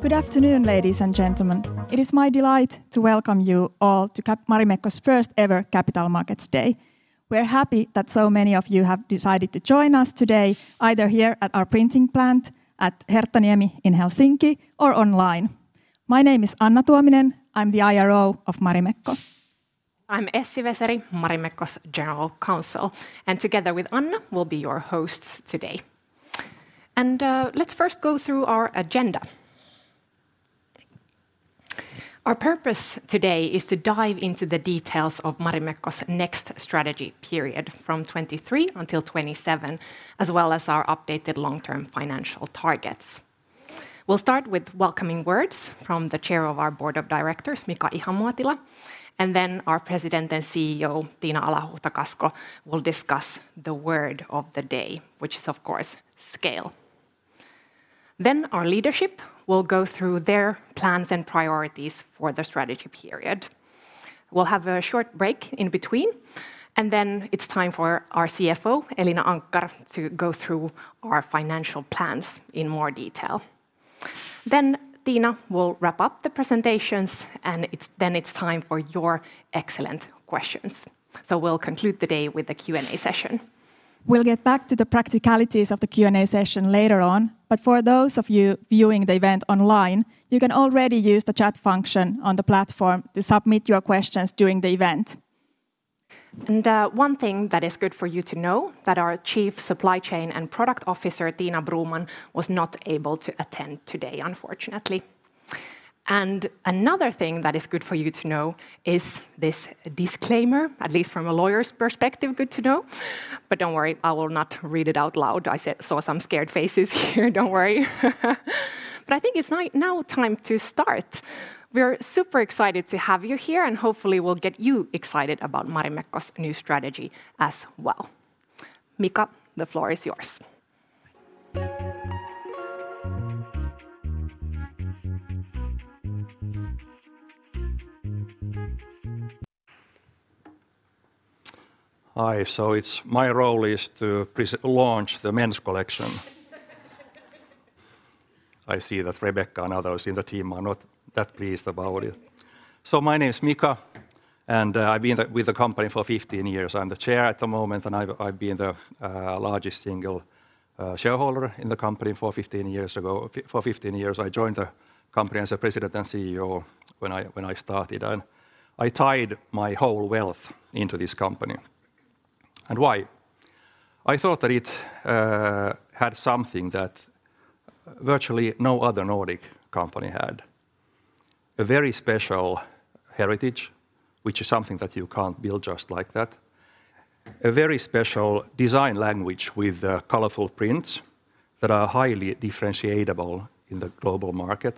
Good afternoon, ladies and gentlemen. It is my delight to welcome you all to Marimekko's first ever Capital Markets Day. We're happy that so many of you have decided to join us today, either here at our printing plant at Herttoniemi in Helsinki or online. My name is Anna Tuominen. I'm the IRO of Marimekko. I'm Essi Weseri, Marimekko's General Counsel, and together with Anna, we'll be your hosts today. Let's first go through our agenda. Our purpose today is to dive into the details of Marimekko's next strategy period from 2023 until 2027, as well as our updated long-term financial targets. We'll start with welcoming words from the Chair of our Board of Directors, Mika Ihamuotila, and then our President and CEO, Tiina Alahuhta-Kasko, will discuss the word of the day, which is, of course, scale. Our leadership will go through their plans and priorities for the strategy period. We'll have a short break in between, and then it's time for our CFO, Elina Anckar, to go through our financial plans in more detail. Tiina will wrap up the presentations, and then it's time for your excellent questions. We'll conclude the day with a Q&A session. We'll get back to the practicalities of the Q&A session later on. For those of you viewing the event online, you can already use the chat function on the platform to submit your questions during the event. One thing that is good for you to know, that our Chief Supply Chain & Product Officer, Tina Broman, was not able to attend today, unfortunately. Another thing that is good for you to know is this disclaimer, at least from a lawyer's perspective, good to know. Don't worry, I will not read it out loud. I saw some scared faces here, don't worry. I think it's now time to start. We're super excited to have you here, and hopefully we'll get you excited about Marimekko's new strategy as well. Mika, the floor is yours. Hi, it's my role is to launch the men's collection. I see that Rebekka and others in the team are not that pleased about it. My name is Mika, and I've been with the company for 15 years. I'm the Chair at the moment, and I've been the largest single shareholder in the company for 15 years. I joined the company as a president and CEO when I started, and I tied my whole wealth into this company. Why? I thought that it had something that virtually no other Nordic company had. A very special heritage, which is something that you can't build just like that. A very special design language with colorful prints that are highly differentiable in the global market.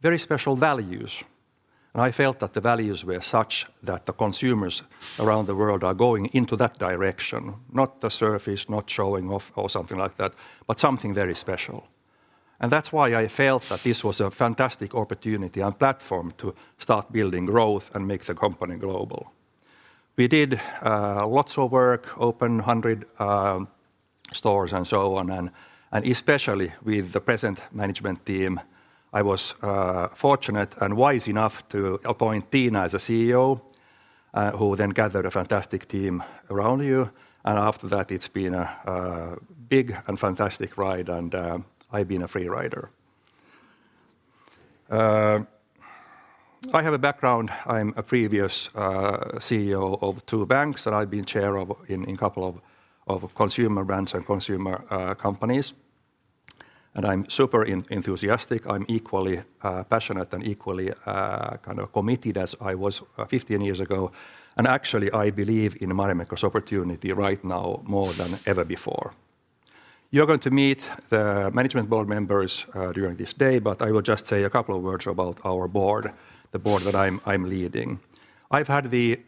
Very special values. I felt that the values were such that the consumers around the world are going into that direction, not the surface, not showing off or something like that, but something very special. That's why I felt that this was a fantastic opportunity and platform to start building growth and make the company global. We did lots of work, opened 100 stores and so on, and especially with the present management team, I was fortunate and wise enough to appoint Tiina as a CEO, who then gathered a fantastic team around you. After that, it's been a big and fantastic ride, and I've been a free rider. I have a background. I'm a previous CEO of two banks, and I've been chair of a couple of consumer brands and consumer companies. I'm super enthusiastic. I'm equally passionate and equally kind of committed as I was 15 years ago. Actually, I believe in Marimekko's opportunity right now more than ever before. You're going to meet the management board members during this day, but I will just say a couple of words about our board, the board that I'm leading. I've had the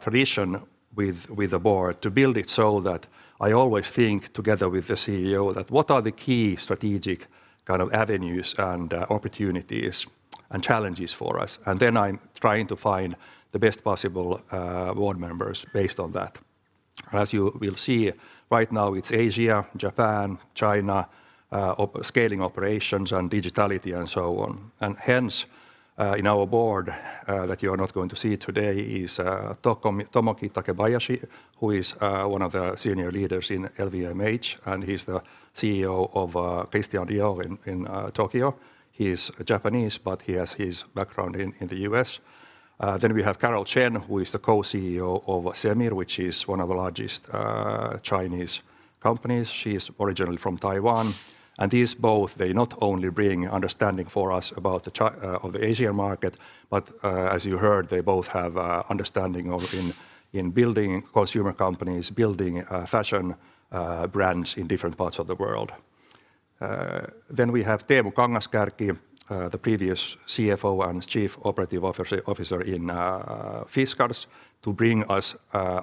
tradition with the board to build it so that I always think together with the CEO that what are the key strategic kind of avenues and opportunities and challenges for us? Then I'm trying to find the best possible board members based on that. As you will see, right now, it's Asia, Japan, China, scaling operations and digitality and so on. In our board that you're not going to see today is Tomoki Takebayashi, who is one of the senior leaders in LVMH, and he's the CEO of Christian Dior in Tokyo. He's Japanese, but he has his background in the U.S. Then we have Carol Chen, who is the co-CEO of Semir, which is one of the largest Chinese companies. She is originally from Taiwan. These both, they not only bring understanding for us of the Asian market, but as you heard, they both have understanding of building consumer companies, building fashion brands in different parts of the world. We have Teemu Kangas-Kärki, the previous CFO and Chief Operating Officer in Fiskars, to bring us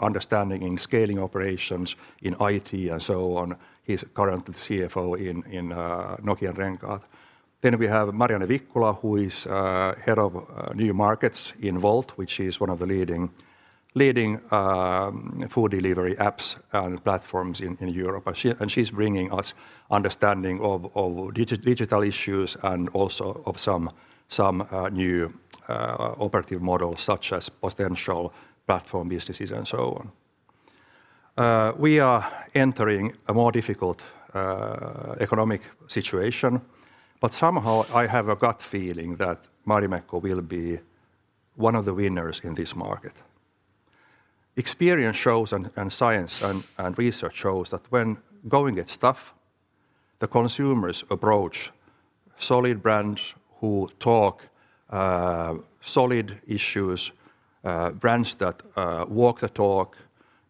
understanding in scaling operations in IT and so on. He's currently the CFO in Nokian Renkaat. We have Marianne Vikkula, who is head of new markets in Wolt, which is one of the leading food delivery apps and platforms in Europe. She's bringing us understanding of digital issues and also of some new operative models such as potential platform businesses and so on. We are entering a more difficult economic situation, but somehow I have a gut feeling that Marimekko will be one of the winners in this market. Experience shows and science and research shows that when going gets tough, the consumers approach solid brands who talk solid issues, brands that walk the talk,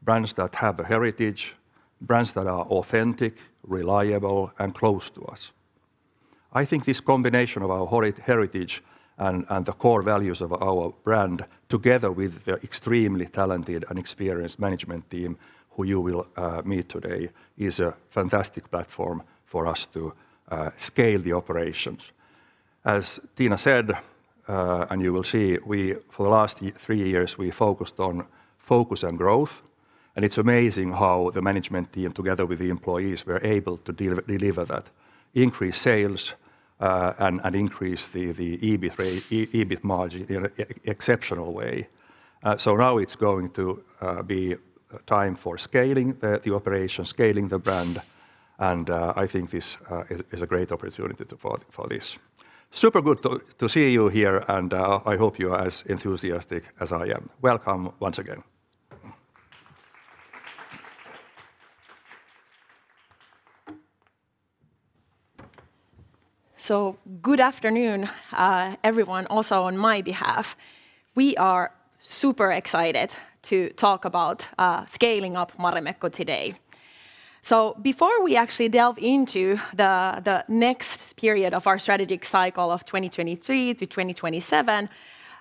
brands that have a heritage, brands that are authentic, reliable, and close to us. I think this combination of our heritage and the core values of our brand together with the extremely talented and experienced management team who you will meet today is a fantastic platform for us to scale the operations. As Tiina said, and you will see, for the last three years we focused on focus and growth, and it's amazing how the management team together with the employees were able to deliver that. Increase sales and increase the EBIT margin in an exceptional way. Now it's going to be time for scaling the operation, scaling the brand, and I think this is a great opportunity for this. Super good to see you here and I hope you are as enthusiastic as I am. Welcome once again. Good afternoon, everyone also on my behalf. We are super excited to talk about scaling up Marimekko today. Before we actually delve into the next period of our strategic cycle of 2023 to 2027,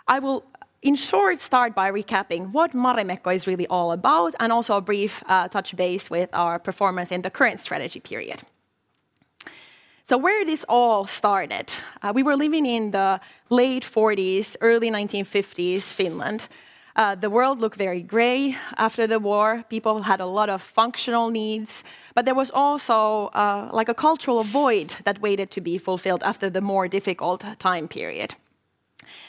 I will in short start by recapping what Marimekko is really all about, and also a brief touch base with our performance in the current strategy period. Where this all started, we were living in the late 1940s, early 1950s Finland. The world looked very gray after the war. People had a lot of functional needs, but there was also like a cultural void that waited to be fulfilled after the more difficult time period.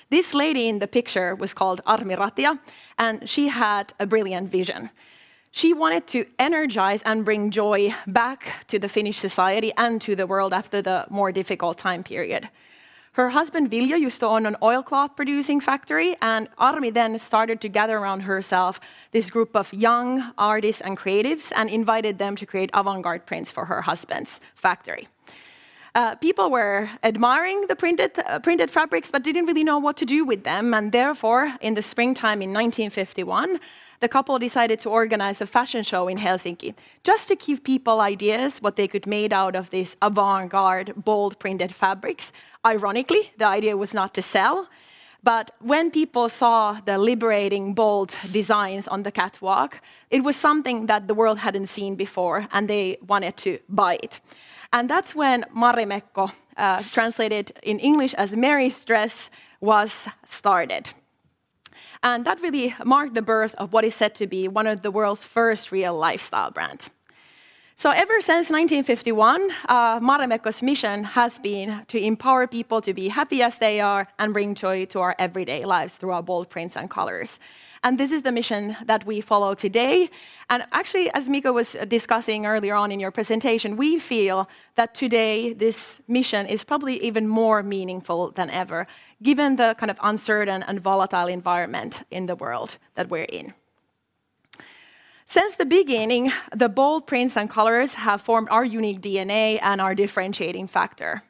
This lady in the picture was called Armi Ratia, and she had a brilliant vision. She wanted to energize and bring joy back to the Finnish society and to the world after the more difficult time period. Her husband, Viljo, used to own an oil cloth producing factory, and Armi then started to gather around herself this group of young artists and creatives and invited them to create avant-garde prints for her husband's factory. People were admiring the printed fabrics, but didn't really know what to do with them, and therefore, in the springtime in 1951, the couple decided to organize a fashion show in Helsinki just to give people ideas what they could made out of this avant-garde, bold printed fabrics. Ironically, the idea was not to sell, but when people saw the liberating bold designs on the catwalk, it was something that the world hadn't seen before, and they wanted to buy it. That's when Marimekko, translated in English as Mary's Dress, was started. That really marked the birth of what is said to be one of the world's first real lifestyle brands. Ever since 1951, Marimekko's mission has been to empower people to be happy as they are and bring joy to our everyday lives through our bold prints and colors. This is the mission that we follow today, and actually, as Mikko was discussing earlier on in your presentation, we feel that today this mission is probably even more meaningful than ever given the kind of uncertain and volatile environment in the world that we're in. Since the beginning, the bold prints and colors have formed our unique DNA and our differentiating factor.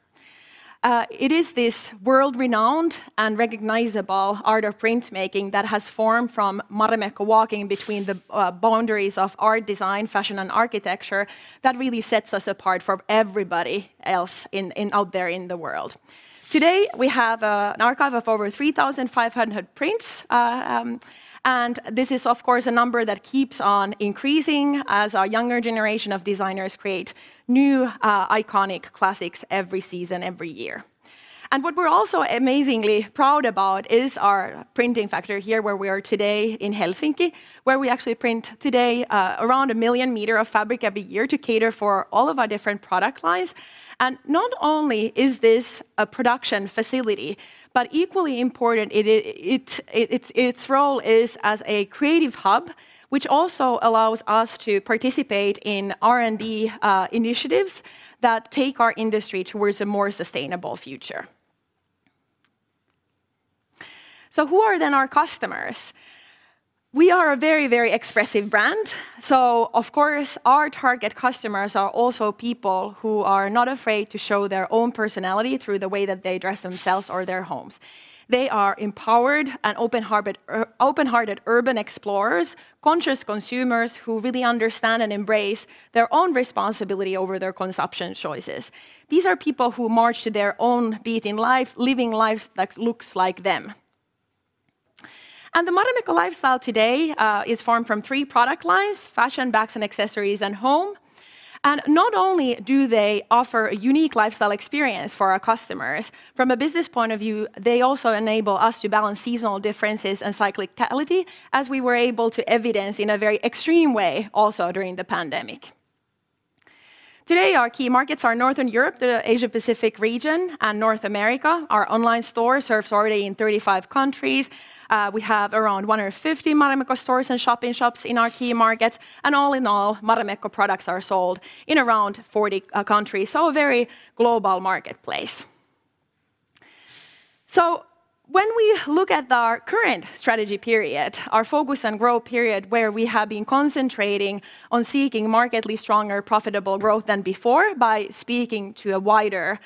It is this world-renowned and recognizable art of printmaking that has formed from Marimekko walking between the boundaries of art, design, fashion, and architecture that really sets us apart from everybody else out there in the world. Today, we have an archive of over 3,500 prints. This is of course a number that keeps on increasing as our younger generation of designers create new iconic classics every season, every year. What we're also amazingly proud about is our printing factory here where we are today in Helsinki, where we actually print today around a million meters of fabric every year to cater for all of our different product lines. Not only is this a production facility, but equally important its role is as a creative hub, which also allows us to participate in R&D initiatives that take our industry towards a more sustainable future. Who are then our customers? We are a very, very expressive brand, so of course our target customers are also people who are not afraid to show their own personality through the way that they dress themselves or their homes. They are empowered and open-hearted urban explorers, conscious consumers who really understand and embrace their own responsibility over their consumption choices. These are people who march to their own beat in life, living life that looks like them. The Marimekko lifestyle today is formed from three product lines, fashion, bags and accessories, and home. Not only do they offer a unique lifestyle experience for our customers, from a business point of view, they also enable us to balance seasonal differences and cyclicality, as we were able to evidence in a very extreme way also during the pandemic. Today, our key markets are Northern Europe, the Asia Pacific region, and North America. Our online store serves already in 35 countries. We have around 150 Marimekko stores and shop-in-shops in our key markets. All in all, Marimekko products are sold in around 40 countries, so a very global marketplace. When we look at our current strategy period, our focus on growth period, where we have been concentrating on seeking markedly stronger profitable growth than before by speaking to a wider,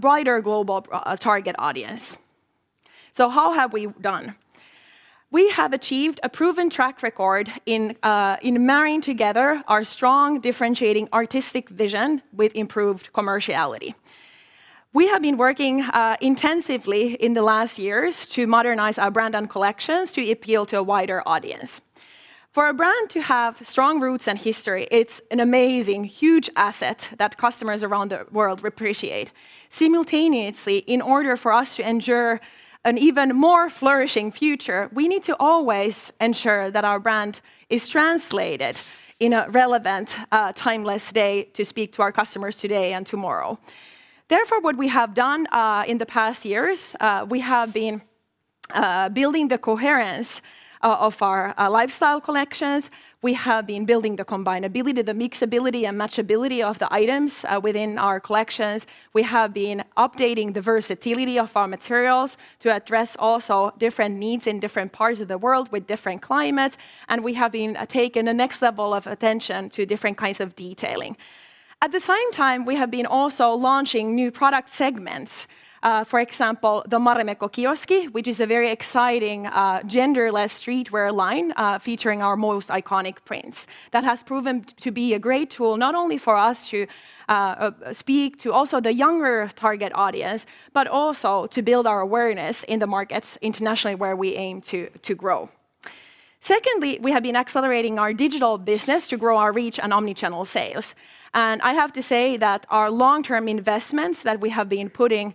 broader global target audience. How have we done? We have achieved a proven track record in marrying together our strong differentiating artistic vision with improved commerciality. We have been working intensively in the last years to modernize our brand and collections to appeal to a wider audience. For a brand to have strong roots and history, it's an amazing, huge asset that customers around the world appreciate. Simultaneously, in order for us to ensure an even more flourishing future, we need to always ensure that our brand is translated in a relevant, timeless way to speak to our customers today and tomorrow. Therefore, what we have done in the past years, we have been building the coherence of our lifestyle collections. We have been building the combinability, the mixability, and matchability of the items within our collections. We have been updating the versatility of our materials to address also different needs in different parts of the world with different climates, and we have been taking to the next level attention to different kinds of detailing. At the same time, we have been also launching new product segments, for example, the Marimekko Kioski, which is a very exciting genderless streetwear line featuring our most iconic prints. That has proven to be a great tool, not only for us to speak to also the younger target audience, but also to build our awareness in the markets internationally where we aim to grow. Secondly, we have been accelerating our digital business to grow our reach and omnichannel sales. I have to say that our long-term investments that we have been putting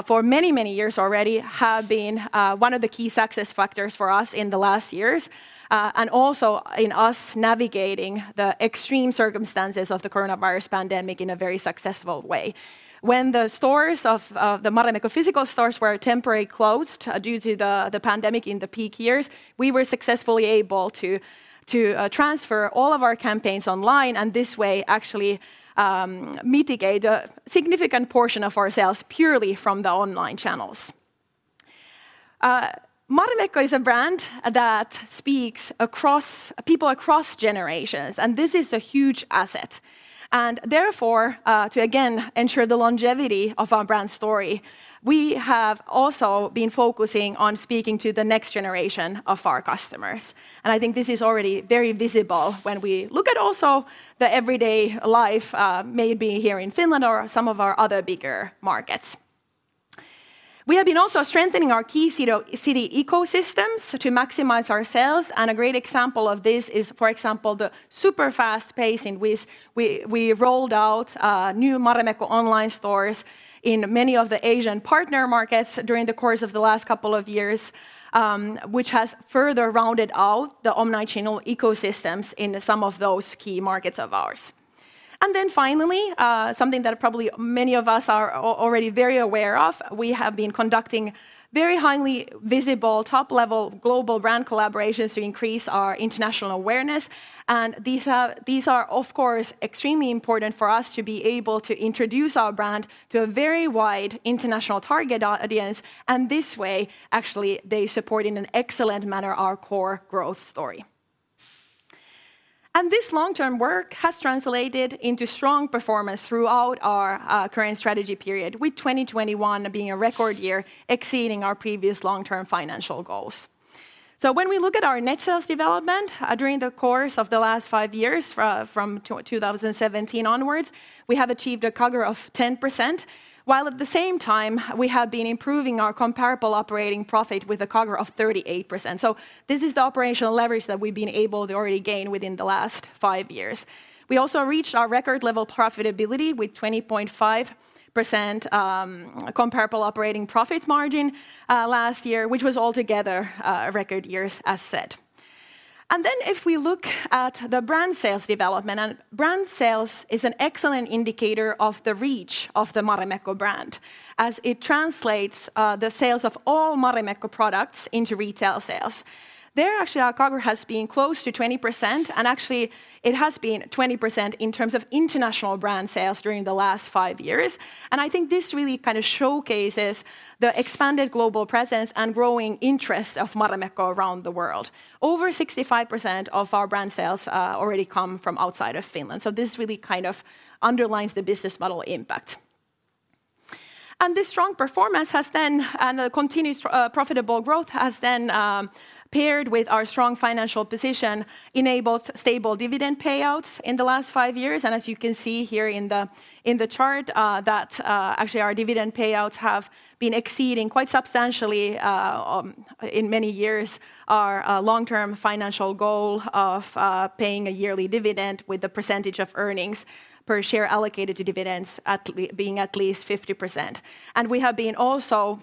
for many years already have been one of the key success factors for us in the last years and also in us navigating the extreme circumstances of the coronavirus pandemic in a very successful way. When the stores of the Marimekko physical stores were temporarily closed due to the pandemic in the peak years, we were successfully able to transfer all of our campaigns online, and this way actually mitigate a significant portion of our sales purely from the online channels. Marimekko is a brand that speaks to people across generations, and this is a huge asset. Therefore, to again ensure the longevity of our brand story, we have also been focusing on speaking to the next generation of our customers. I think this is already very visible when we look at also the everyday life, maybe here in Finland or some of our other bigger markets. We have been also strengthening our key city ecosystems to maximize our sales, and a great example of this is, for example, the super-fast pacing with which we rolled out new Marimekko online stores in many of the Asian partner markets during the course of the last couple of years, which has further rounded out the omnichannel ecosystems in some of those key markets of ours. Finally, something that probably many of us are already very aware of, we have been conducting very highly visible top-level global brand collaborations to increase our international awareness. These are, of course, extremely important for us to be able to introduce our brand to a very wide international target audience, and this way, actually, they support in an excellent manner our core growth story. This long-term work has translated into strong performance throughout our current strategy period, with 2021 being a record year, exceeding our previous long-term financial goals. When we look at our net sales development during the course of the last five years, from 2017 onwards, we have achieved a CAGR of 10%, while at the same time we have been improving our comparable operating profit with a CAGR of 38%. This is the operational leverage that we've been able to already gain within the last five years. We also reached our record-level profitability with 20.5% comparable operating profit margin last year, which was altogether a record year, as said. If we look at the brand sales development, and brand sales is an excellent indicator of the reach of the Marimekko brand, as it translates the sales of all Marimekko products into retail sales. There, actually, our CAGR has been close to 20%, and actually, it has been 20% in terms of international brand sales during the last five years. I think this really kind of showcases the expanded global presence and growing interest of Marimekko around the world. Over 65% of our brand sales already come from outside of Finland, so this really kind of underlines the business model impact. This strong performance has then and the continuous profitable growth has then paired with our strong financial position enabled stable dividend payouts in the last five years. As you can see here in the chart that actually our dividend payouts have been exceeding quite substantially in many years our long-term financial goal of paying a yearly dividend with the percentage of earnings per share allocated to dividends being at least 50%. We have been also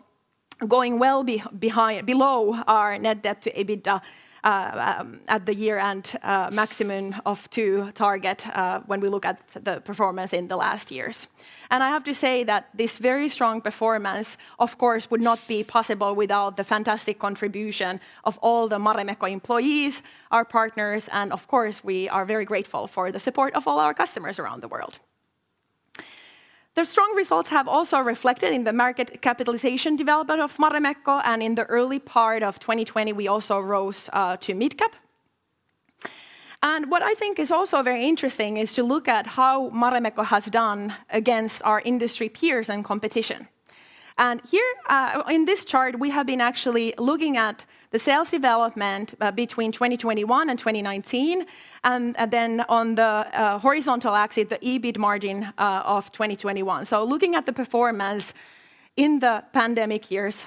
going well below our net debt to EBITDA at the year end maximum of two target when we look at the performance in the last years. I have to say that this very strong performance, of course, would not be possible without the fantastic contribution of all the Marimekko employees, our partners, and of course we are very grateful for the support of all our customers around the world. The strong results have also reflected in the market capitalization development of Marimekko, and in the early part of 2020 we also rose to mid-cap. What I think is also very interesting is to look at how Marimekko has done against our industry peers and competition. Here in this chart, we have been actually looking at the sales development between 2021 and 2019, and then on the horizontal axis, the EBIT margin of 2021. Looking at the performance in the pandemic years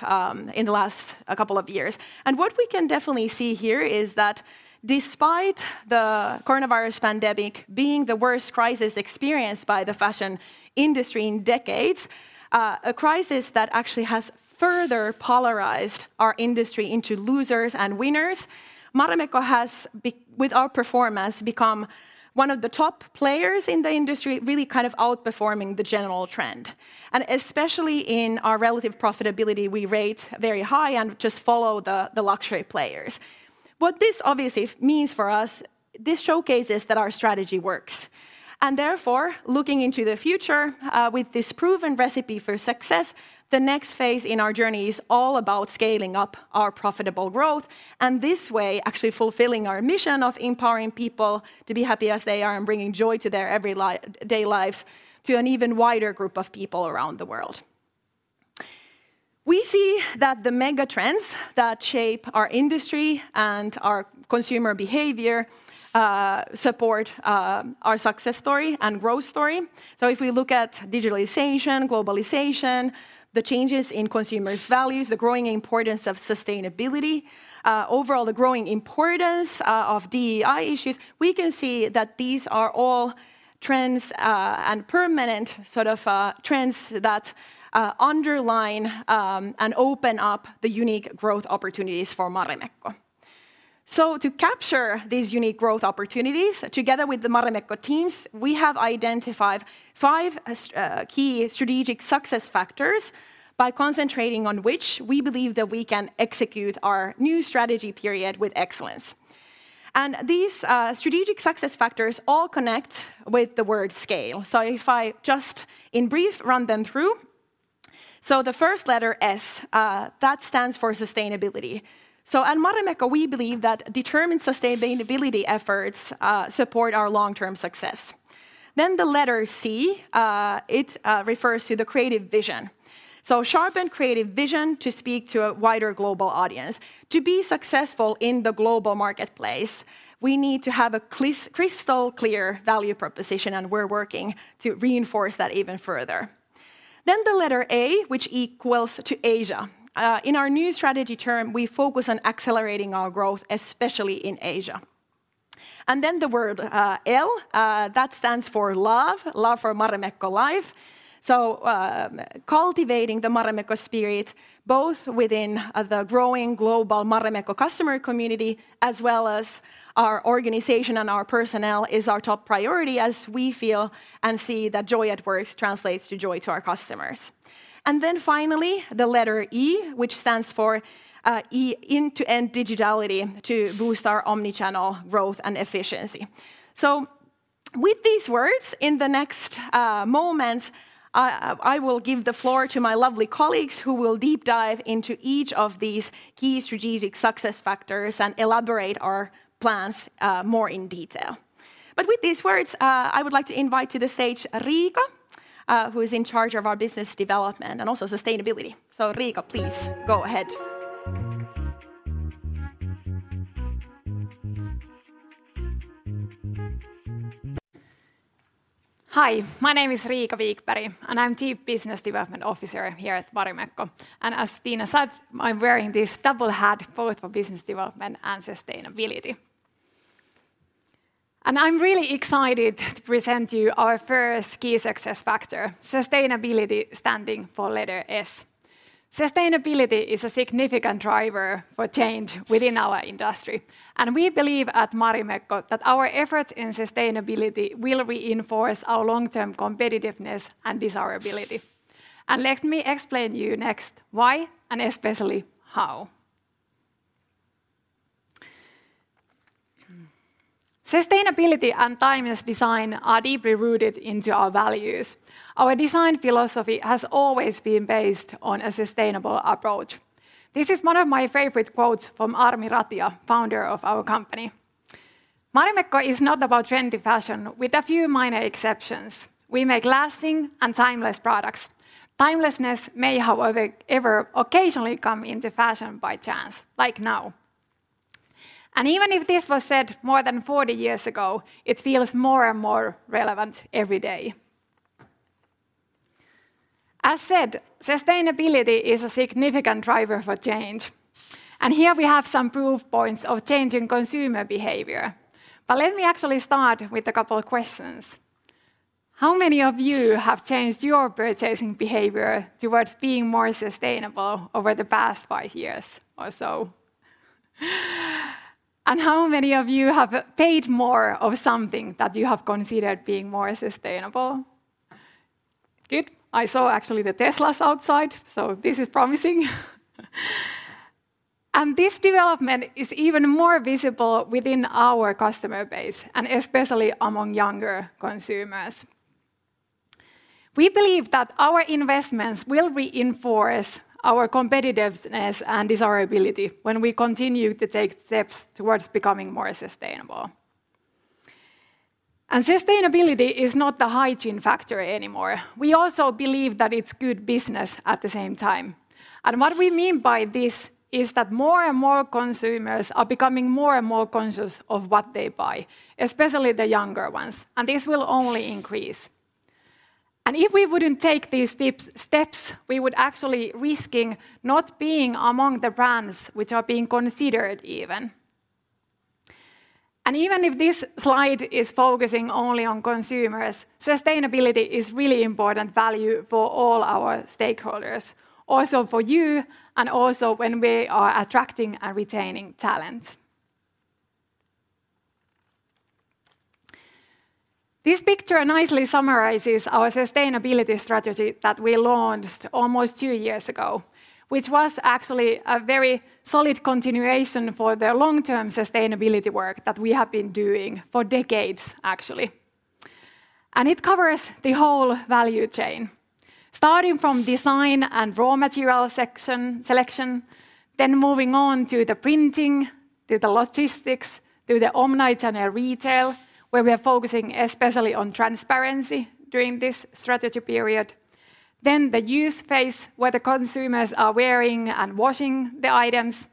in the last couple of years. What we can definitely see here is that despite the coronavirus pandemic being the worst crisis experienced by the fashion industry in decades, a crisis that actually has further polarized our industry into losers and winners, Marimekko has, with our performance, become one of the top players in the industry, really kind of outperforming the general trend. Especially in our relative profitability, we rate very high and just follow the luxury players. What this obviously means for us, this showcases that our strategy works. Therefore, looking into the future, with this proven recipe for success, the next phase in our journey is all about scaling up our profitable growth, and this way actually fulfilling our mission of empowering people to be happy as they are and bringing joy to their every day lives to an even wider group of people around the world. We see that the mega trends that shape our industry and our consumer behavior support our success story and growth story. If we look at digitalization, globalization, the changes in consumers' values, the growing importance of sustainability, overall the growing importance of DEI issues, we can see that these are all trends and permanent sort of trends that underline and open up the unique growth opportunities for Marimekko. To capture these unique growth opportunities, together with the Marimekko teams, we have identified five key strategic success factors by concentrating on which we believe that we can execute our new strategy with excellence. These strategic success factors all connect with the word scale. If I just in brief run them through. The first letter S that stands for sustainability. At Marimekko, we believe that determined sustainability efforts support our long-term success. The letter C it refers to the creative vision. Sharpened creative vision to speak to a wider global audience. To be successful in the global marketplace, we need to have a crystal clear value proposition, and we're working to reinforce that even further. The letter A, which equals to Asia. In our new strategy term, we focus on accelerating our growth, especially in Asia. The word L stands for love for Marimekko life. Cultivating the Marimekko spirit both within the growing global Marimekko customer community, as well as our organization and our personnel, is our top priority as we feel and see that joy at work translates to joy to our customers. Finally, the letter E, which stands for end-to-end digitality to boost our omni-channel growth and efficiency. With these words, in the next moments, I will give the floor to my lovely colleagues who will deep dive into each of these key strategic success factors and elaborate our plans more in detail. With these words, I would like to invite to the stage Riika, who is in charge of our business development and also sustainability. Riika, please go ahead. Hi, my name is Riika Wikberg, and I'm Chief Business Development Officer here at Marimekko. As Tiina said, I'm wearing this double hat both for business development and sustainability. I'm really excited to present to you our first key success factor, sustainability, standing for letter S. Sustainability is a significant driver for change within our industry, and we believe at Marimekko that our efforts in sustainability will reinforce our long-term competitiveness and desirability. Let me explain to you next why and especially how. Sustainability and timeless design are deeply rooted into our values. Our design philosophy has always been based on a sustainable approach. This is one of my favorite quotes from Armi Ratia, founder of our company. "Marimekko is not about trendy fashion with a few minor exceptions. We make lasting and timeless products. Timelessness may, however, ever occasionally come into fashion by chance, like now." Even if this was said more than forty years ago, it feels more and more relevant every day. As said, sustainability is a significant driver for change, and here we have some proof points of change in consumer behavior. Let me actually start with a couple of questions. How many of you have changed your purchasing behavior towards being more sustainable over the past five years or so? How many of you have paid more for something that you have considered being more sustainable? Good. I saw actually the Teslas outside, so this is promising. This development is even more visible within our customer base, and especially among younger consumers. We believe that our investments will reinforce our competitiveness and desirability when we continue to take steps towards becoming more sustainable. Sustainability is not the hygiene factor anymore. We also believe that it's good business at the same time. What we mean by this is that more and more consumers are becoming more and more conscious of what they buy, especially the younger ones, and this will only increase. If we wouldn't take these steps, we would actually risking not being among the brands which are being considered even. Even if this slide is focusing only on consumers, sustainability is really important value for all our stakeholders, also for you, and also when we are attracting and retaining talent. This picture nicely summarizes our sustainability strategy that we launched almost two years ago, which was actually a very solid continuation for the long-term sustainability work that we have been doing for decades actually. It covers the whole value chain, starting from design and raw material selection, then moving on to the printing, to the logistics, to the omni-channel retail, where we are focusing especially on transparency during this strategy period. The use phase, where the consumers are wearing and washing the items,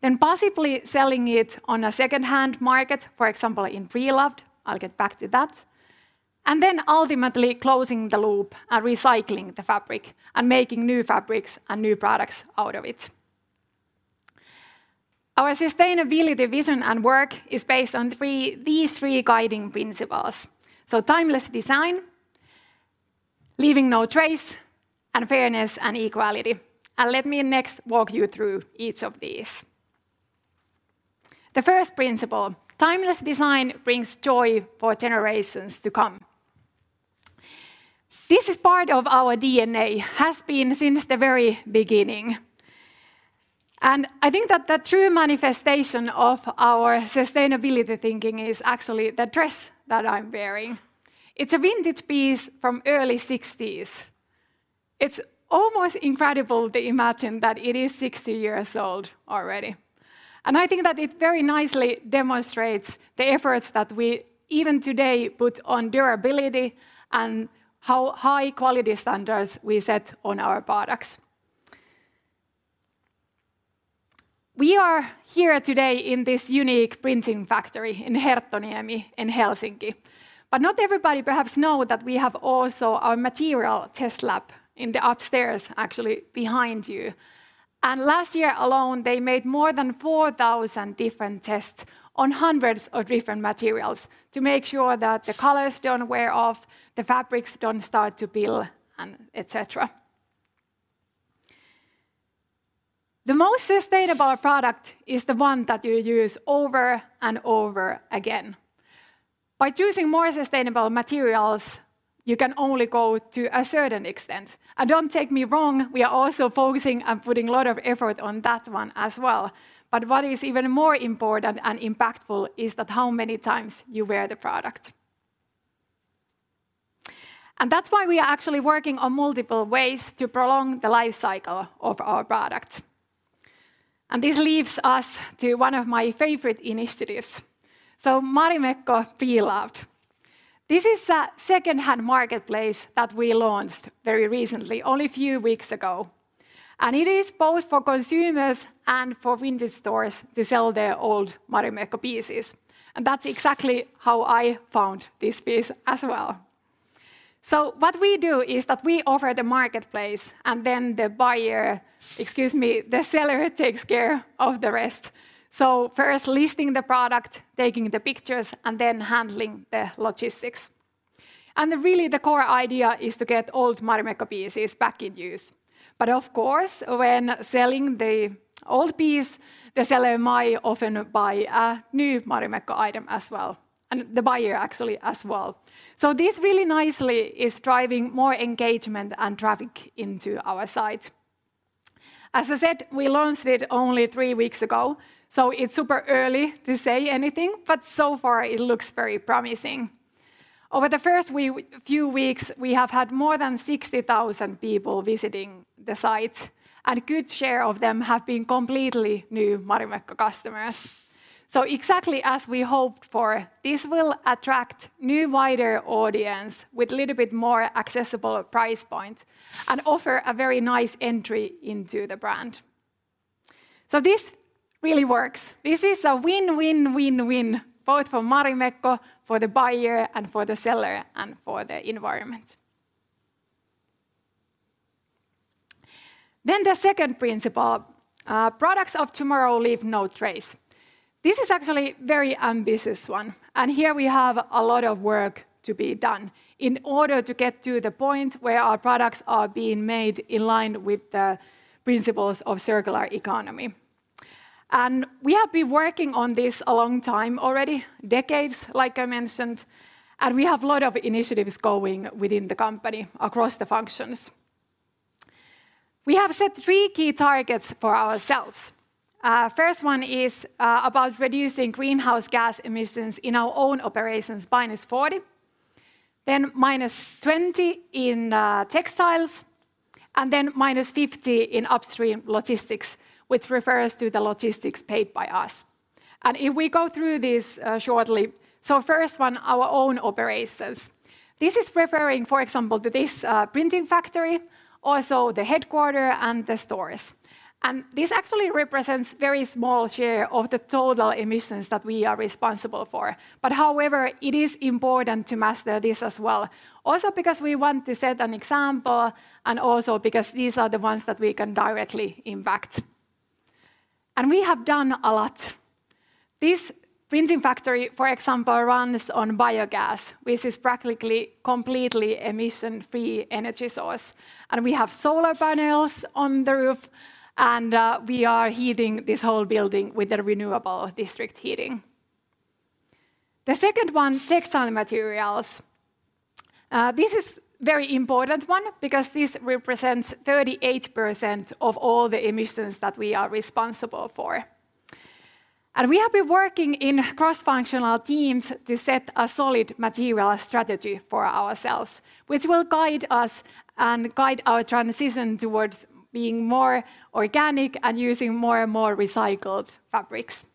then possibly selling it on a second-hand market, for example, in Pre-loved. I'll get back to that. Ultimately closing the loop and recycling the fabric and making new fabrics and new products out of it. Our sustainability vision and work is based on these three guiding principles. Timeless design, leaving no trace, and fairness and equality. Let me next walk you through each of these. The first principle, timeless design, brings joy for generations to come. This is part of our DNA, has been since the very beginning. I think that the true manifestation of our sustainability thinking is actually the dress that I'm wearing. It's a vintage piece from early 1960s. It's almost incredible to imagine that it is 60 years old already. I think that it very nicely demonstrates the efforts that we, even today, put on durability and how high quality standards we set on our products. We are here today in this unique printing factory in Herttoniemi, in Helsinki. Not everybody perhaps know that we have also our material test lab in the upstairs, actually behind you. Last year alone, they made more than 4,000 different tests on hundreds of different materials to make sure that the colors don't wear off, the fabrics don't start to peel, and et cetera. The most sustainable product is the one that you use over and over again. By choosing more sustainable materials, you can only go to a certain extent. Don't take me wrong, we are also focusing on putting a lot of effort on that one as well. What is even more important and impactful is that how many times you wear the product. That's why we are actually working on multiple ways to prolong the life cycle of our product. This leads us to one of my favorite initiatives, so Marimekko Pre-loved. This is a second-hand marketplace that we launched very recently, only a few weeks ago. It is both for consumers and for vintage stores to sell their old Marimekko pieces. That's exactly how I found this piece as well. What we do is that we offer the marketplace, and then the buyer, excuse me, the seller takes care of the rest. First listing the product, taking the pictures, and then handling the logistics. Really the core idea is to get old Marimekko pieces back in use. Of course, when selling the old piece, the seller might often buy a new Marimekko item as well, and the buyer actually as well. This really nicely is driving more engagement and traffic into our site. As I said, we launched it only three weeks ago, so it's super early to say anything, but so far it looks very promising. Over the first few weeks, we have had more than 60,000 people visiting the site, and a good share of them have been completely new Marimekko customers. Exactly as we hoped for, this will attract new wider audience with a little bit more accessible price points and offer a very nice entry into the brand. This really works. This is a win-win-win-win, both for Marimekko, for the buyer, and for the seller, and for the environment. The second principle, products of tomorrow leave no trace. This is actually very ambitious one, and here we have a lot of work to be done in order to get to the point where our products are being made in line with the principles of circular economy. We have been working on this a long time already, decades, like I mentioned, and we have a lot of initiatives going within the company across the functions. We have set three key targets for ourselves. First one is about reducing greenhouse gas emissions in our own operations -40%, then -20% in textiles, and then -50% in upstream logistics, which refers to the logistics paid by us. If we go through this shortly. First one, our own operations. This is referring, for example, to this printing factory, also the headquarters and the stores. This actually represents very small share of the total emissions that we are responsible for. However, it is important to master this as well. Also, because we want to set an example, and also because these are the ones that we can directly impact. We have done a lot. This printing factory, for example, runs on biogas, which is practically completely emission-free energy source. We have solar panels on the roof, and we are heating this whole building with the renewable district heating. The second one, textile materials. This is very important one because this represents 38% of all the emissions that we are responsible for. We have been working in cross-functional teams to set a solid material strategy for ourselves, which will guide us and guide our transition towards being more organic and using more and more recycled fabrics.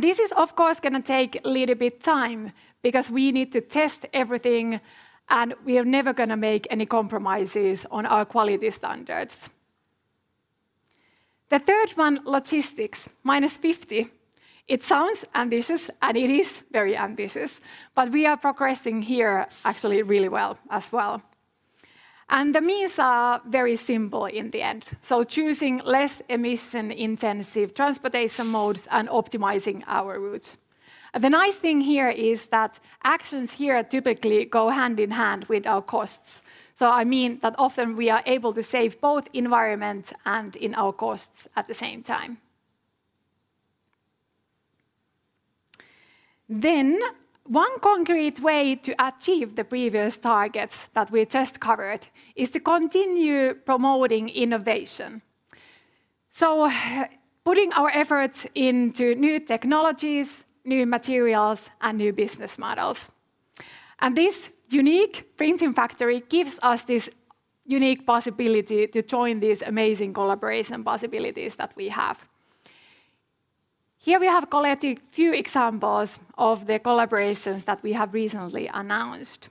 This is, of course, gonna take a little bit time because we need to test everything, and we are never gonna make any compromises on our quality standards. The third one, logistics, -50%. It sounds ambitious, and it is very ambitious, but we are progressing here actually really well as well. The means are very simple in the end. Choosing less emission-intensive transportation modes and optimizing our routes. The nice thing here is that actions here typically go hand in hand with our costs. I mean that often we are able to save both environment and in our costs at the same time. One concrete way to achieve the previous targets that we just covered is to continue promoting innovation. Putting our efforts into new technologies, new materials, and new business models. This unique printing factory gives us this unique possibility to join these amazing collaboration possibilities that we have. Here we have collected few examples of the collaborations that we have recently announced.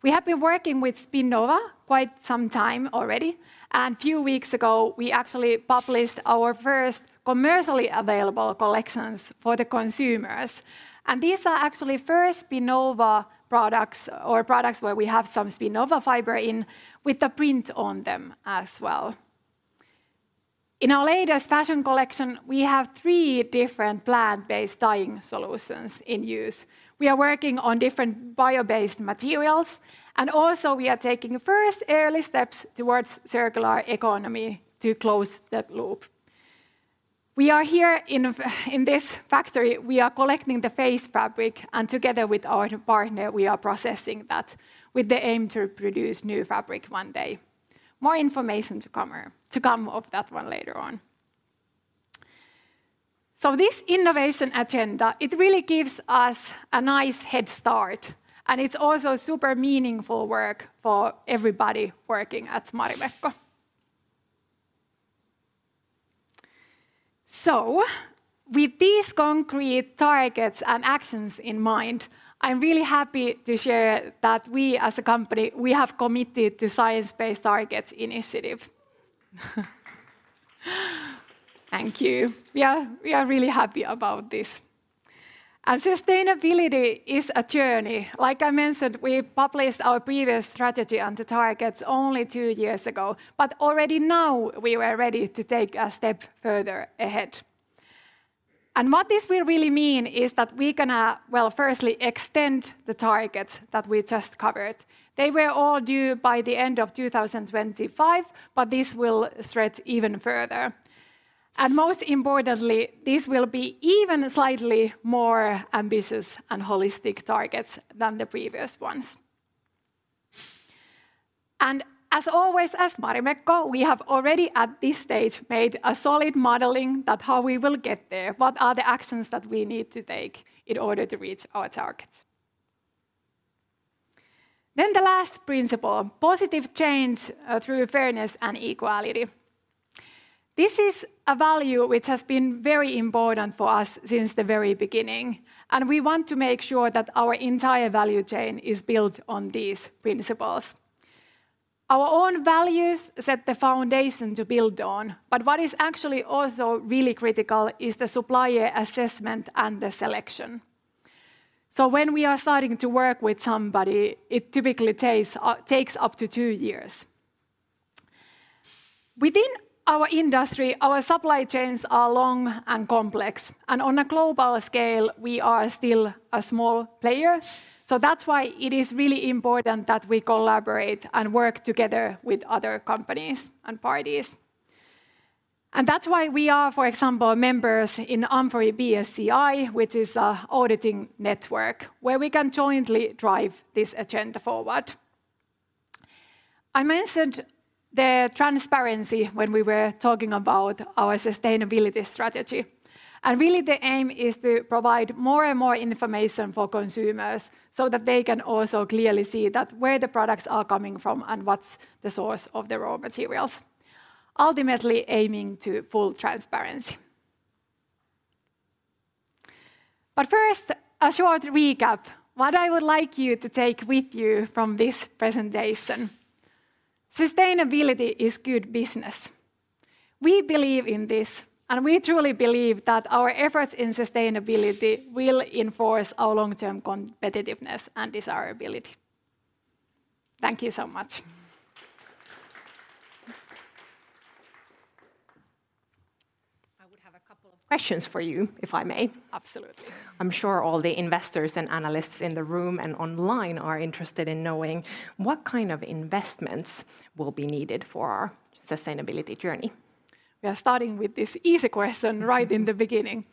We have been working with Spinnova quite some time already, and few weeks ago, we actually published our first commercially available collections for the consumers. These are actually first Spinnova products or products where we have some Spinnova fiber in with the print on them as well. In our latest fashion collection, we have three different plant-based dyeing solutions in use. We are working on different bio-based materials, and also we are taking first early steps towards circular economy to close that loop. We are here in this factory, we are collecting the waste fabric, and together with our partner, we are processing that with the aim to produce new fabric one day. More information to come of that one later on. This innovation agenda really gives us a nice head start, and it's also super meaningful work for everybody working at Marimekko. With these concrete targets and actions in mind, I'm really happy to share that we, as a company, we have committed to Science Based Targets initiative. Thank you. Yeah, we are really happy about this. Sustainability is a journey. Like I mentioned, we published our previous strategy and the targets only two years ago, but already now we were ready to take a step further ahead. What this will really mean is that we're gonna, well, firstly, extend the targets that we just covered. They were all due by the end of 2025, but this will stretch even further. Most importantly, this will be even slightly more ambitious and holistic targets than the previous ones. As always, as Marimekko, we have already, at this stage, made a solid modeling that how we will get there, what are the actions that we need to take in order to reach our targets. The last principle, positive change, through fairness and equality. This is a value which has been very important for us since the very beginning, and we want to make sure that our entire value chain is built on these principles. Our own values set the foundation to build on, but what is actually also really critical is the supplier assessment and the selection. When we are starting to work with somebody, it typically takes up to two years. Within our industry, our supply chains are long and complex, and on a global scale, we are still a small player. That's why it is really important that we collaborate and work together with other companies and parties. That's why we are, for example, members in amfori BSCI, which is a auditing network where we can jointly drive this agenda forward. I mentioned the transparency when we were talking about our sustainability strategy, and really the aim is to provide more and more information for consumers so that they can also clearly see that where the products are coming from and what's the source of the raw materials, ultimately aiming to full transparency. First, a short recap. What I would like you to take with you from this presentation. Sustainability is good business. We believe in this, and we truly believe that our efforts in sustainability will enforce our long-term competitiveness and desirability. Thank you so much. I would have a couple of questions for you, if I may. Absolutely. I'm sure all the investors and analysts in the room and online are interested in knowing what kind of investments will be needed for our sustainability journey. We are starting with this easy question right in the beginning.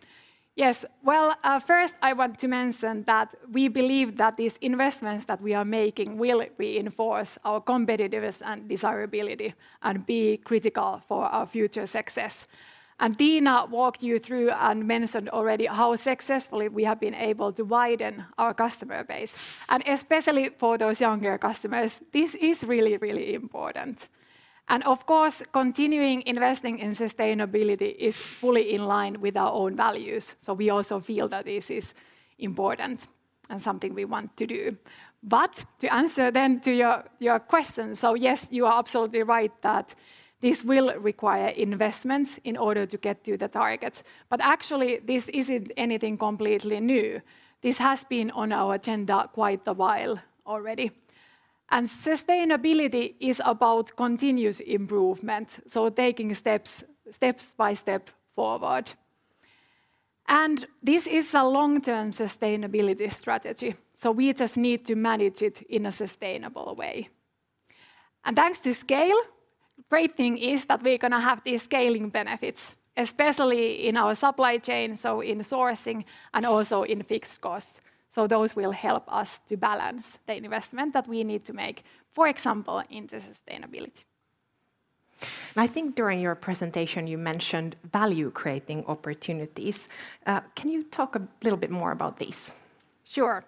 Yes. Well, first I want to mention that we believe that these investments that we are making will reinforce our competitiveness and desirability and be critical for our future success. Tiina walked you through and mentioned already how successfully we have been able to widen our customer base, and especially for those younger customers, this is really important. Of course, continuing investing in sustainability is fully in line with our own values, so we also feel that this is important and something we want to do. To answer then to your question, so yes, you are absolutely right that this will require investments in order to get to the targets. Actually, this isn't anything completely new. This has been on our agenda quite a while already. Sustainability is about continuous improvement, so taking steps by step forward. This is a long-term sustainability strategy, so we just need to manage it in a sustainable way. Thanks to scale, great thing is that we're gonna have these scaling benefits, especially in our supply chain, so in sourcing, and also in fixed costs. Those will help us to balance the investment that we need to make, for example, into sustainability. I think during your presentation you mentioned value-creating opportunities. Can you talk a little bit more about these? Sure.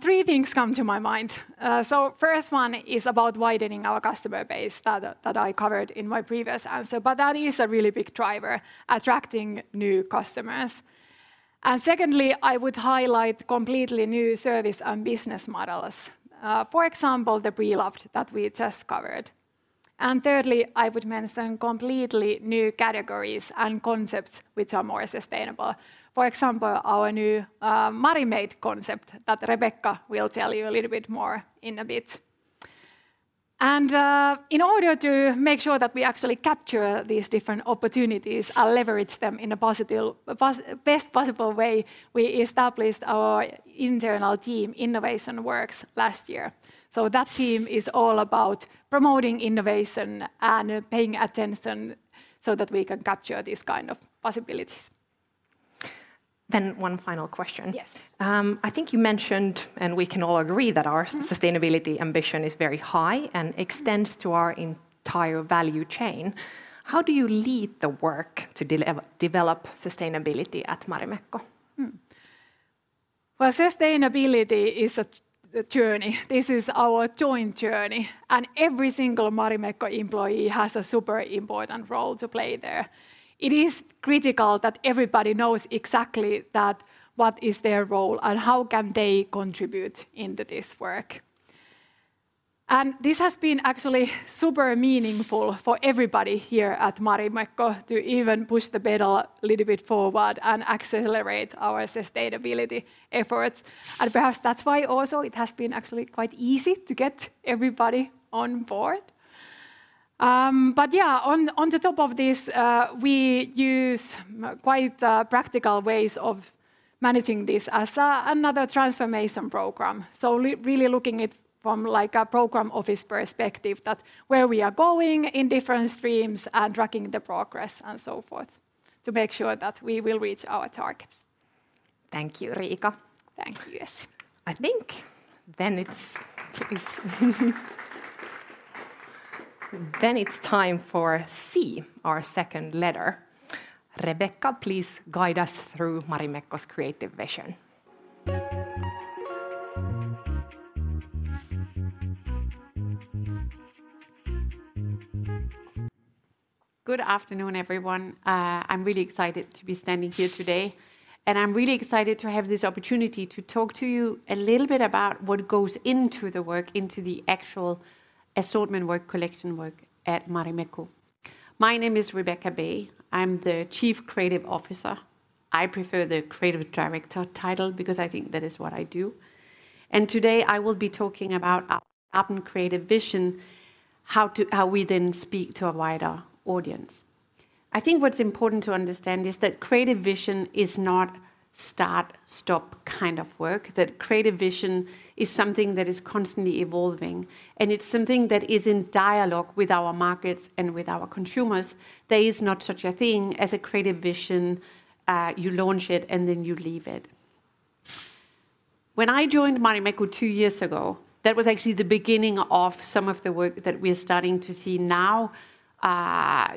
Three things come to my mind. First one is about widening our customer base that I covered in my previous answer, but that is a really big driver, attracting new customers. Secondly, I would highlight completely new service and business models, for example, the Pre-loved that we just covered. Thirdly, I would mention completely new categories and concepts which are more sustainable. For example, our new Marimade concept that Rebekka will tell you a little bit more in a bit. In order to make sure that we actually capture these different opportunities and leverage them in a best possible way, we established our internal team, Innovation Works, last year. That team is all about promoting innovation and paying attention so that we can capture these kind of possibilities. One final question. Yes. I think you mentioned, and we can all agree that our sustainability ambition is very high and extends to our entire value chain. How do you lead the work to develop sustainability at Marimekko? Well, sustainability is a journey. This is our joint journey. Every single Marimekko employee has a super important role to play there. It is critical that everybody knows exactly that, what is their role and how can they contribute into this work. This has been actually super meaningful for everybody here at Marimekko to even push the pedal a little bit forward and accelerate our sustainability efforts. Perhaps that's why also it has been actually quite easy to get everybody on board. But yeah, on top of this, we use quite practical ways of managing this as another transformation program. Really looking it from, like, a program office perspective that where we are going in different streams and tracking the progress and so forth to make sure that we will reach our targets. Thank you, Riika. Thank you, Essi. I think then it's time for C, our second letter. Rebekka, please guide us through Marimekko's creative vision. Good afternoon, everyone. I'm really excited to be standing here today, and I'm really excited to have this opportunity to talk to you a little bit about what goes into the work, into the actual assortment work, collection work at Marimekko. My name is Rebekka Bay. I'm the Chief Creative Officer. I prefer the creative director title because I think that is what I do. Today, I will be talking about our creative vision, how we then speak to a wider audience. I think what's important to understand is that creative vision is not start, stop kind of work, that creative vision is something that is constantly evolving, and it's something that is in dialogue with our markets and with our consumers. There is not such a thing as a creative vision, you launch it, and then you leave it. When I joined Marimekko two years ago, that was actually the beginning of some of the work that we're starting to see now,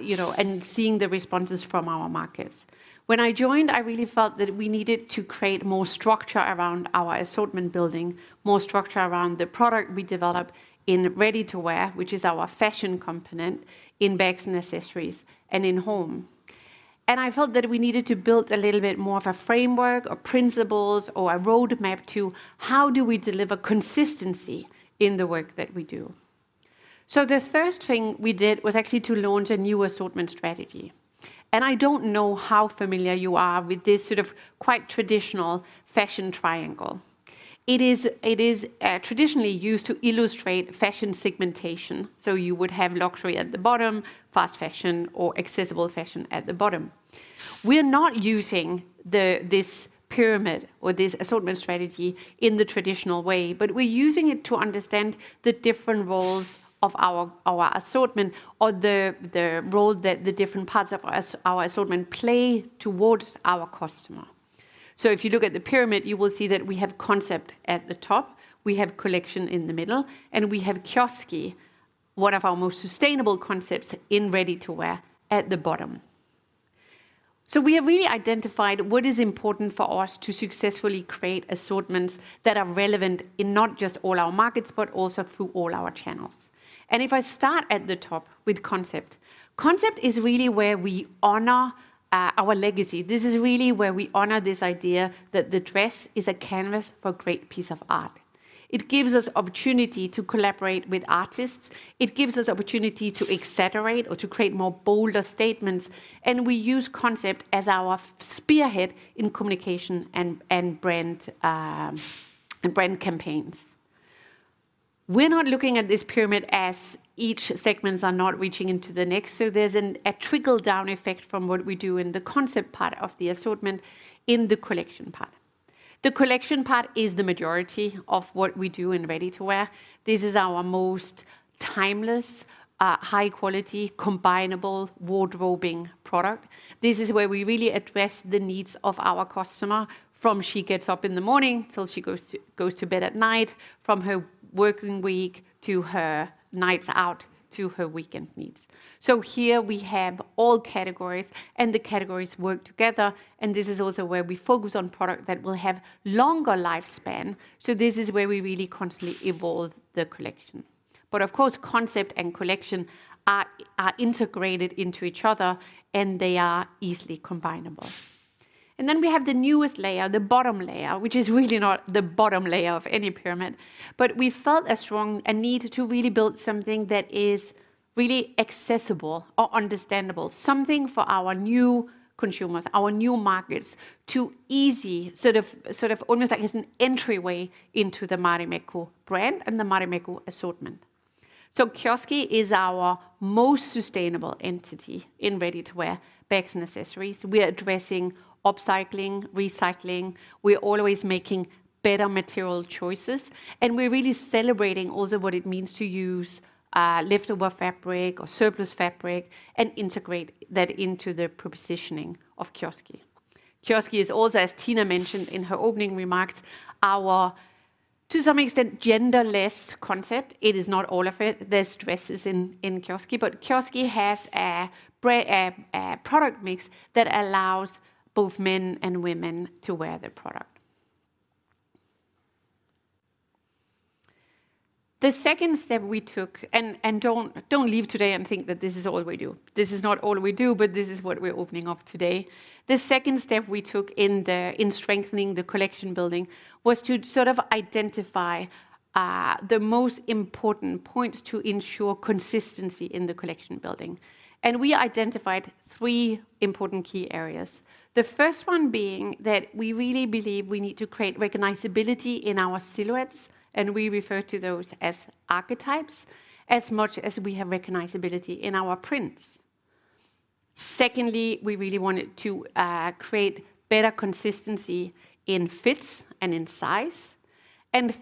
you know, and seeing the responses from our markets. When I joined, I really felt that we needed to create more structure around our assortment building, more structure around the product we develop in ready-to-wear, which is our fashion component, in bags and accessories, and in home. I felt that we needed to build a little bit more of a framework or principles or a roadmap to how do we deliver consistency in the work that we do. The first thing we did was actually to launch a new assortment strategy, and I don't know how familiar you are with this sort of quite traditional fashion triangle. It is traditionally used to illustrate fashion segmentation, so you would have luxury at the bottom, fast fashion or accessible fashion at the bottom. We're not using this pyramid or this assortment strategy in the traditional way, but we're using it to understand the different roles of our assortment or the role that the different parts of our assortment play towards our customer. If you look at the pyramid, you will see that we have concept at the top, we have collection in the middle, and we have Kioski, one of our most sustainable concepts in ready-to-wear, at the bottom. We have really identified what is important for us to successfully create assortments that are relevant in not just all our markets, but also through all our channels. If I start at the top with concept is really where we honor our legacy. This is really where we honor this idea that the dress is a canvas for a great piece of art. It gives us opportunity to collaborate with artists. It gives us opportunity to exaggerate or to create more bolder statements, and we use concept as our spearhead in communication and brand campaigns. We're not looking at this pyramid as each segments are not reaching into the next, so there's a trickle-down effect from what we do in the concept part of the assortment in the collection part. The collection part is the majority of what we do in ready-to-wear. This is our most timeless high quality, combinable wardrobing product. This is where we really address the needs of our customer from she gets up in the morning till she goes to bed at night, from her working week to her nights out to her weekend needs. Here, we have all categories, and the categories work together, and this is also where we focus on product that will have longer lifespan. This is where we really constantly evolve the collection. Of course, concept and collection are integrated into each other, and they are easily combinable. Then we have the newest layer, the bottom layer, which is really not the bottom layer of any pyramid. We felt a strong need to really build something that is really accessible or understandable, something for our new consumers, our new markets to easily sort of almost like as an entryway into the Marimekko brand and the Marimekko assortment. Kioski is our most sustainable entity in ready-to-wear bags and accessories. We're addressing upcycling, recycling. We're always making better material choices, and we're really celebrating also what it means to use leftover fabric or surplus fabric and integrate that into the positioning of Kioski. Kioski is also, as Tiina mentioned in her opening remarks, our to some extent genderless concept. It is not all of it. There's dresses in Kioski, but Kioski have a product mix that allows both men and women to wear the product. The second step we took, and don't leave today and think that this is all we do. This is not all we do, but this is what we're opening up today. The second step we took in strengthening the collection building was to sort of identify the most important points to ensure consistency in the collection building, and we identified three important key areas. The first one being that we really believe we need to create recognizability in our silhouettes, and we refer to those as archetypes, as much as we have recognizability in our prints. Secondly, we really wanted to create better consistency in fits and in size.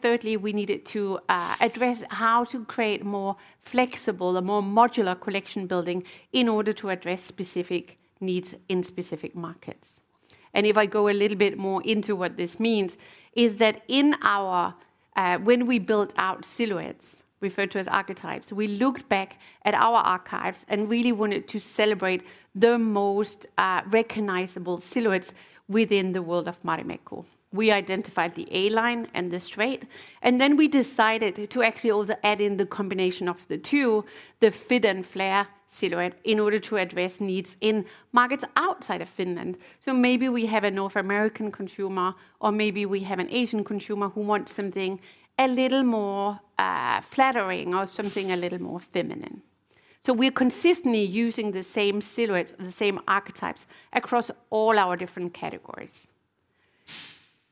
Thirdly, we needed to address how to create more flexible or more modular collection building in order to address specific needs in specific markets. If I go a little bit more into what this means is that in our when we built out silhouettes, referred to as archetypes, we looked back at our archives and really wanted to celebrate the most recognizable silhouettes within the world of Marimekko. We identified the A-line and the straight, and then we decided to actually also add in the combination of the two, the fit and flare silhouette, in order to address needs in markets outside of Finland. Maybe we have a North American consumer, or maybe we have an Asian consumer who wants something a little more flattering or something a little more feminine. We're consistently using the same silhouettes and the same archetypes across all our different categories.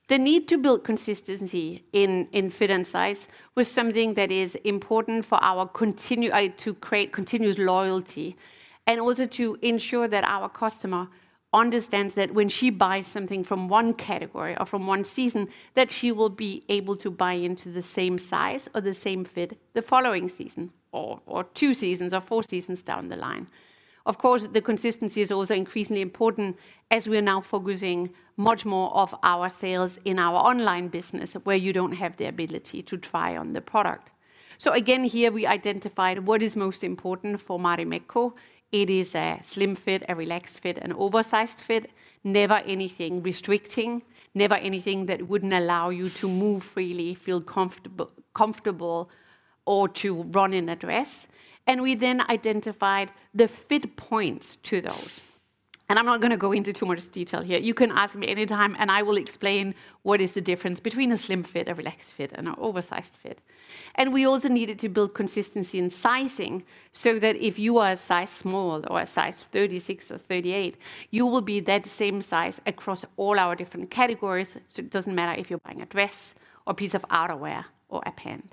The need to build consistency in fit and size was something that is important to create continuous loyalty, and also to ensure that our customer understands that when she buys something from one category or from one season, that she will be able to buy into the same size or the same fit the following season, or two seasons, or four seasons down the line. Of course, the consistency is also increasingly important as we're now focusing much more of our sales in our online business, where you don't have the ability to try on the product. Here we identified what is most important for Marimekko. It is a slim fit, a relaxed fit, an oversized fit. Never anything restricting, never anything that wouldn't allow you to move freely, feel comfortable, or to run in a dress. We then identified the fit points to those. I'm not gonna go into too much detail here. You can ask me any time, and I will explain what is the difference between a slim fit, a relaxed fit, and an oversized fit. We also needed to build consistency in sizing, so that if you are a size small or a size 36 or 38, you will be that same size across all our different categories, so it doesn't matter if you're buying a dress or a piece of outerwear or a pant.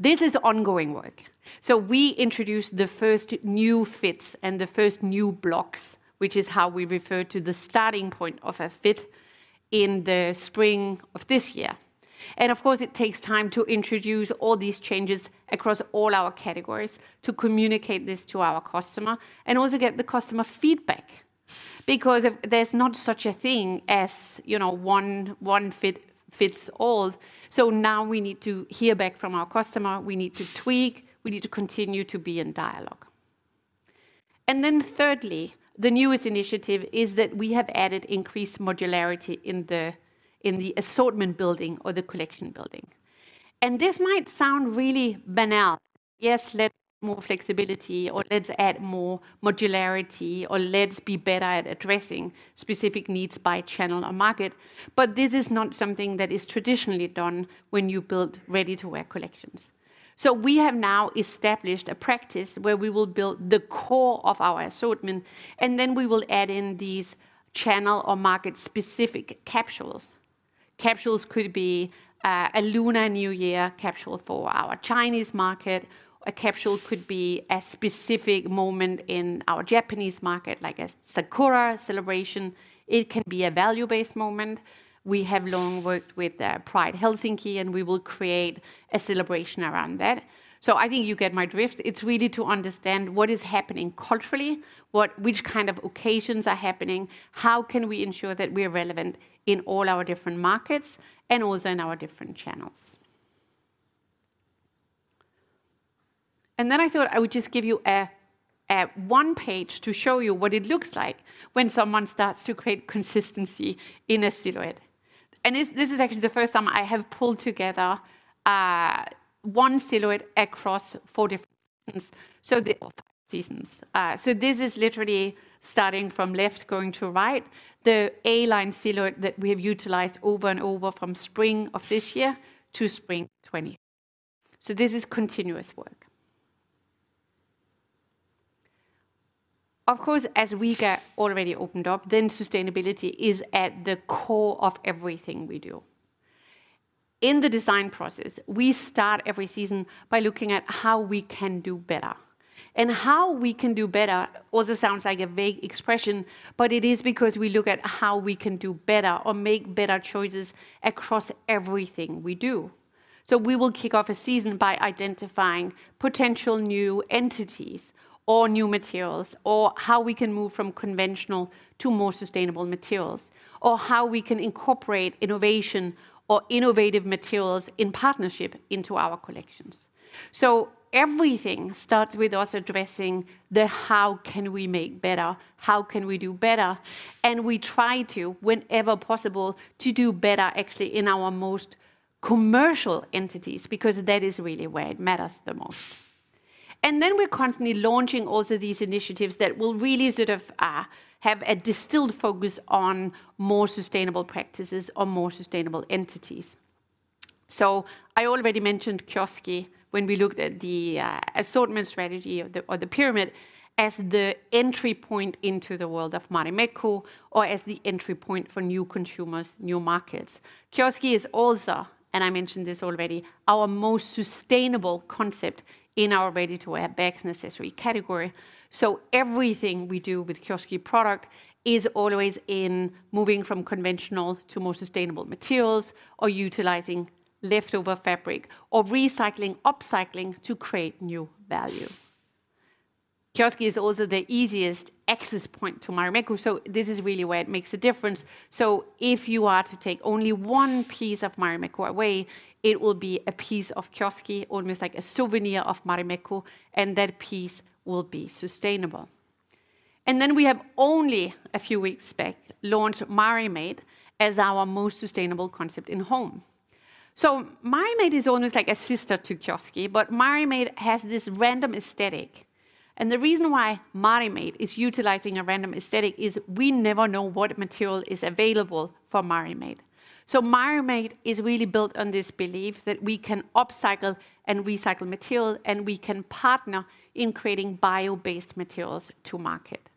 This is ongoing work. We introduced the first new fits and the first new blocks, which is how we refer to the starting point of a fit, in the spring of this year. Of course, it takes time to introduce all these changes across all our categories to communicate this to our customer and also get the customer feedback. Because if there's not such a thing as, you know, one size fits all, so now we need to hear back from our customer, we need to tweak, we need to continue to be in dialogue. Then thirdly, the newest initiative is that we have added increased modularity in the assortment building or the collection building. This might sound really banal. Yes, let's more flexibility, or let's add more modularity, or let's be better at addressing specific needs by channel or market, but this is not something that is traditionally done when you build ready-to-wear collections. We have now established a practice where we will build the core of our assortment, and then we will add in these channel or market-specific capsules. Capsules could be a Lunar New Year capsule for our Chinese market. A capsule could be a specific moment in our Japanese market, like a Sakura celebration. It can be a value-based moment. We have long worked with Helsinki Pride, and we will create a celebration around that. I think you get my drift. It's really to understand what is happening culturally, what which kind of occasions are happening, how can we ensure that we're relevant in all our different markets and also in our different channels. I thought I would just give you a one page to show you what it looks like when someone starts to create consistency in a silhouette. This is actually the first time I have pulled together one silhouette across four different seasons. This is literally starting from left going to right, the A-line silhouette that we have utilized over and over from spring of this year to spring 2020. This is continuous work. Of course, as Riika already opened up, sustainability is at the core of everything we do. In the design process, we start every season by looking at how we can do better. How we can do better also sounds like a vague expression, but it is because we look at how we can do better or make better choices across everything we do. We will kick off a season by identifying potential new entities or new materials, or how we can move from conventional to more sustainable materials, or how we can incorporate innovation or innovative materials in partnership into our collections. Everything starts with us addressing how can we make better, how can we do better, and we try to, whenever possible, to do better actually in our most commercial entities, because that is really where it matters the most. Then we're constantly launching also these initiatives that will really sort of have a distilled focus on more sustainable practices or more sustainable entities. I already mentioned Kioski when we looked at the assortment strategy or the pyramid as the entry point into the world of Marimekko or as the entry point for new consumers, new markets. Kioski is also, and I mentioned this already, our most sustainable concept in our ready-to-wear bags and accessory category. Everything we do with Kioski product is always in moving from conventional to more sustainable materials or utilizing leftover fabric or recycling, upcycling to create new value. Kioski is also the easiest access point to Marimekko, so this is really where it makes a difference. If you are to take only one piece of Marimekko away, it will be a piece of Kioski, almost like a souvenir of Marimekko, and that piece will be sustainable. We have only a few weeks back launched Marimade as our most sustainable concept in home. Marimade is almost like a sister to Kioski, but Marimade has this random aesthetic. The reason why Marimade is utilizing a random aesthetic is we never know what material is available for Marimade. Marimade is really built on this belief that we can upcycle and recycle material, and we can partner in creating bio-based materials to market.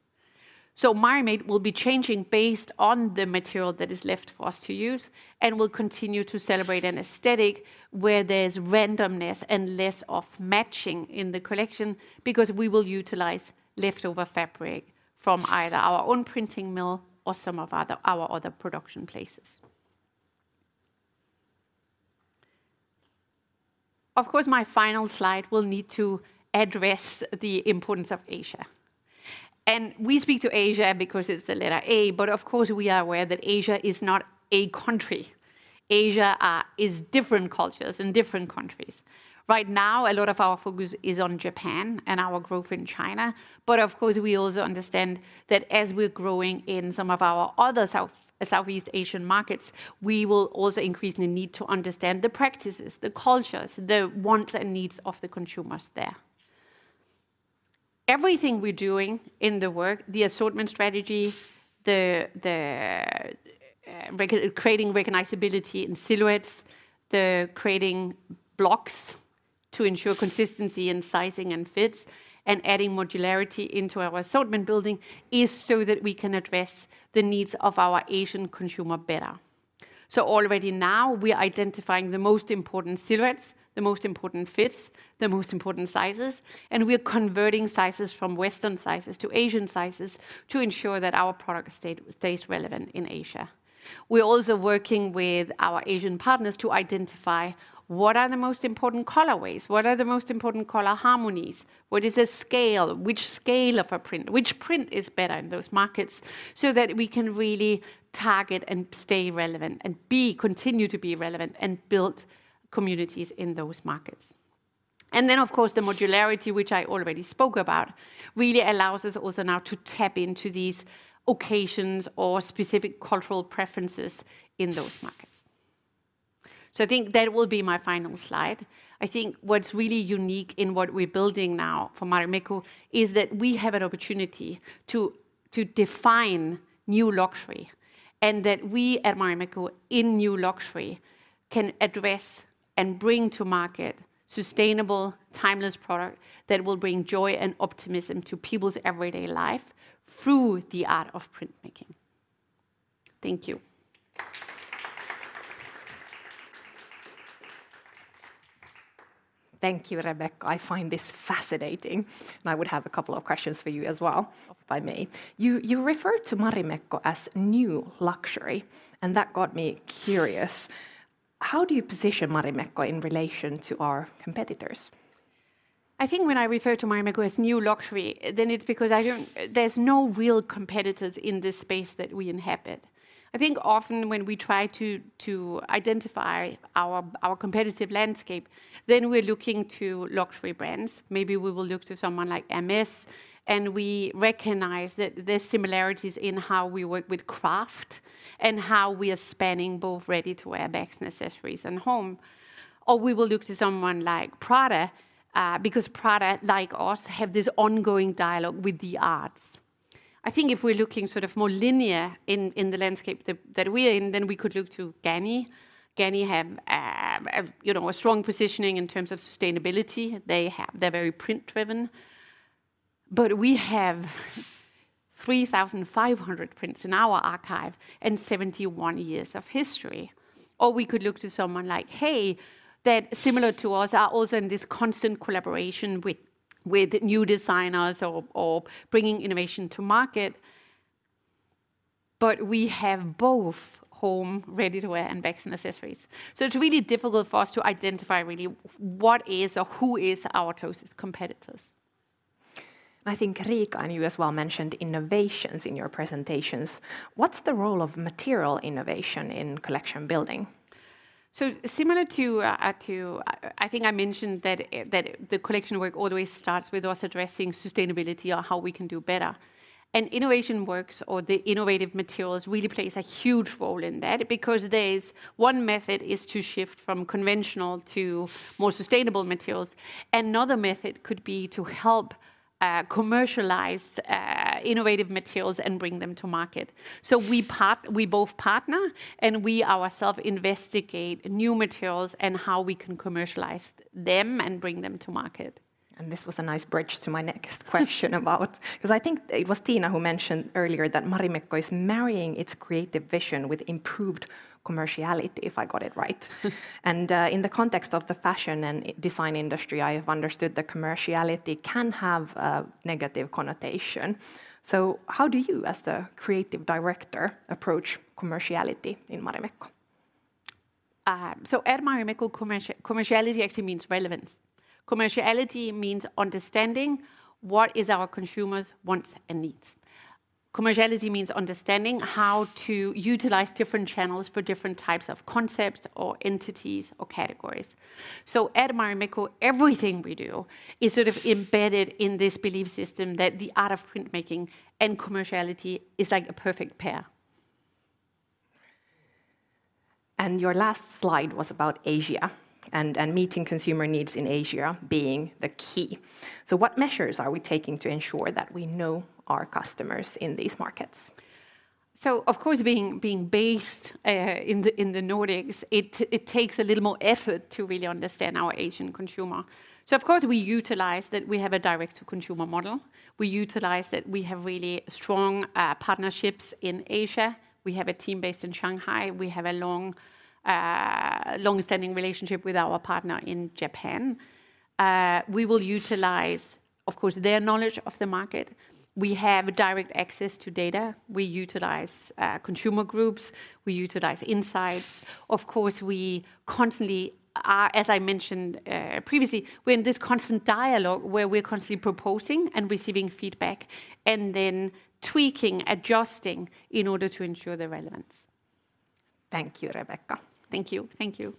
Marimade will be changing based on the material that is left for us to use, and will continue to celebrate an aesthetic where there's randomness and less of matching in the collection because we will utilize leftover fabric from either our own printing mill or some of our other production places. Of course, my final slide will need to address the importance of Asia. We speak to Asia because it's the letter A, but of course, we are aware that Asia is not a country. Asia is different cultures and different countries. Right now, a lot of our focus is on Japan and our growth in China, but of course, we also understand that as we're growing in some of our other South-Southeast Asian markets, we will also increasingly need to understand the practices, the cultures, the wants and needs of the consumers there. Everything we're doing in the work, the assortment strategy, re-creating recognizability in silhouettes, creating blocks to ensure consistency in sizing and fits, and adding modularity into our assortment building is so that we can address the needs of our Asian consumer better. Already now, we're identifying the most important silhouettes, the most important fits, the most important sizes, and we're converting sizes from Western sizes to Asian sizes to ensure that our product stays relevant in Asia. We're also working with our Asian partners to identify what are the most important colorways, what are the most important color harmonies, what is the scale, which scale of a print, which print is better in those markets, so that we can really target and stay relevant and continue to be relevant and build communities in those markets. Then, of course, the modularity, which I already spoke about, really allows us also now to tap into these occasions or specific cultural preferences in those markets. I think that will be my final slide. I think what's really unique in what we're building now for Marimekko is that we have an opportunity to define new luxury, and that we at Marimekko, in new luxury, can address and bring to market sustainable, timeless product that will bring joy and optimism to people's everyday life through the art of printmaking. Thank you. Thank you, Rebekka. I find this fascinating, and I would have a couple of questions for you as well, if I may. You referred to Marimekko as new luxury, and that got me curious. How do you position Marimekko in relation to our competitors? I think when I refer to Marimekko as new luxury, then it's because I don't, there's no real competitors in this space that we inhabit. I think often when we try to identify our competitive landscape, then we're looking to luxury brands. Maybe we will look to someone like Hermès, and we recognize that there's similarities in how we work with craft and how we are spanning both ready-to-wear bags and accessories and home. Or we will look to someone like Prada, because Prada, like us, have this ongoing dialogue with the arts. I think if we're looking sort of more linear in the landscape that we're in, then we could look to GANNI. GANNI have, you know, a strong positioning in terms of sustainability. They have, they're very print driven. We have 3,500 prints in our archive and 71 years of history. We could look to someone like HAY that, similar to us, are also in this constant collaboration with new designers or bringing innovation to market. We have both home ready-to-wear and bags and accessories. It's really difficult for us to identify really what is or who is our closest competitors. I think, Riika, and you as well mentioned innovations in your presentations. What's the role of material innovation in collection building? Similar to, I think I mentioned that the collection work always starts with us addressing sustainability or how we can do better. Innovation Works or the innovative materials really plays a huge role in that because there's one method is to shift from conventional to more sustainable materials. Another method could be to help commercialize innovative materials and bring them to market. We both partner and we ourselves investigate new materials and how we can commercialize them and bring them to market. This was a nice bridge to my next question about 'cause I think it was Tiina who mentioned earlier that Marimekko is marrying its creative vision with improved commerciality, if I got it right. In the context of the fashion and design industry, I have understood that commerciality can have a negative connotation. How do you, as the creative director, approach commerciality in Marimekko? At Marimekko, commerciality actually means relevance. Commerciality means understanding what is our consumers' wants and needs. Commerciality means understanding how to utilize different channels for different types of concepts or entities or categories. At Marimekko, everything we do is sort of embedded in this belief system that the art of printmaking and commerciality is like a perfect pair. Your last slide was about Asia and meeting consumer needs in Asia being the key. What measures are we taking to ensure that we know our customers in these markets? Of course, being based in the Nordics, it takes a little more effort to really understand our Asian consumer. Of course, we utilize that we have a direct-to-consumer model. We utilize that we have really strong partnerships in Asia. We have a team based in Shanghai. We have a longstanding relationship with our partner in Japan. We will utilize, of course, their knowledge of the market. We have direct access to data. We utilize consumer groups. We utilize insights. Of course, we constantly are, as I mentioned previously, we're in this constant dialogue where we're constantly proposing and receiving feedback and then tweaking, adjusting in order to ensure the relevance. Thank you, Rebekka. Thank you. Thank you.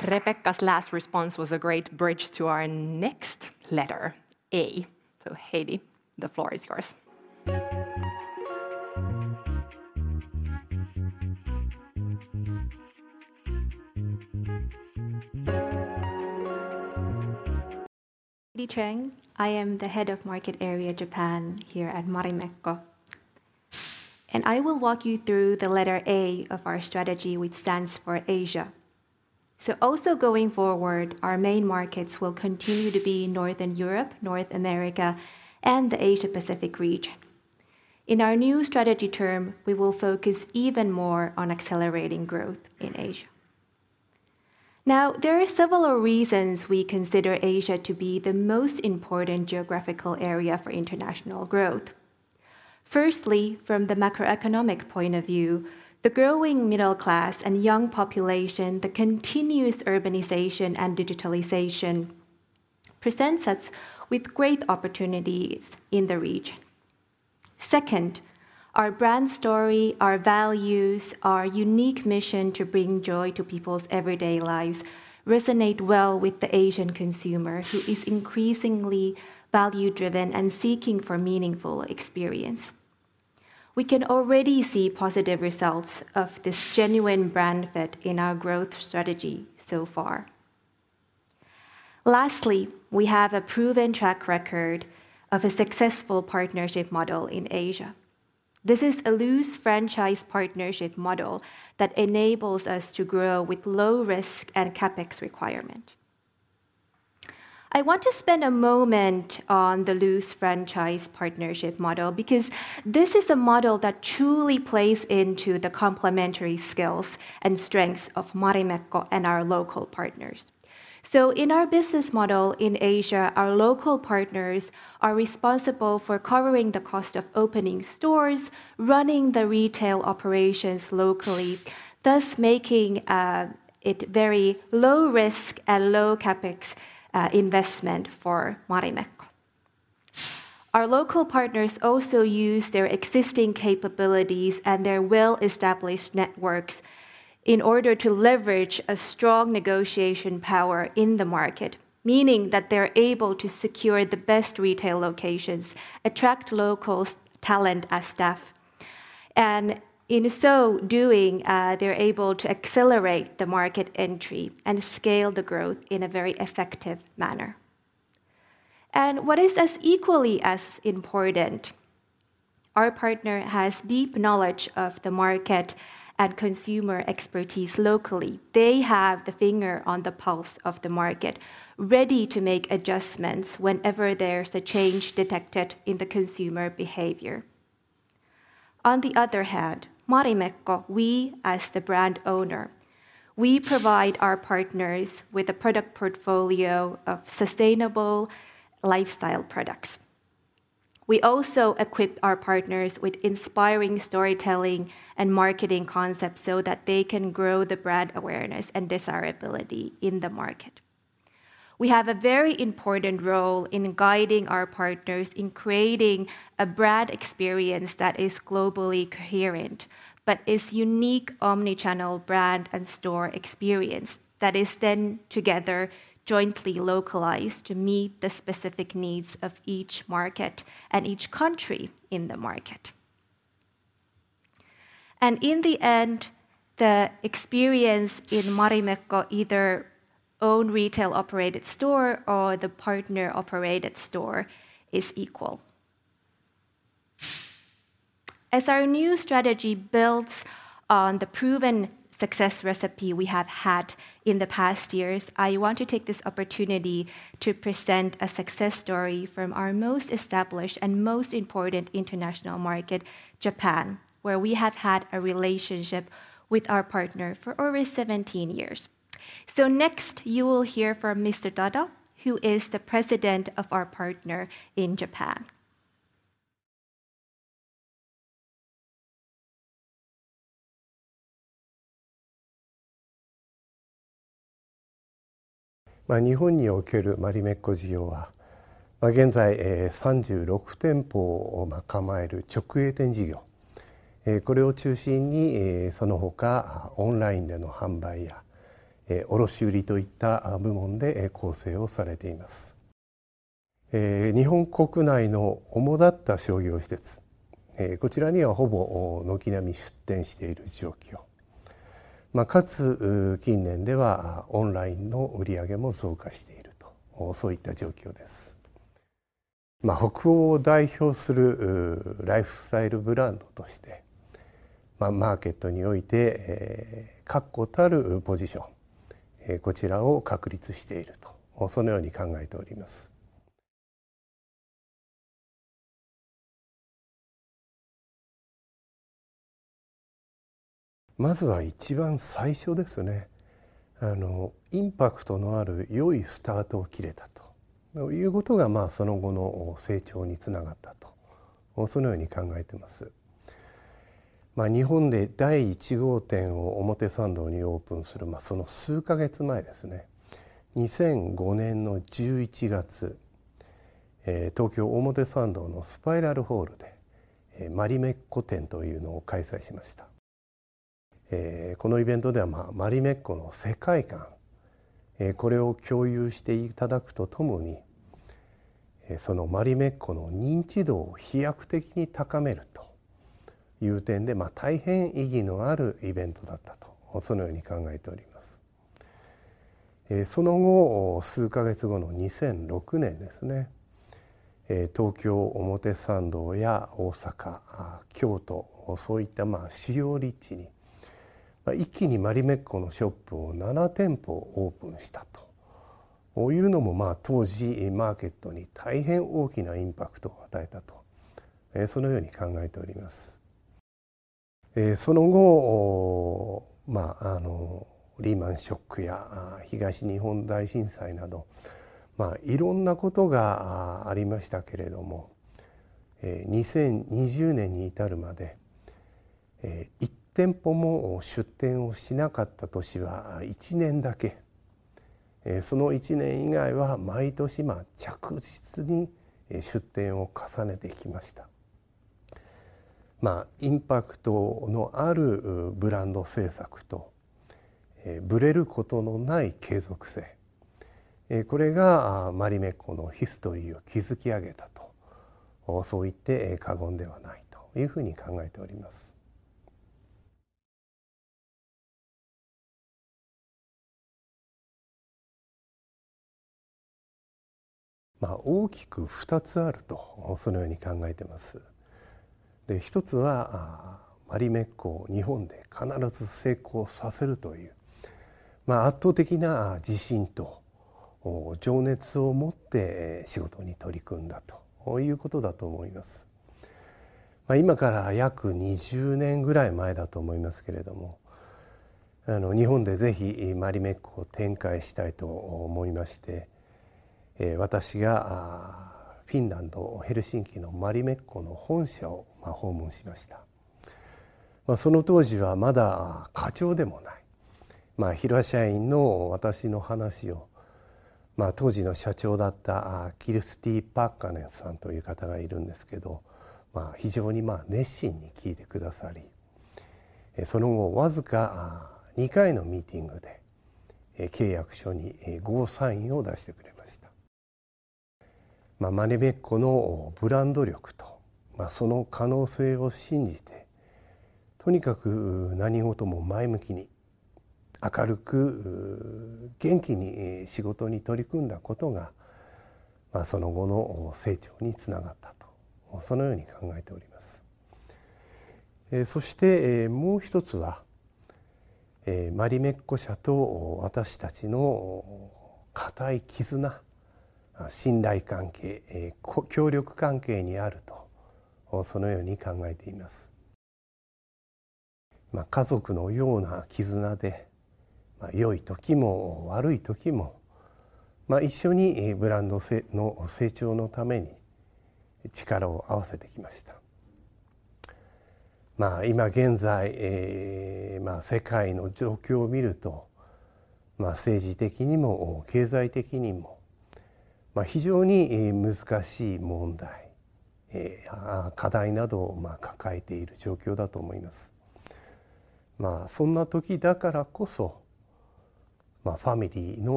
Rebekka's last response was a great bridge to our next letter, A. Heidi, the floor is yours. I am the head of market area Japan here at Marimekko, and I will walk you through the letter A of our strategy, which stands for Asia. Also going forward, our main markets will continue to be Northern Europe, North America, and the Asia Pacific region. In our new strategy term, we will focus even more on accelerating growth in Asia. Now, there are several reasons we consider Asia to be the most important geographical area for international growth. Firstly, from the macroeconomic point of view, the growing middle class and young population, the continuous urbanization and digitalization presents us with great opportunities in the region. Second, our brand story, our values, our unique mission to bring joy to people's everyday lives resonate well with the Asian consumer, who is increasingly value-driven and seeking for meaningful experience. We can already see positive results of this genuine brand fit in our growth strategy so far. Lastly, we have a proven track record of a successful partnership model in Asia. This is a loose franchise partnership model that enables us to grow with low risk and CapEx requirement. I want to spend a moment on the loose franchise partnership model because this is a model that truly plays into the complementary skills and strengths of Marimekko and our local partners. In our business model in Asia, our local partners are responsible for covering the cost of opening stores, running the retail operations locally, thus making it very low risk and low CapEx investment for Marimekko. Our local partners also use their existing capabilities and their well-established networks in order to leverage a strong negotiation power in the market, meaning that they're able to secure the best retail locations, attract local talent as staff, and in so doing, they're able to accelerate the market entry and scale the growth in a very effective manner. What is as equally as important, our partner has deep knowledge of the market and consumer expertise locally. They have the finger on the pulse of the market, ready to make adjustments whenever there's a change detected in the consumer behavior. On the other hand, Marimekko, we as the brand owner, we provide our partners with a product portfolio of sustainable lifestyle products. We also equip our partners with inspiring storytelling and marketing concepts so that they can grow the brand awareness and desirability in the market. We have a very important role in guiding our partners in creating a brand experience that is globally coherent, but is unique omni-channel brand and store experience that is then together jointly localized to meet the specific needs of each market and each country in the market. In the end, the experience in Marimekko, either own retail-operated store or the partner-operated store, is equal. As our new strategy builds on the proven success recipe we have had in the past years, I want to take this opportunity to present a success story from our most established and most important international market, Japan, where we have had a relationship with our partner for over 17 years. Next, you will hear from Mr. Tada, who is the president of our partner in Japan.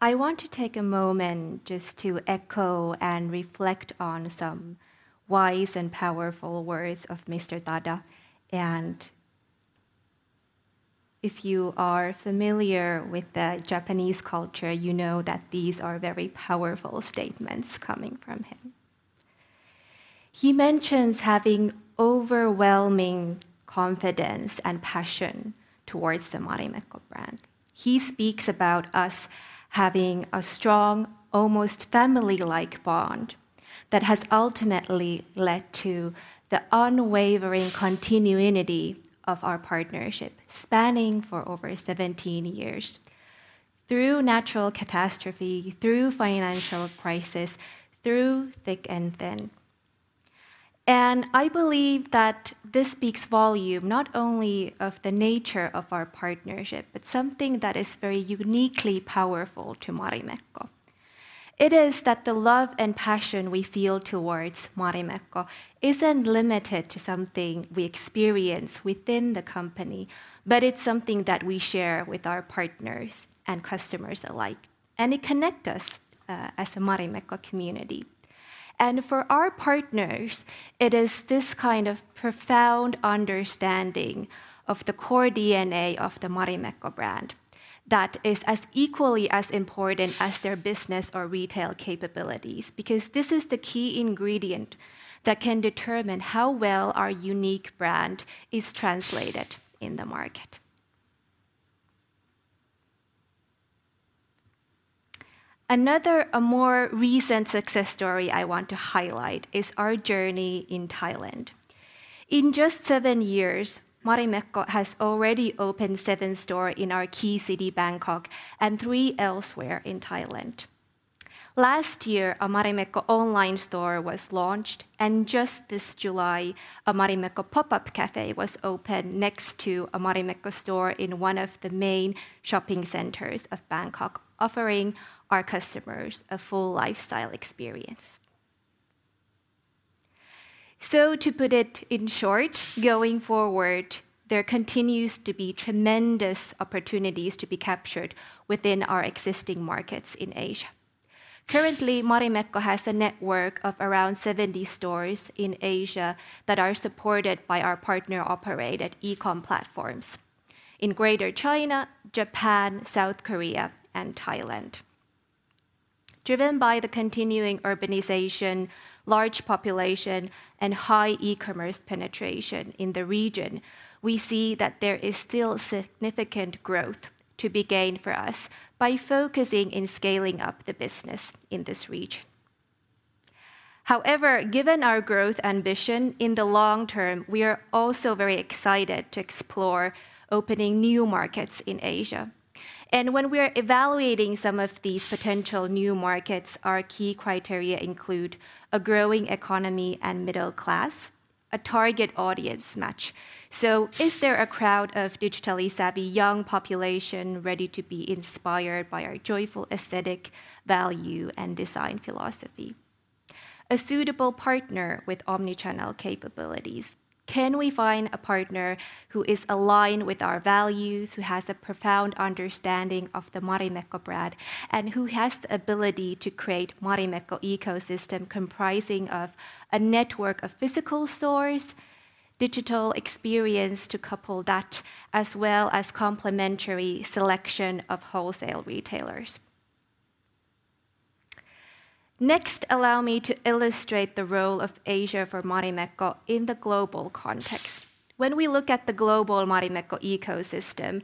I want to take a moment just to echo and reflect on some wise and powerful words of Mr. Tada, and if you are familiar with the Japanese culture, you know that these are very powerful statements coming from him. He mentions having overwhelming confidence and passion towards the Marimekko brand. He speaks about us having a strong, almost family-like bond that has ultimately led to the unwavering continuity of our partnership spanning for over 17 years. Through natural catastrophe, through financial crisis, through thick and thin. I believe that this speaks volumes not only of the nature of our partnership, but something that is very uniquely powerful to Marimekko. It is that the love and passion we feel towards Marimekko isn't limited to something we experience within the company, but it's something that we share with our partners and customers alike, and it connects us as a Marimekko community. For our partners, it is this kind of profound understanding of the core DNA of the Marimekko brand that is as equally as important as their business or retail capabilities, because this is the key ingredient that can determine how well our unique brand is translated in the market. Another more recent success story I want to highlight is our journey in Thailand. In just 7 years, Marimekko has already opened seven stores in our key city, Bangkok, and three elsewhere in Thailand. Last year, a Marimekko online store was launched, and just this July, a Marimekko pop-up cafe was opened next to a Marimekko store in one of the main shopping centers of Bangkok, offering our customers a full lifestyle experience. To put it in short, going forward, there continues to be tremendous opportunities to be captured within our existing markets in Asia. Currently, Marimekko has a network of around 70 stores in Asia that are supported by our partner-operated e-com platforms in Greater China, Japan, South Korea, and Thailand. Driven by the continuing urbanization, large population, and high e-commerce penetration in the region, we see that there is still significant growth to be gained for us by focusing in scaling up the business in this region. However, given our growth ambition, in the long term, we are also very excited to explore opening new markets in Asia. When we are evaluating some of these potential new markets, our key criteria include a growing economy and middle class, a target audience match. Is there a crowd of digitally savvy young population ready to be inspired by our joyful aesthetic value and design philosophy? A suitable partner with omni-channel capabilities. Can we find a partner who is aligned with our values, who has a profound understanding of the Marimekko brand, and who has the ability to create Marimekko ecosystem comprising of a network of physical stores, digital experience to couple that, as well as complementary selection of wholesale retailers? Next, allow me to illustrate the role of Asia for Marimekko in the global context. When we look at the global Marimekko ecosystem,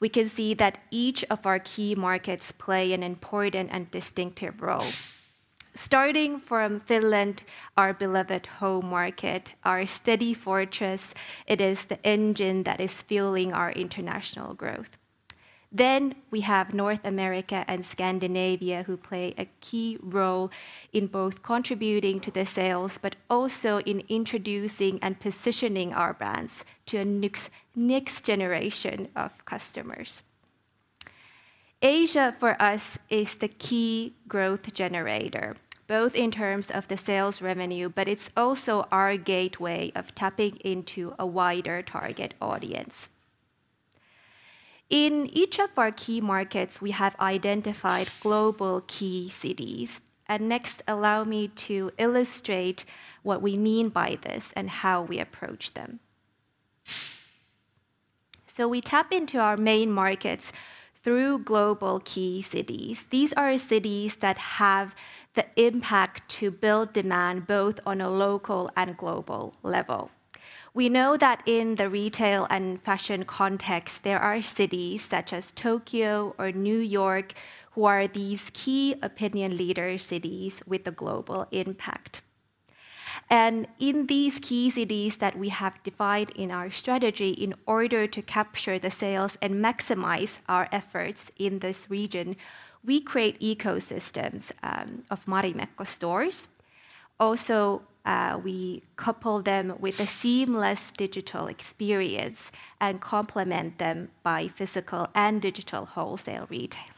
we can see that each of our key markets play an important and distinctive role. Starting from Finland, our beloved home market, our steady fortress, it is the engine that is fueling our international growth. We have North America and Scandinavia, who play a key role in both contributing to the sales, but also in introducing and positioning our brands to a next generation of customers. Asia for us is the key growth generator, both in terms of the sales revenue, but it's also our gateway of tapping into a wider target audience. In each of our key markets, we have identified global key cities, and next allow me to illustrate what we mean by this and how we approach them. We tap into our main markets through global key cities. These are cities that have the impact to build demand both on a local and global level. We know that in the retail and fashion context, there are cities such as Tokyo or New York who are these key opinion leader cities with a global impact. In these key cities that we have defined in our strategy, in order to capture the sales and maximize our efforts in this region, we create ecosystems of Marimekko stores. Also, we couple them with a seamless digital experience and complement them by physical and digital wholesale retailers.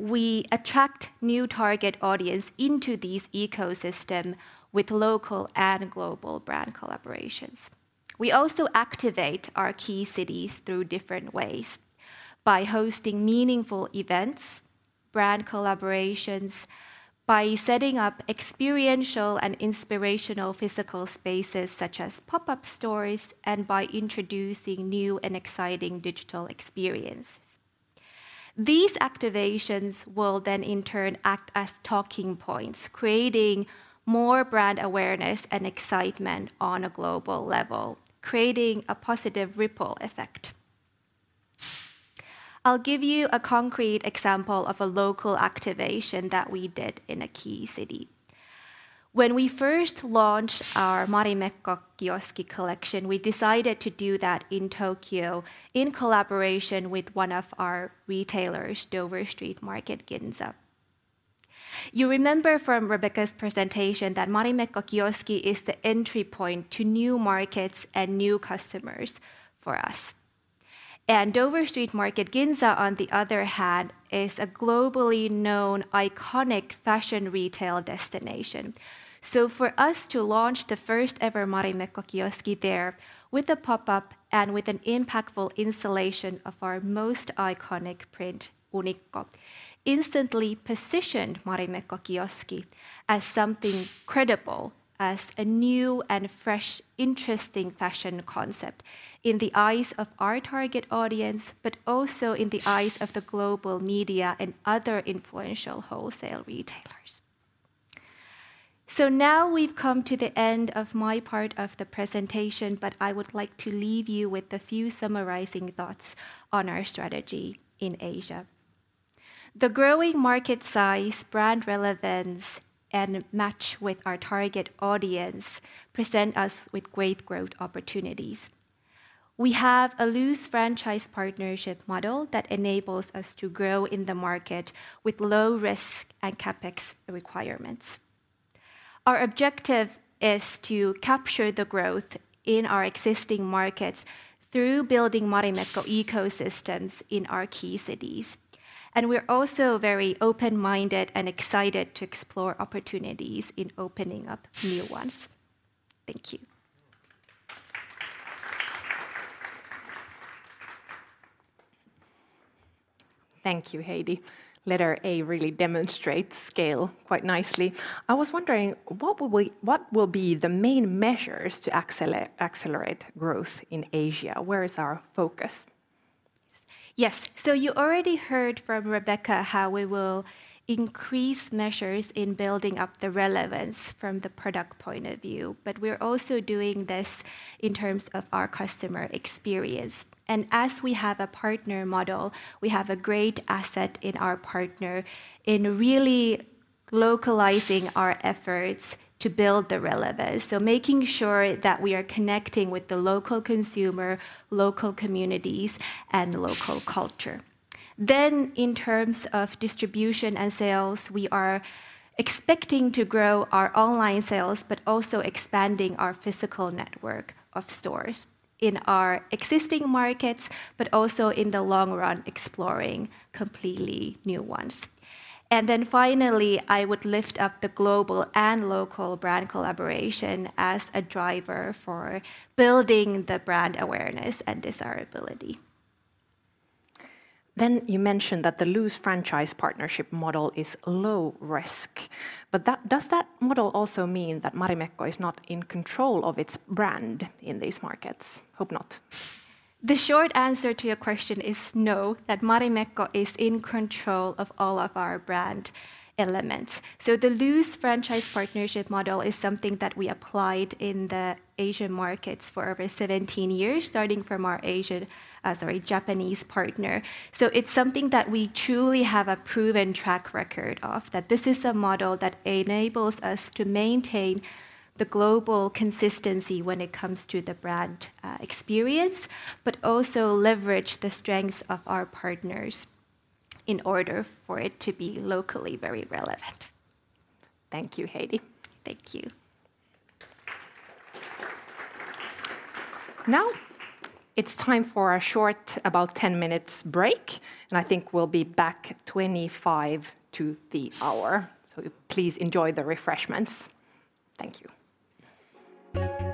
We attract new target audience into these ecosystem with local and global brand collaborations. We also activate our key cities through different ways, by hosting meaningful events, brand collaborations, by setting up experiential and inspirational physical spaces such as pop-up stores, and by introducing new and exciting digital experiences. These activations will then in turn act as talking points, creating more brand awareness and excitement on a global level, creating a positive ripple effect. I'll give you a concrete example of a local activation that we did in a key city. When we first launched our Marimekko Kioski collection, we decided to do that in Tokyo in collaboration with one of our retailers, Dover Street Market Ginza. You remember from Rebekka's presentation that Marimekko Kioski is the entry point to new markets and new customers for us. Dover Street Market Ginza, on the other hand, is a globally known iconic fashion retail destination. For us to launch the first-ever Marimekko Kioski there with a pop-up and with an impactful installation of our most iconic print, Unikko, instantly positioned Marimekko Kioski as something credible, as a new and fresh, interesting fashion concept in the eyes of our target audience, but also in the eyes of the global media and other influential wholesale retailers. Now we've come to the end of my part of the presentation, but I would like to leave you with a few summarizing thoughts on our strategy in Asia. The growing market size, brand relevance, and match with our target audience present us with great growth opportunities. We have a loose franchise partnership model that enables us to grow in the market with low risk and CapEx requirements. Our objective is to capture the growth in our existing markets through building Marimekko ecosystems in our key cities, and we're also very open-minded and excited to explore opportunities in opening up new ones. Thank you. Thank you, Heidi. Letter A really demonstrates scale quite nicely. I was wondering, what will be the main measures to accelerate growth in Asia? Where is our focus? Yes. You already heard from Rebekka how we will increase measures in building up the relevance from the product point of view, but we're also doing this in terms of our customer experience. As we have a partner model, we have a great asset in our partner in really localizing our efforts to build the relevance, so making sure that we are connecting with the local consumer, local communities, and local culture. In terms of distribution and sales, we are expecting to grow our online sales, but also expanding our physical network of stores in our existing markets, but also in the long run, exploring completely new ones. Finally, I would lift up the global and local brand collaboration as a driver for building the brand awareness and desirability. You mentioned that the loose franchise partnership model is low risk, but that, does that model also mean that Marimekko is not in control of its brand in these markets? Hope not. The short answer to your question is no, that Marimekko is in control of all of our brand elements. The loose franchise partnership model is something that we applied in the Asian markets for over 17 years, starting from our Japanese partner. It's something that we truly have a proven track record of, that this is a model that enables us to maintain the global consistency when it comes to the brand experience, but also leverage the strengths of our partners in order for it to be locally very relevant. Thank you, Heidi. Thank you. Now it's time for a short, about 10 minutes, break, and I think we'll be back 25 to the hour. Please enjoy the refreshments. Thank you.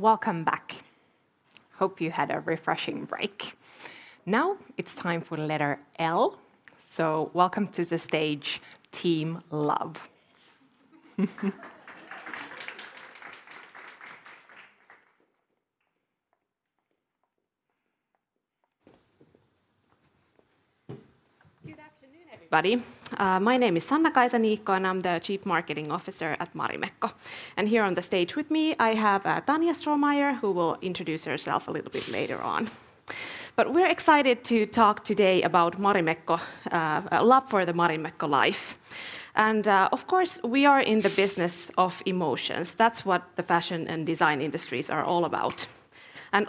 Welcome back. Hope you had a refreshing break. Now it's time for the letter L. Welcome to the stage Team Love. Everybody. My name is Sanna-Kaisa Niikko, and I'm the Chief Marketing Officer at Marimekko. Here on the stage with me, I have Tanya Strohmayer, who will introduce herself a little bit later on. We're excited to talk today about Marimekko love for the Marimekko life. Of course, we are in the business of emotions. That's what the fashion and design industries are all about.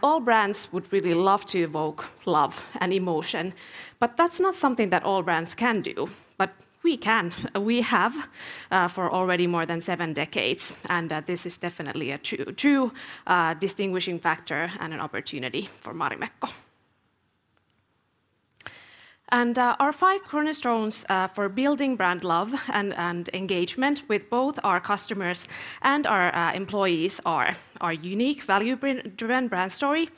All brands would really love to evoke love and emotion, but that's not something that all brands can do. We can. We have for already more than seven decades. This is definitely a true distinguishing factor and an opportunity for Marimekko. Our five cornerstones for building brand love and engagement with both our customers and our employees are our unique value-driven brand story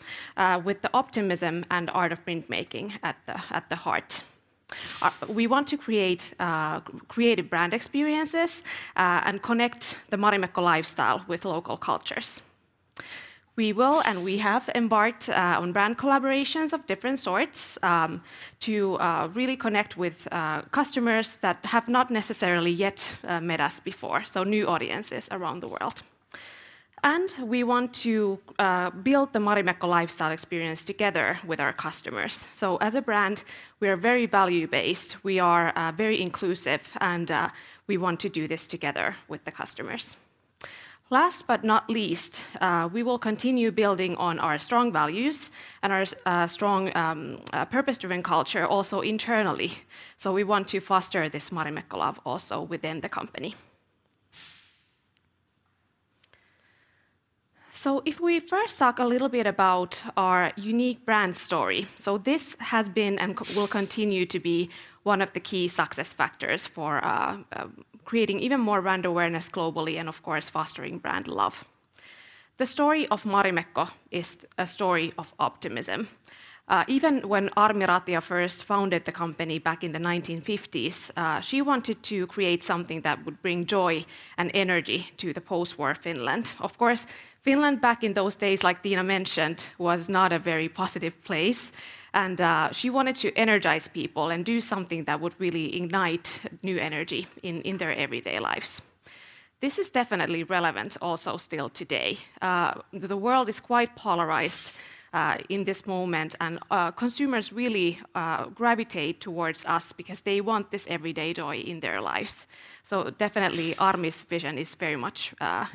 with the optimism and art of printmaking at the heart. We want to create creative brand experiences and connect the Marimekko lifestyle with local cultures. We will and we have embarked on brand collaborations of different sorts to really connect with customers that have not necessarily yet met us before, so new audiences around the world. We want to build the Marimekko lifestyle experience together with our customers. As a brand, we are very value-based. We are very inclusive, and we want to do this together with the customers. Last but not least, we will continue building on our strong values and our strong purpose-driven culture also internally. We want to foster this Marimekko love also within the company. If we first talk a little bit about our unique brand story. This has been and will continue to be one of the key success factors for creating even more brand awareness globally and, of course, fostering brand love. The story of Marimekko is a story of optimism. Even when Armi Ratia first founded the company back in the 1950s, she wanted to create something that would bring joy and energy to the post-war Finland. Of course, Finland back in those days, like Tiina mentioned, was not a very positive place, and she wanted to energize people and do something that would really ignite new energy in their everyday lives. This is definitely relevant also still today. The world is quite polarized in this moment, and consumers really gravitate towards us because they want this everyday joy in their lives. Definitely Armi's vision is very much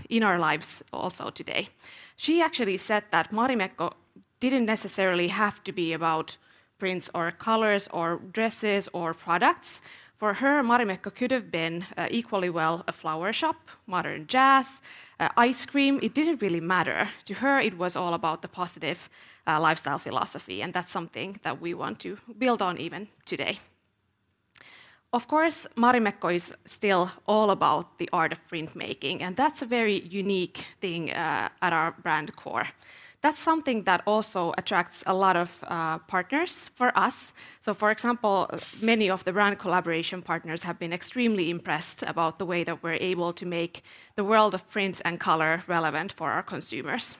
in our lives also today. She actually said that Marimekko didn't necessarily have to be about prints or colors or dresses or products. For her, Marimekko could have been equally well a flower shop, modern jazz, ice cream. It didn't really matter. To her, it was all about the positive lifestyle philosophy, and that's something that we want to build on even today. Of course, Marimekko is still all about the art of printmaking, and that's a very unique thing at our brand core. That's something that also attracts a lot of partners for us. For example, many of the brand collaboration partners have been extremely impressed about the way that we're able to make the world of prints and color relevant for our consumers.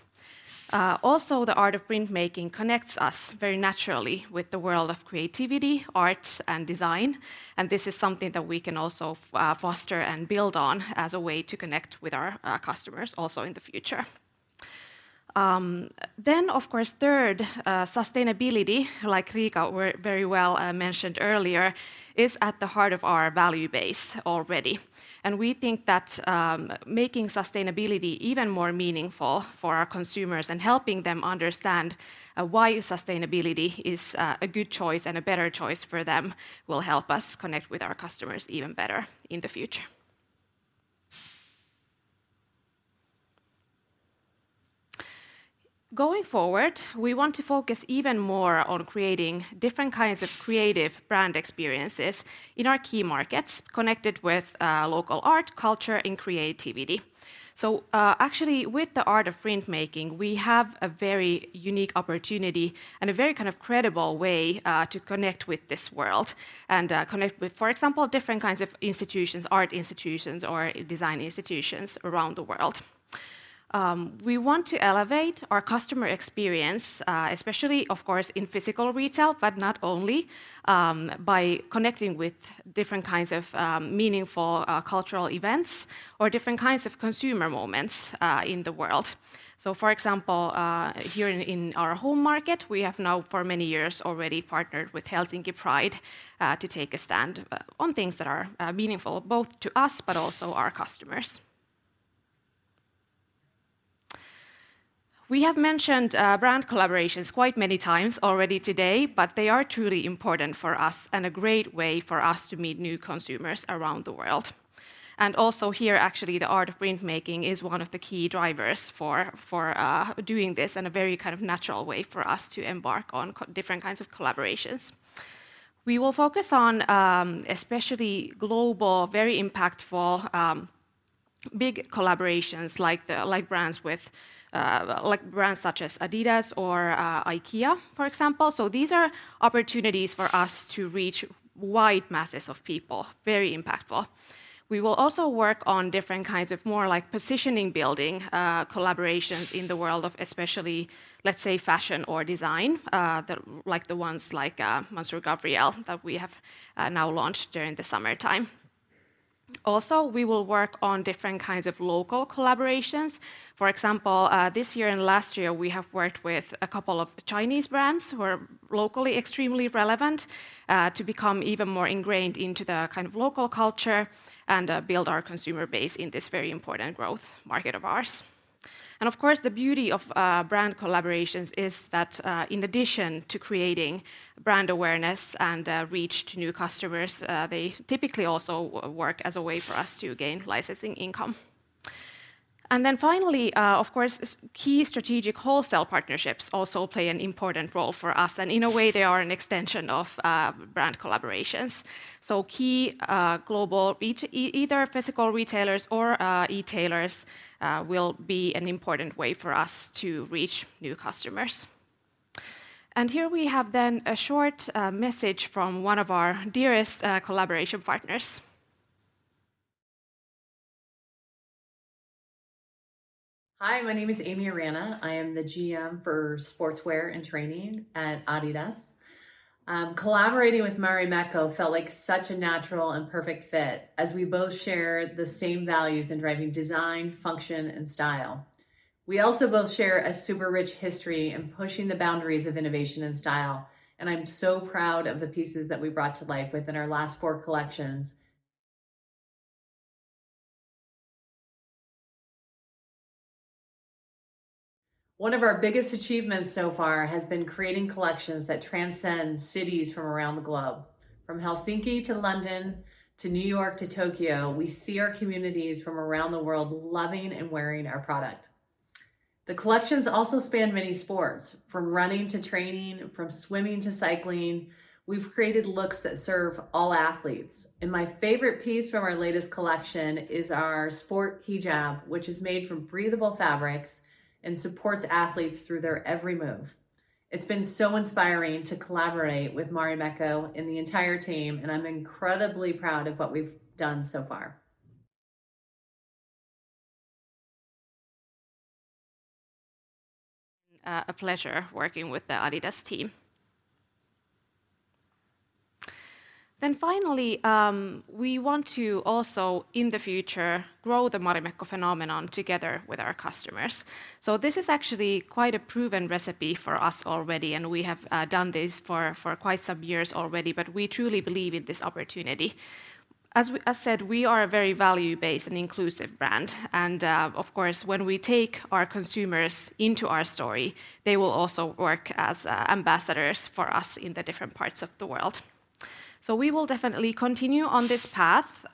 Also the art of printmaking connects us very naturally with the world of creativity, arts, and design, and this is something that we can also foster and build on as a way to connect with our customers also in the future. Of course, third, sustainability, like Riika very well mentioned earlier, is at the heart of our value base already. We think that making sustainability even more meaningful for our consumers and helping them understand why sustainability is a good choice and a better choice for them will help us connect with our customers even better in the future. Going forward, we want to focus even more on creating different kinds of creative brand experiences in our key markets connected with local art, culture, and creativity. Actually, with the art of printmaking, we have a very unique opportunity and a very kind of credible way to connect with this world and connect with, for example, different kinds of institutions, art institutions or design institutions around the world. We want to elevate our customer experience, especially of course in physical retail, but not only, by connecting with different kinds of meaningful cultural events or different kinds of consumer moments in the world. For example, here in our home market, we have now for many years already partnered with Helsinki Pride to take a stand on things that are meaningful both to us but also our customers. We have mentioned brand collaborations quite many times already today, but they are truly important for us and a great way for us to meet new consumers around the world. Also here, actually, the art of printmaking is one of the key drivers for doing this and a very kind of natural way for us to embark on different kinds of collaborations. We will focus on especially global, very impactful big collaborations like brands with like brands such as adidas or IKEA, for example. These are opportunities for us to reach wide masses of people, very impactful. We will also work on different kinds of more like positioning building collaborations in the world of especially, let's say, fashion or design, the like the ones like Maison Kitsuné that we have now launched during the summertime. We will work on different kinds of local collaborations. For example, this year and last year, we have worked with a couple of Chinese brands who are locally extremely relevant to become even more ingrained into the kind of local culture and build our consumer base in this very important growth market of ours. Of course, the beauty of brand collaborations is that in addition to creating brand awareness and reach to new customers, they typically also work as a way for us to gain licensing income. Finally, of course, key strategic wholesale partnerships also play an important role for us, and in a way they are an extension of brand collaborations. Key global retailers, either physical retailers or e-tailers, will be an important way for us to reach new customers. Here we have then a short message from one of our dearest collaboration partners. Hi, my name is Aimee Arana. I am the GM for Sportswear and Training at adidas. Collaborating with Marimekko felt like such a natural and perfect fit as we both share the same values in driving design, function, and style. We also both share a super rich history in pushing the boundaries of innovation and style, and I'm so proud of the pieces that we brought to life within our last four collections. One of our biggest achievements so far has been creating collections that transcend cities from around the globe. From Helsinki to London, to New York to Tokyo, we see our communities from around the world loving and wearing our product. The collections also span many sports, from running to training, from swimming to cycling. We've created looks that serve all athletes. My favorite piece from our latest collection is our sport hijab, which is made from breathable fabrics and supports athletes through their every move. It's been so inspiring to collaborate with Marimekko and the entire team, and I'm incredibly proud of what we've done so far. A pleasure working with the adidas team. Finally, we want to also, in the future, grow the Marimekko phenomenon together with our customers. This is actually quite a proven recipe for us already, and we have done this for quite some years already, but we truly believe in this opportunity. As said, we are a very value-based and inclusive brand, and of course, when we take our consumers into our story, they will also work as ambassadors for us in the different parts of the world. We will definitely continue on this path.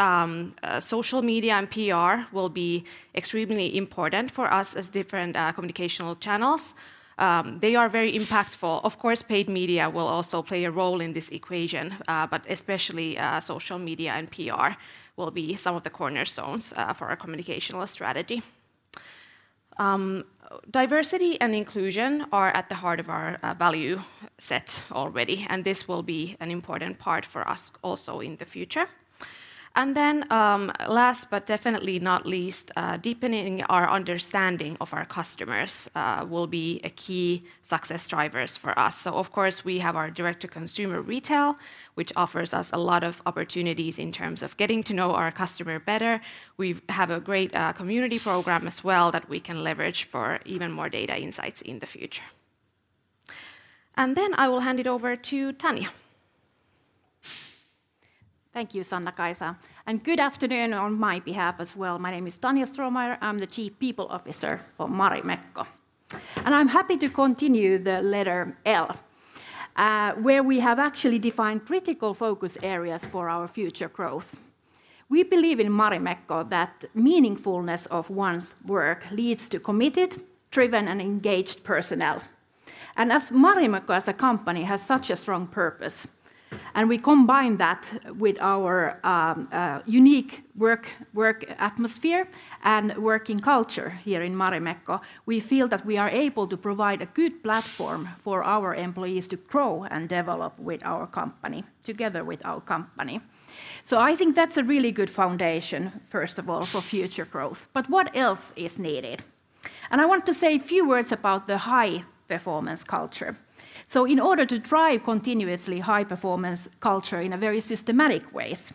Social media and PR will be extremely important for us as different communication channels. They are very impactful. Of course, paid media will also play a role in this equation, but especially, social media and PR will be some of the cornerstones for our communication strategy. Diversity and inclusion are at the heart of our values already, and this will be an important part for us also in the future. Last but definitely not least, deepening our understanding of our customers will be a key success drivers for us. Of course, we have our direct-to-consumer retail, which offers us a lot of opportunities in terms of getting to know our customer better. We have a great community program as well that we can leverage for even more data insights in the future. I will hand it over to Tanja. Thank you, Sanna-Kaisa, and good afternoon on my behalf as well. My name is Tanya Strohmayer. I'm the Chief People Officer for Marimekko. I'm happy to continue the letter L, where we have actually defined critical focus areas for our future growth. We believe in Marimekko that meaningfulness of one's work leads to committed, driven, and engaged personnel. As Marimekko as a company has such a strong purpose, and we combine that with our unique work atmosphere and working culture here in Marimekko, we feel that we are able to provide a good platform for our employees to grow and develop with our company, together with our company. I think that's a really good foundation, first of all, for future growth. What else is needed? I want to say a few words about the high-performance culture. In order to drive continuously high-performance culture in a very systematic ways,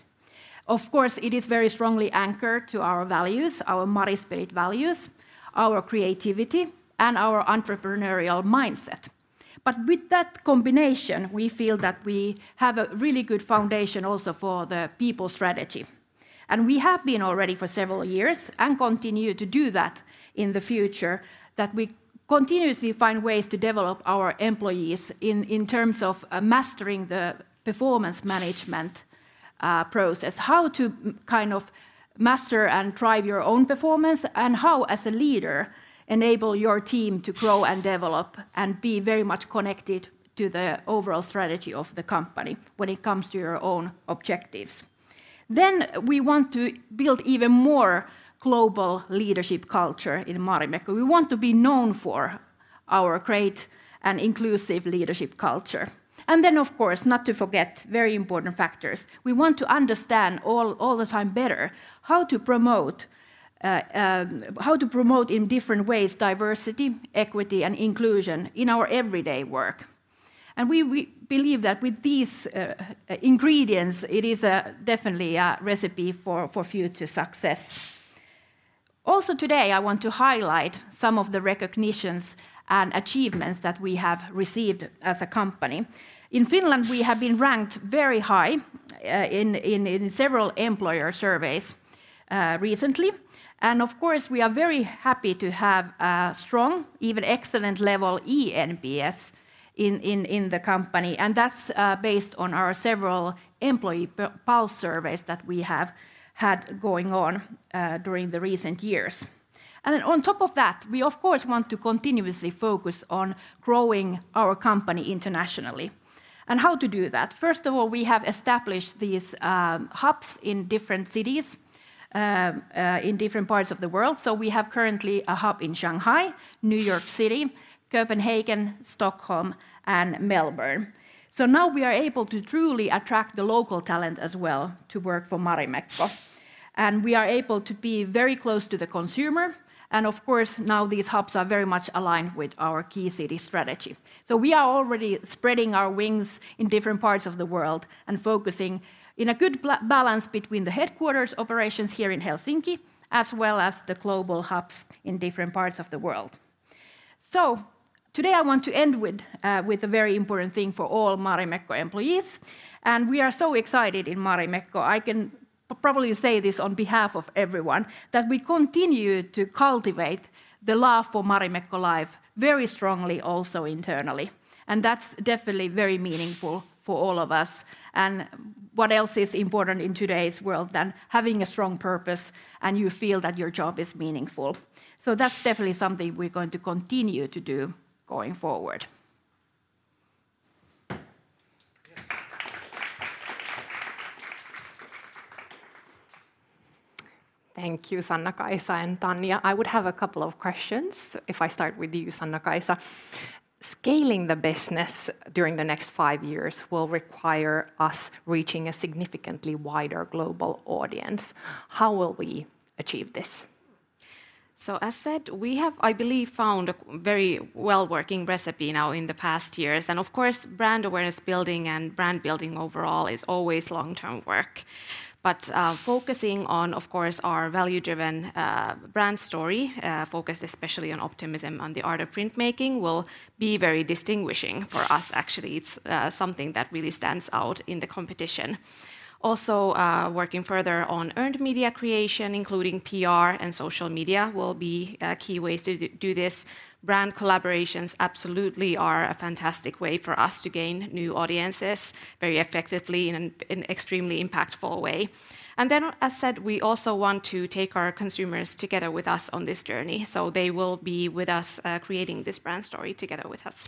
of course, it is very strongly anchored to our values, our Marimekko Spirit values, our creativity, and our entrepreneurial mindset. With that combination, we feel that we have a really good foundation also for the people strategy. We have been already for several years, and continue to do that in the future, that we continuously find ways to develop our employees in terms of mastering the performance management process. How to kind of master and drive your own performance, and how, as a leader, enable your team to grow and develop and be very much connected to the overall strategy of the company when it comes to your own objectives. We want to build even more global leadership culture in Marimekko. We want to be known for our great and inclusive leadership culture. Of course, not to forget very important factors, we want to understand all the time better how to promote in different ways diversity, equity, and inclusion in our everyday work. We believe that with these ingredients, it is definitely a recipe for future success. Also today, I want to highlight some of the recognitions and achievements that we have received as a company. In Finland, we have been ranked very high in several employer surveys recently. Of course, we are very happy to have a strong, even excellent level eNPS in the company, and that's based on our several employee pulse surveys that we have had going on during the recent years. On top of that, we of course want to continuously focus on growing our company internationally. How to do that? First of all, we have established these hubs in different cities in different parts of the world. We have currently a hub in Shanghai, New York City, Copenhagen, Stockholm, and Melbourne. Now we are able to truly attract the local talent as well to work for Marimekko. We are able to be very close to the consumer, and of course, now these hubs are very much aligned with our key city strategy. We are already spreading our wings in different parts of the world and focusing in a good balance between the headquarters operations here in Helsinki, as well as the global hubs in different parts of the world. Today, I want to end with a very important thing for all Marimekko employees, and we are so excited in Marimekko. I can probably say this on behalf of everyone, that we continue to cultivate the love for Marimekko life very strongly also internally, and that's definitely very meaningful for all of us. What else is important in today's world than having a strong purpose, and you feel that your job is meaningful? That's definitely something we're going to continue to do going forward. Yes. Thank you, Sanna-Kaisa and Tanya. I would have a couple of questions, if I start with you, Sanna-Kaisa. Scaling the business during the next five years will require us reaching a significantly wider global audience. How will we achieve this? As said, we have, I believe, found a very well-working recipe now in the past years. Of course, brand awareness building and brand building overall is always long-term work. Focusing on, of course, our value-driven brand story, focused especially on optimism and the art of printmaking, will be very distinguishing for us, actually. It's something that really stands out in the competition. Also, working further on earned media creation, including PR and social media, will be key ways to do this. Brand collaborations absolutely are a fantastic way for us to gain new audiences very effectively in an extremely impactful way. As said, we also want to take our consumers together with us on this journey, so they will be with us creating this brand story together with us.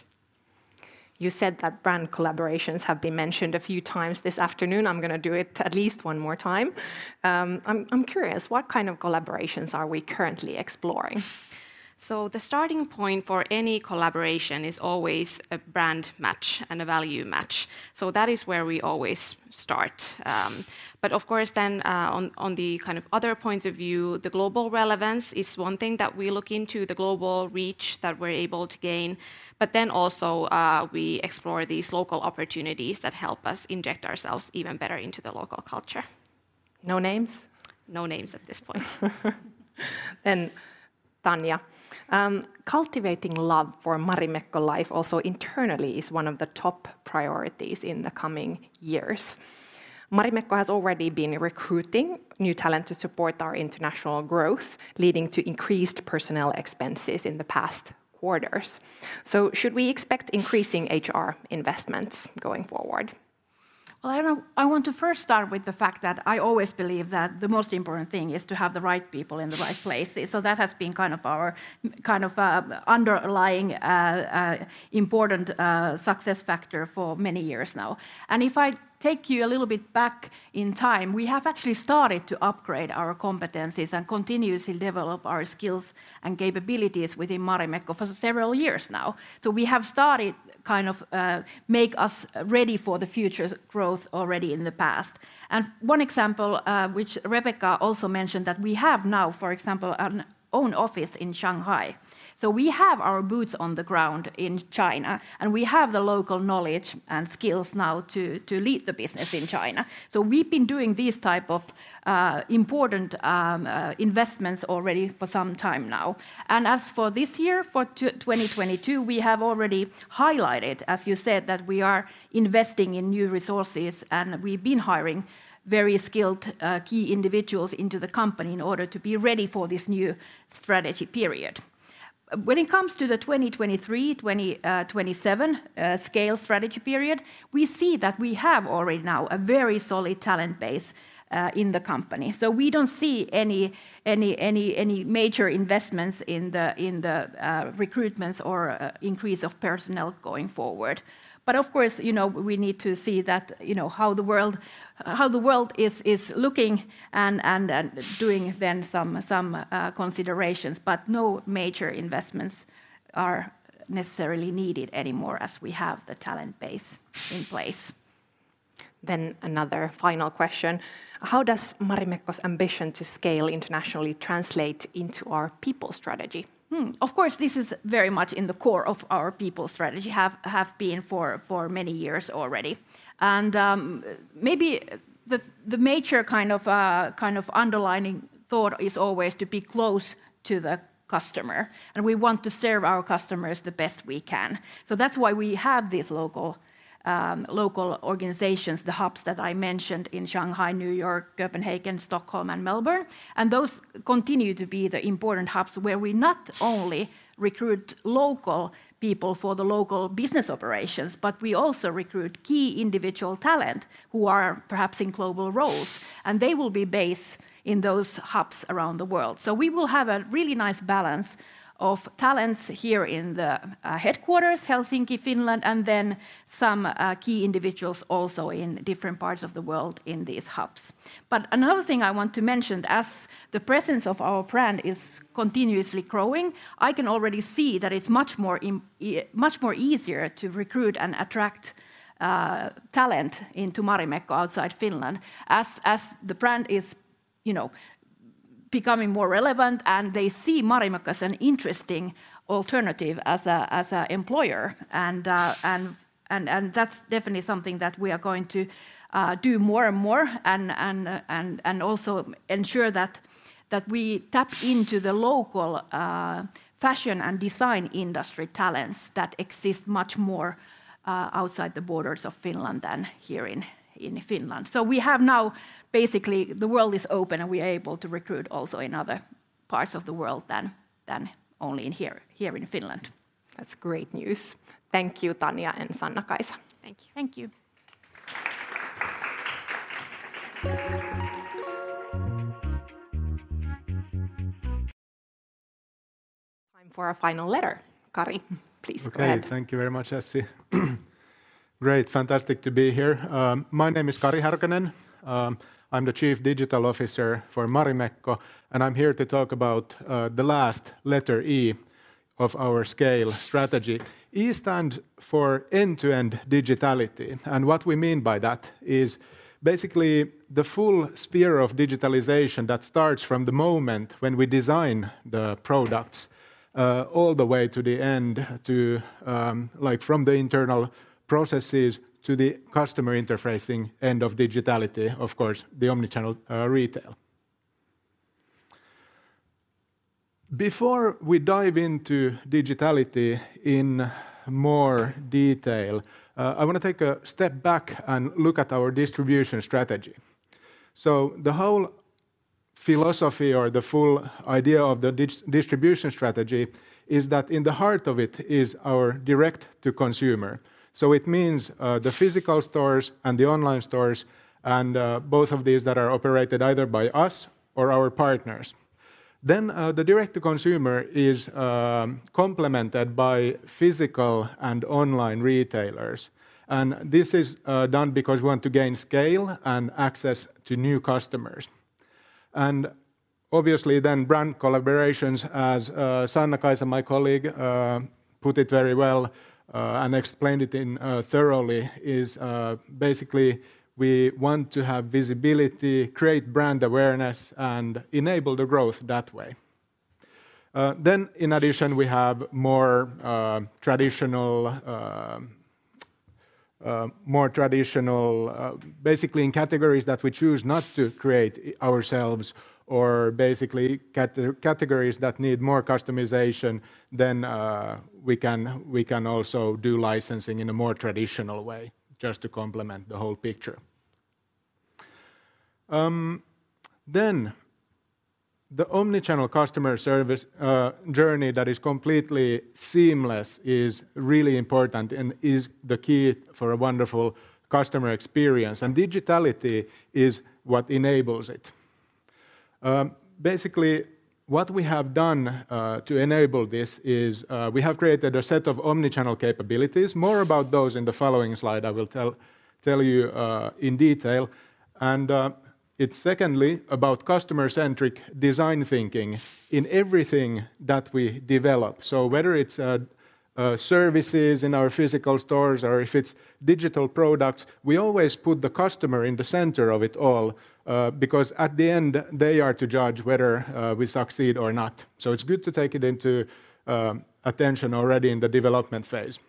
You said that brand collaborations have been mentioned a few times this afternoon. I'm gonna do it at least one more time. I'm curious what kind of collaborations are we currently exploring? The starting point for any collaboration is always a brand match and a value match. That is where we always start. Of course then, on the kind of other points of view, the global relevance is one thing that we look into, the global reach that we're able to gain. Also, we explore these local opportunities that help us inject ourselves even better into the local culture. No names? No names at this point. Tanya, cultivating love for Marimekko life also internally is one of the top priorities in the coming years. Marimekko has already been recruiting new talent to support our international growth, leading to increased personnel expenses in the past quarters. Should we expect increasing HR investments going forward? Well, I don't know. I want to first start with the fact that I always believe that the most important thing is to have the right people in the right places, so that has been kind of our underlying important success factor for many years now. If I take you a little bit back in time, we have actually started to upgrade our competencies and continuously develop our skills and capabilities within Marimekko for several years now. We have started, kind of, make us ready for the future's growth already in the past. One example, which Rebekka also mentioned, that we have now, for example, an own office in Shanghai. We have our boots on the ground in China, and we have the local knowledge and skills now to lead the business in China. We've been doing these type of important investments already for some time now. As for this year, for 2022, we have already highlighted, as you said, that we are investing in new resources, and we've been hiring very skilled key individuals into the company in order to be ready for this new strategy period. When it comes to the 2023-2027 scale strategy period, we see that we have already now a very solid talent base in the company. We don't see any major investments in the recruitments or increase of personnel going forward. Of course, you know, we need to see that, you know, how the world is looking and doing then some considerations, but no major investments are necessarily needed anymore as we have the talent base in place. Another final question. How does Marimekko's ambition to scale internationally translate into our people strategy? Of course, this is very much in the core of our people strategy. Have been for many years already. Maybe the major kind of underlying thought is always to be close to the customer, and we want to serve our customers the best we can. That's why we have these local organizations, the hubs that I mentioned in Shanghai, New York, Copenhagen, Stockholm, and Melbourne, and those continue to be the important hubs where we not only recruit local people for the local business operations, but we also recruit key individual talent who are perhaps in global roles, and they will be based in those hubs around the world. We will have a really nice balance of talents here in the headquarters, Helsinki, Finland, and then some key individuals also in different parts of the world in these hubs. Another thing I want to mention, as the presence of our brand is continuously growing, I can already see that it's much more easier to recruit and attract talent into Marimekko outside Finland as the brand is, you know, becoming more relevant and they see Marimekko as an interesting alternative as a employer. That's definitely something that we are going to do more and more and also ensure that we tap into the local fashion and design industry talents that exist much more outside the borders of Finland than here in Finland. We have now... Basically, the world is open, and we are able to recruit also in other parts of the world than only in here in Finland. That's great news. Thank you, Tanya and Sanna-Kaisa. Thank you. Thank you. Time for our final letter. Kari, please go ahead. Okay. Thank you very much, Essi. Great, fantastic to be here. My name is Kari Härkönen. I'm the Chief Digital Officer for Marimekko, and I'm here to talk about the last letter, E, of our SCALE strategy. E stands for end-to-end digitality, and what we mean by that is basically the full sphere of digitalization that starts from the moment when we design the products, all the way to the end to, like, from the internal processes to the customer interfacing end of digitality, of course, the omnichannel retail. Before we dive into digitality in more detail, I wanna take a step back and look at our distribution strategy. The whole philosophy or the full idea of the distribution strategy is that in the heart of it is our direct-to-consumer, so it means the physical stores and the online stores and both of these that are operated either by us or our partners. The direct to consumer is complemented by physical and online retailers, and this is done because we want to gain scale and access to new customers. Obviously brand collaborations, as Sanna-Kaisa, my colleague, put it very well and explained it thoroughly, is basically we want to have visibility, create brand awareness, and enable the growth that way. In addition, we have more traditional... Basically in categories that we choose not to create ourselves or basically categories that need more customization, then we can also do licensing in a more traditional way just to complement the whole picture. Then the omnichannel customer service journey that is completely seamless is really important and is the key for a wonderful customer experience, and digitality is what enables it. Basically what we have done to enable this is we have created a set of omnichannel capabilities. More about those in the following slide, I will tell you in detail. It's secondly about customer-centric design thinking in everything that we develop. Whether it's services in our physical stores or if it's digital products, we always put the customer in the center of it all, because at the end, they are to judge whether we succeed or not. It's good to take it into attention already in the development phase.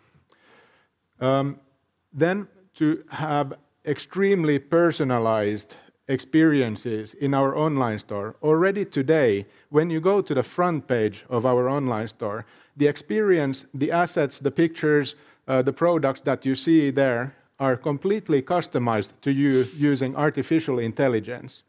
Then to have extremely personalized experiences in our online store. Already today, when you go to the front page of our online store, the experience, the assets, the pictures, the products that you see there are completely customized to you using artificial intelligence.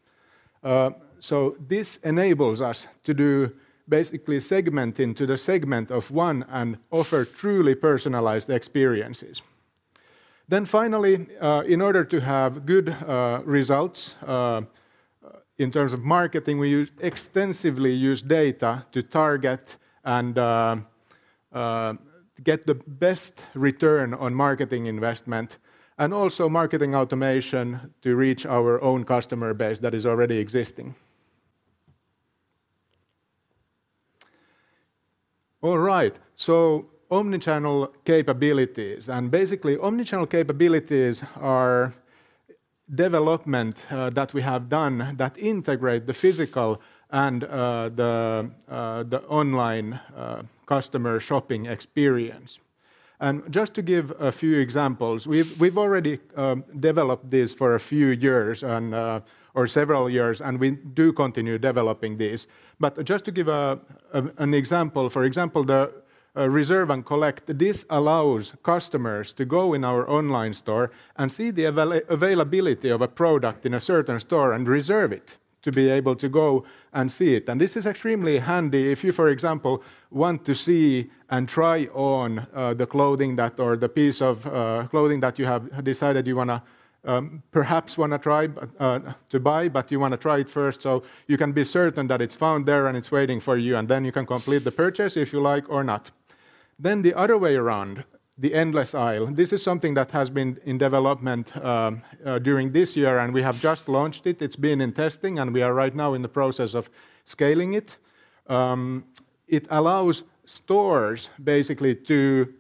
This enables us to do basically segment into the segment of one and offer truly personalized experiences. Finally, in order to have good results in terms of marketing, we extensively use data to target and get the best return on marketing investment and also marketing automation to reach our own customer base that is already existing. All right. Omnichannel capabilities. Basically omnichannel capabilities are developments that we have done that integrate the physical and the online customer shopping experience. Just to give a few examples, we've already developed this for a few years or several years, and we do continue developing this. Just to give an example, for example, the reserve and collect, this allows customers to go in our online store and see the availability of a product in a certain store and reserve it to be able to go and see it. This is extremely handy if you, for example, want to see and try on the piece of clothing that you have decided you wanna try to buy, but you wanna try it first so you can be certain that it's found there and it's waiting for you, and then you can complete the purchase if you like or not. The other way around, the endless aisle. This is something that has been in development during this year, and we have just launched it. It's been in testing, and we are right now in the process of scaling it. It allows stores basically to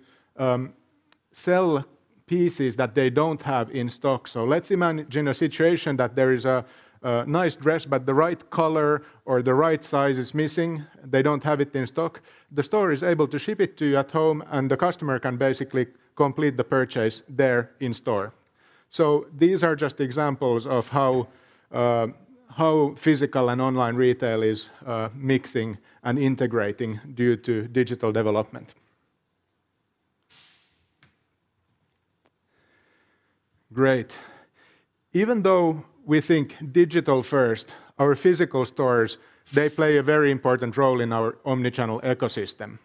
sell pieces that they don't have in stock. Let's imagine a situation that there is a nice dress, but the right color or the right size is missing. They don't have it in stock. The store is able to ship it to you at home, and the customer can basically complete the purchase there in store. These are just examples of how physical and online retail is mixing and integrating due to digital development. Great. Even though we think digital first, our physical stores, they play a very important role in our omnichannel ecosystem.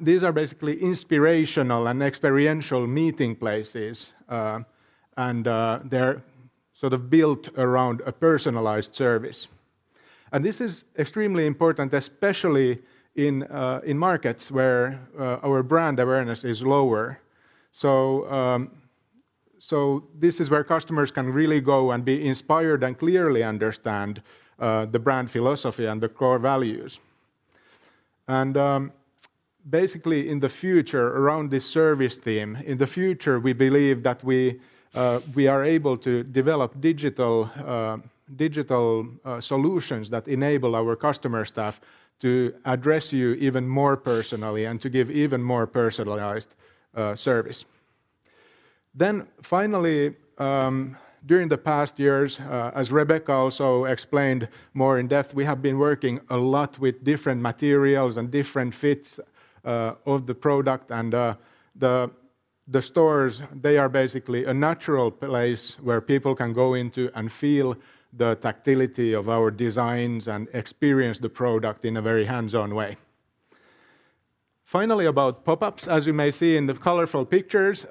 These are basically inspirational and experiential meeting places, and they're sort of built around a personalized service. This is extremely important, especially in markets where our brand awareness is lower. This is where customers can really go and be inspired and clearly understand the brand philosophy and the core values. Basically, in the future, around this service theme, we believe that we are able to develop digital solutions that enable our customer staff to address you even more personally and to give even more personalized service. Finally, during the past years, as Rebekka also explained more in depth, we have been working a lot with different materials and different fits of the product and the stores. They are basically a natural place where people can go into and feel the tactility of our designs and experience the product in a very hands-on way. Finally, about pop-ups, as you may see in the colorful pictures,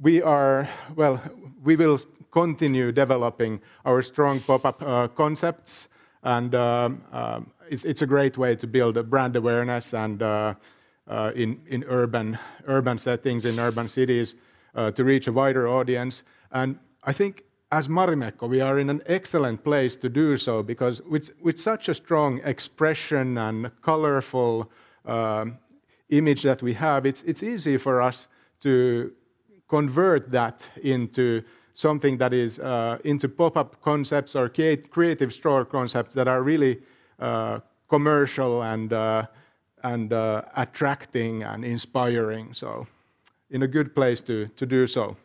we are. Well, we will continue developing our strong pop-up concepts, and it's a great way to build brand awareness and in urban settings in urban cities to reach a wider audience. I think as Marimekko, we are in an excellent place to do so because with such a strong expression and colorful image that we have, it's easy for us to convert that into something that is into pop-up concepts or creative store concepts that are really attracting and inspiring, so in a good place to do so.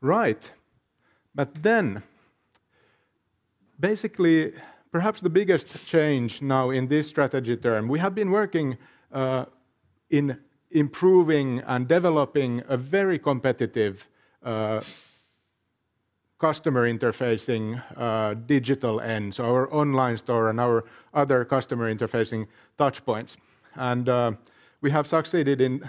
Right. Basically perhaps the biggest change now in this strategy term, we have been working in improving and developing a very competitive customer interfacing digital end, so our online store and our other customer interfacing touchpoints. We have succeeded in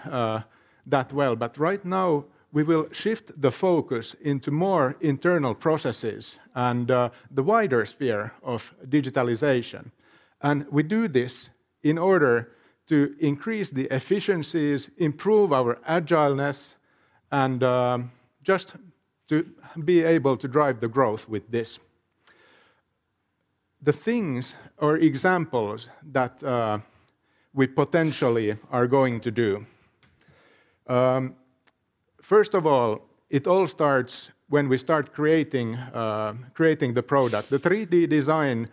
that well. Right now we will shift the focus into more internal processes and the wider sphere of digitalization. We do this in order to increase the efficiencies, improve our agileness, and just to be able to drive the growth with this. The things or examples that we potentially are going to do. First of all, it all starts when we start creating the product. The 3D design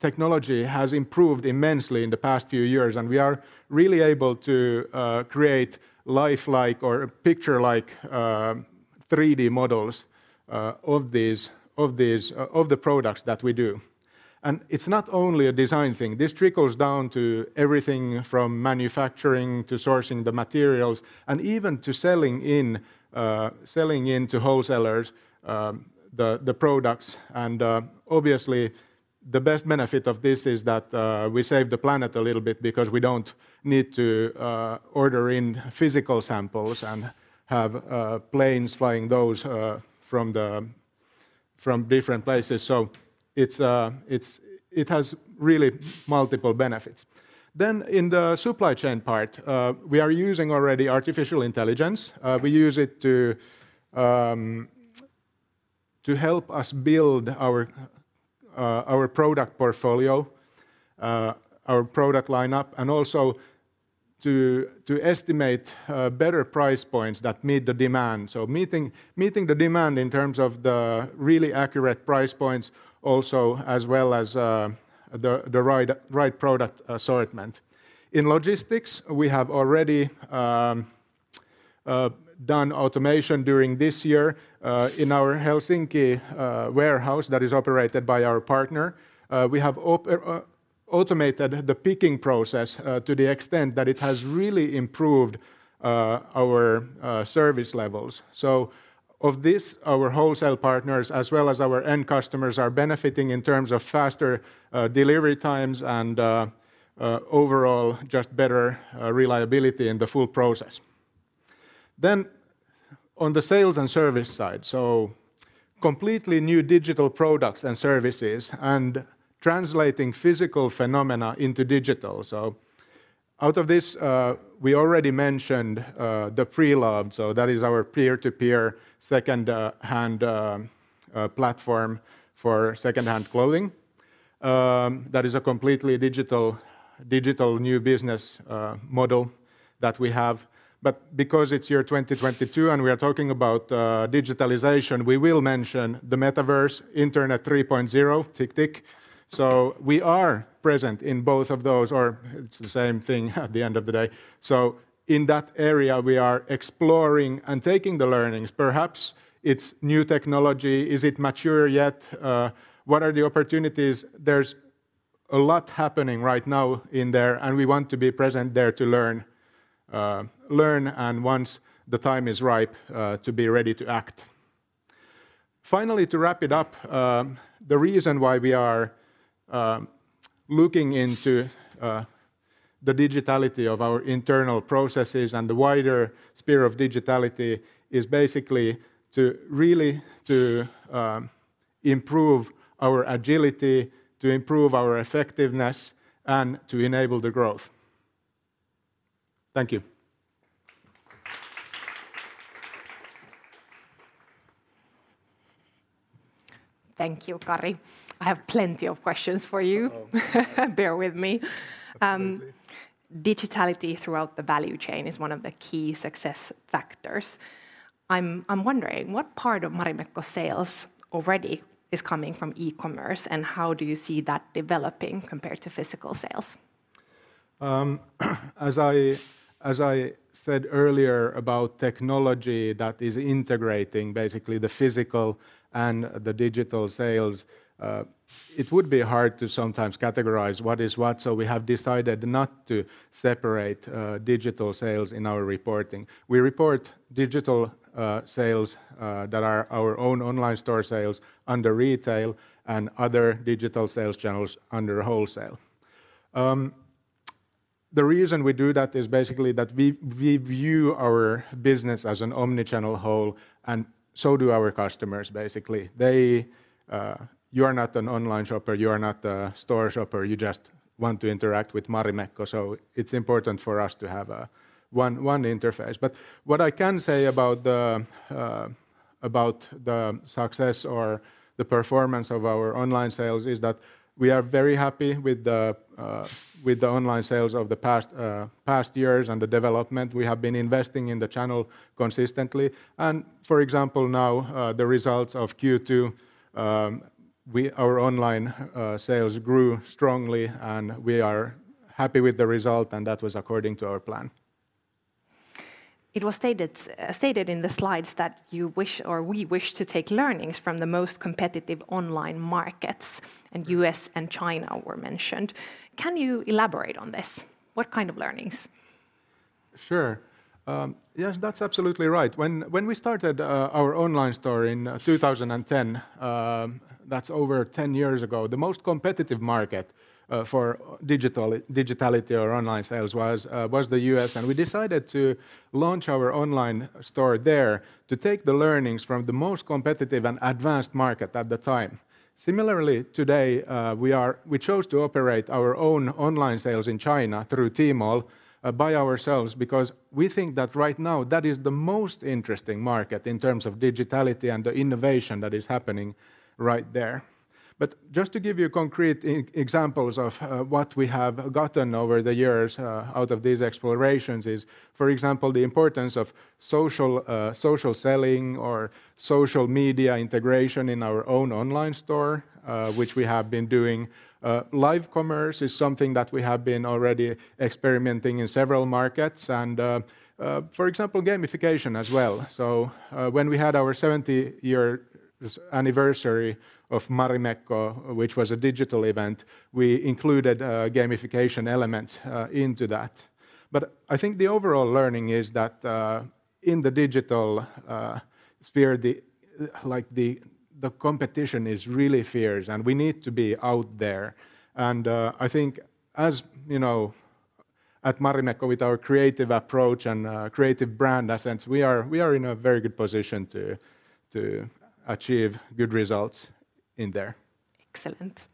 technology has improved immensely in the past few years, and we are really able to create lifelike or picture-like 3D models of the products that we do. It's not only a design thing. This trickles down to everything from manufacturing to sourcing the materials, and even to selling in to wholesalers the products. Obviously the best benefit of this is that we save the planet a little bit because we don't need to order in physical samples and have planes flying those from different places. It has really multiple benefits. In the supply chain part, we are using already artificial intelligence. We use it to help us build our product portfolio, our product lineup, and also to estimate better price points that meet the demand. Meeting the demand in terms of the really accurate price points also as well as the right product assortment. In logistics, we have already done automation during this year in our Helsinki warehouse that is operated by our partner. We have automated the picking process to the extent that it has really improved our service levels. Of this, our wholesale partners as well as our end customers are benefiting in terms of faster delivery times and overall just better reliability in the full process. On the sales and service side, completely new digital products and services and translating physical phenomena into digital. Out of this, we already mentioned the Pre-loved, that is our peer-to-peer second-hand platform for secondhand clothing. That is a completely digital new business model that we have. Because it's year 2022 and we are talking about digitalization, we will mention the Metaverse, Web 3.0. We are present in both of those, or it's the same thing at the end of the day. In that area, we are exploring and taking the learnings. Perhaps it's new technology. Is it mature yet? What are the opportunities? There's a lot happening right now in there, and we want to be present there to learn, and once the time is ripe, to be ready to act. Finally, to wrap it up, the reason why we are looking into the digitality of our internal processes and the wider sphere of digitality is basically to really improve our agility, to improve our effectiveness, and to enable the growth. Thank you. Thank you, Kari. I have plenty of questions for you. Oh. Bear with me. Absolutely. Digitality throughout the value chain is one of the key success factors. I'm wondering, what part of Marimekko sales already is coming from e-commerce, and how do you see that developing compared to physical sales? As I said earlier about technology that is integrating basically the physical and the digital sales, it would be hard to sometimes categorize what is what, so we have decided not to separate digital sales in our reporting. We report digital sales that are our own online store sales under retail and other digital sales channels under wholesale. The reason we do that is basically that we view our business as an omni-channel whole, and so do our customers, basically. You are not an online shopper, you are not a store shopper, you just want to interact with Marimekko, so it's important for us to have one interface. What I can say about the success or the performance of our online sales is that we are very happy with the online sales of the past years and the development. We have been investing in the channel consistently. For example, now the results of Q2, our online sales grew strongly, and we are happy with the result, and that was according to our plan. It was stated in the slides that you wish or we wish to take learnings from the most competitive online markets. Mm U.S. and China were mentioned. Can you elaborate on this? What kind of learnings? Sure. Yes, that's absolutely right. When we started our online store in 2010, that's over 10 years ago, the most competitive market for digitality or online sales was the U.S. We decided to launch our online store there to take the learnings from the most competitive and advanced market at the time. Similarly, today, we chose to operate our own online sales in China through Tmall by ourselves because we think that right now that is the most interesting market in terms of digitality and the innovation that is happening right there. Just to give you concrete examples of what we have gotten over the years out of these explorations is, for example, the importance of social selling or social media integration in our own online store, which we have been doing. Live commerce is something that we have been already experimenting in several markets and, for example, gamification as well. When we had our 70-year anniversary of Marimekko, which was a digital event, we included gamification elements into that. I think the overall learning is that, in the digital sphere, the competition is really fierce and we need to be out there. I think as you know, at Marimekko with our creative approach and creative brand essence, we are in a very good position to achieve good results in there. Excellent.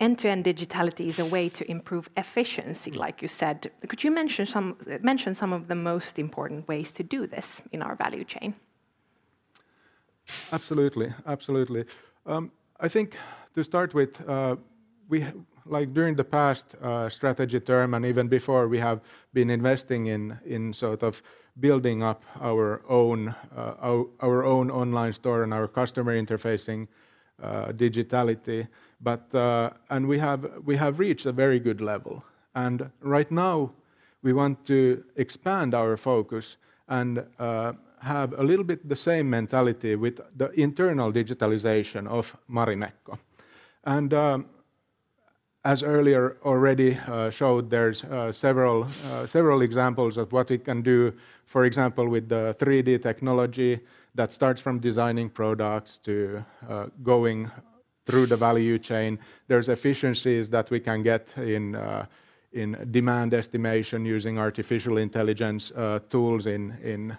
End-to-end digitality is a way to improve efficiency, like you said. Could you mention some of the most important ways to do this in our value chain? Absolutely. I think to start with, like, during the past strategy term and even before, we have been investing in sort of building up our own online store and our customer interfacing digitality, but we have reached a very good level, and right now we want to expand our focus and have a little bit the same mentality with the internal digitalization of Marimekko. As earlier already showed, there's several examples of what it can do, for example, with the 3D technology that starts from designing products to going through the value chain. There's efficiencies that we can get in demand estimation using artificial intelligence tools in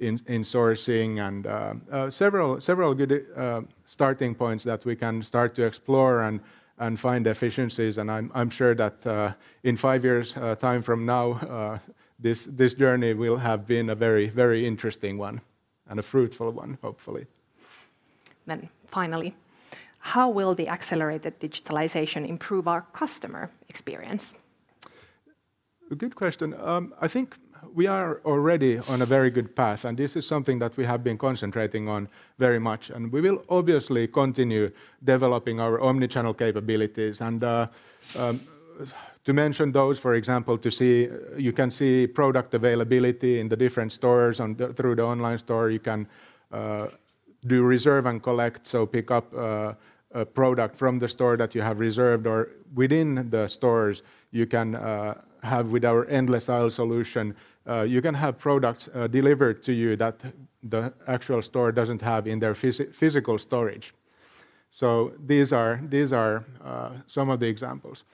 sourcing, and several good starting points that we can start to explore and find efficiencies. I'm sure that in five years' time from now, this journey will have been a very, very interesting one and a fruitful one, hopefully. Finally, how will the accelerated digitalization improve our customer experience? A good question. I think we are already on a very good path, and this is something that we have been concentrating on very much. We will obviously continue developing our omni-channel capabilities. To mention those, for example, you can see product availability in the different stores through the online store. You can do reserve and collect, so pick up a product from the store that you have reserved. Or within the stores you can have with our endless aisle solution, you can have products delivered to you that the actual store doesn't have in their physical storage. These are some of the examples.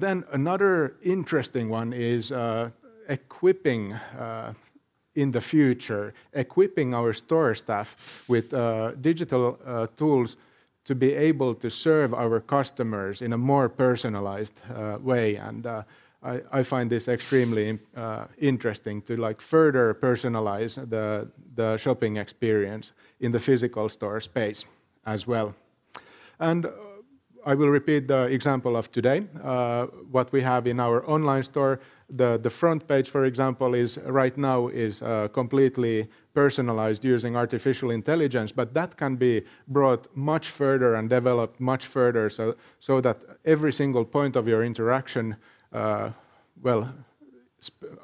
Another interesting one is equipping in the future our store staff with digital tools to be able to serve our customers in a more personalized way. I find this extremely interesting to like further personalize the shopping experience in the physical store space as well. I will repeat the example of today. What we have in our online store, the front page, for example, is right now completely personalized using artificial intelligence, but that can be brought much further and developed much further so that every single point of your interaction, well,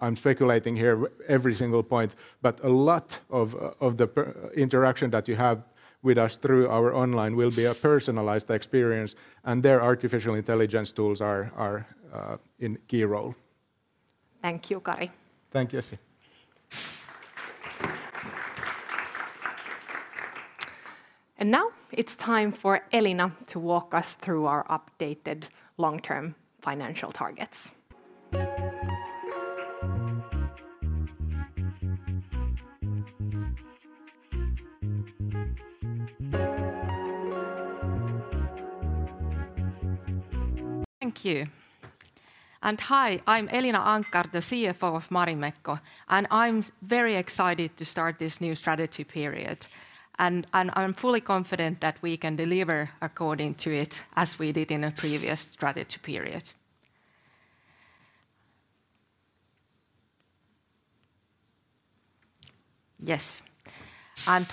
I'm speculating here, every single point, but a lot of the interaction that you have with us through our online will be a personalized experience, and there artificial intelligence tools are in key role. Thank you, Kari. Thank you, Essi. Now it's time for Elina to walk us through our updated long-term financial targets. Thank you. Hi, I'm Elina Anckar, the CFO of Marimekko, and I'm very excited to start this new strategy period, and I'm fully confident that we can deliver according to it as we did in a previous strategy period. Yes.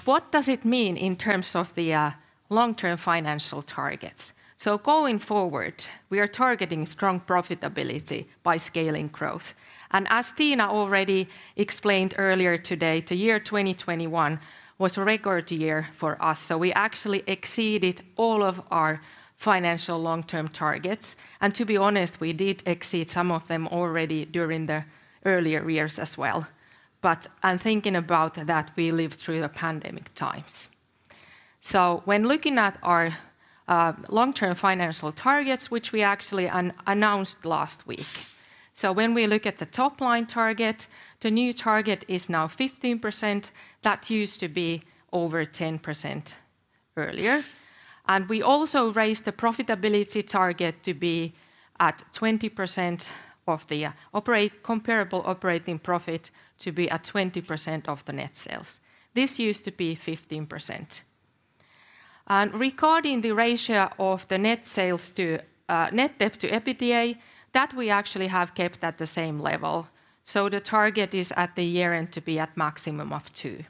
What does it mean in terms of the long-term financial targets? Going forward, we are targeting strong profitability by scaling growth. As Tiina already explained earlier today, the year 2021 was a record year for us, so we actually exceeded all of our financial long-term targets. To be honest, we did exceed some of them already during the earlier years as well, but I'm thinking about that we lived through the pandemic times. When looking at our long-term financial targets, which we actually announced last week, when we look at the top line target, the new target is now 15%. That used to be over 10% earlier. We also raised the profitability target to be at 20% of the comparable operating profit to be at 20% of the net sales. This used to be 15%. Regarding the ratio of the net sales to net debt to EBITDA, that we actually have kept at the same level, so the target is at the year-end to be at maximum of 2.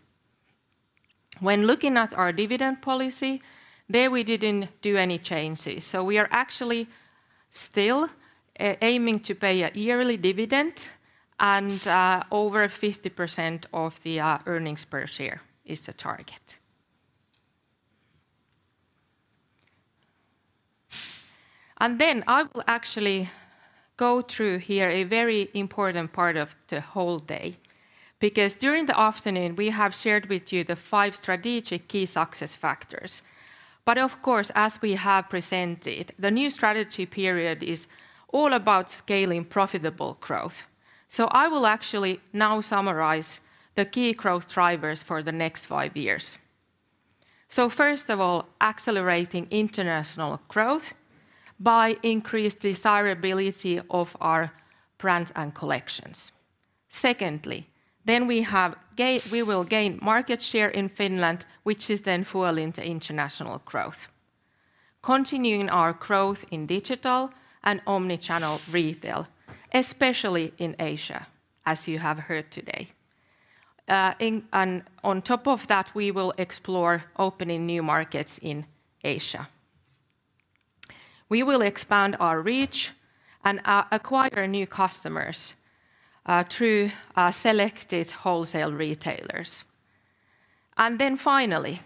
When looking at our dividend policy, there we didn't do any changes, so we are actually still aiming to pay a yearly dividend and over 50% of the earnings per share is the target. Then I will actually go through here a very important part of the whole day, because during the afternoon we have shared with you the five strategic key success factors. Of course, as we have presented, the new strategy period is all about scaling profitable growth. I will actually now summarize the key growth drivers for the next five years. First of all, accelerating international growth by increased desirability of our brand and collections. Secondly, we will gain market share in Finland, which is then fuel into international growth. Continuing our growth in digital and omni-channel retail, especially in Asia, as you have heard today. And on top of that, we will explore opening new markets in Asia. We will expand our reach and acquire new customers through selected wholesale retailers. Finally,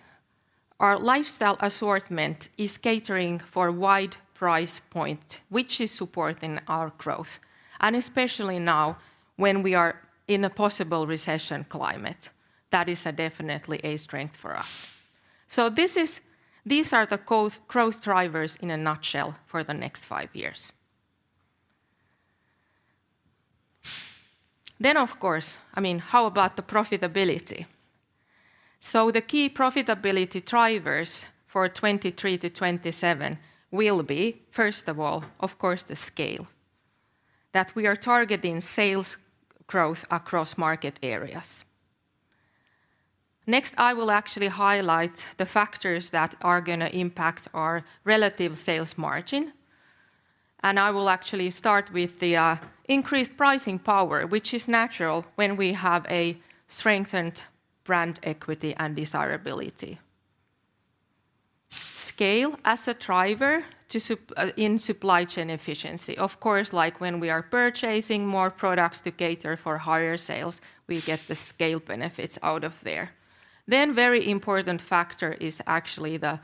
our lifestyle assortment is catering for wide price point, which is supporting our growth. Especially now, when we are in a possible recession climate, that is definitely a strength for us. These are the core growth drivers in a nutshell for the next five years. Of course, I mean, how about the profitability? The key profitability drivers for 2023-2027 will be, first of all, of course, the scale that we are targeting sales growth across market areas. Next, I will actually highlight the factors that are gonna impact our relative sales margin. I will actually start with the increased pricing power, which is natural when we have a strengthened brand equity and desirability. Scale as a driver to support in supply chain efficiency. Of course, like when we are purchasing more products to cater for higher sales, we get the scale benefits out of there. A very important factor is actually the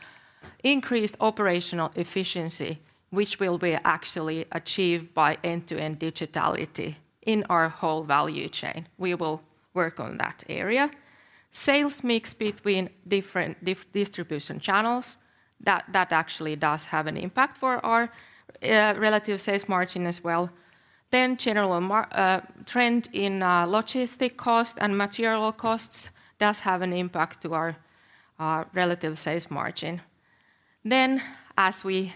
increased operational efficiency, which will be actually achieved by end-to-end digitality in our whole value chain. We will work on that area. Sales mix between different distribution channels, that actually does have an impact for our relative sales margin as well. General market trend in logistics costs and material costs does have an impact to our relative sales margin. As we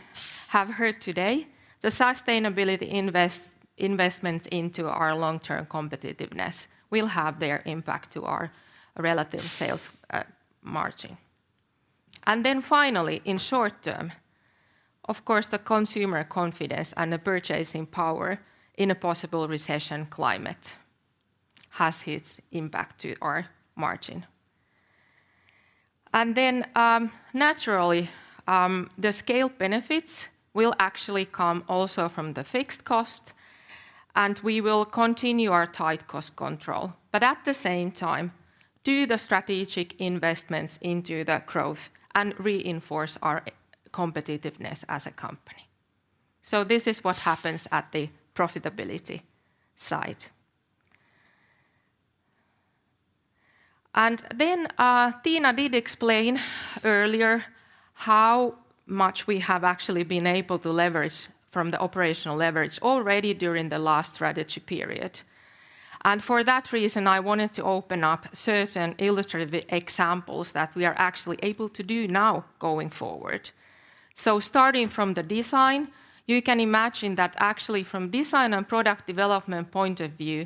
have heard today, the sustainability investments into our long-term competitiveness will have their impact to our relative sales margin. Finally, in short term, of course, the consumer confidence and the purchasing power in a possible recession climate has its impact to our margin. Naturally, the scale benefits will actually come also from the fixed cost, and we will continue our tight cost control, but at the same time, do the strategic investments into the growth and reinforce our competitiveness as a company. This is what happens at the profitability side. Tina did explain earlier how much we have actually been able to leverage from the operational leverage already during the last strategy period. For that reason, I wanted to open up certain illustrative examples that we are actually able to do now going forward. Starting from the design, you can imagine that actually from design and product development point of view,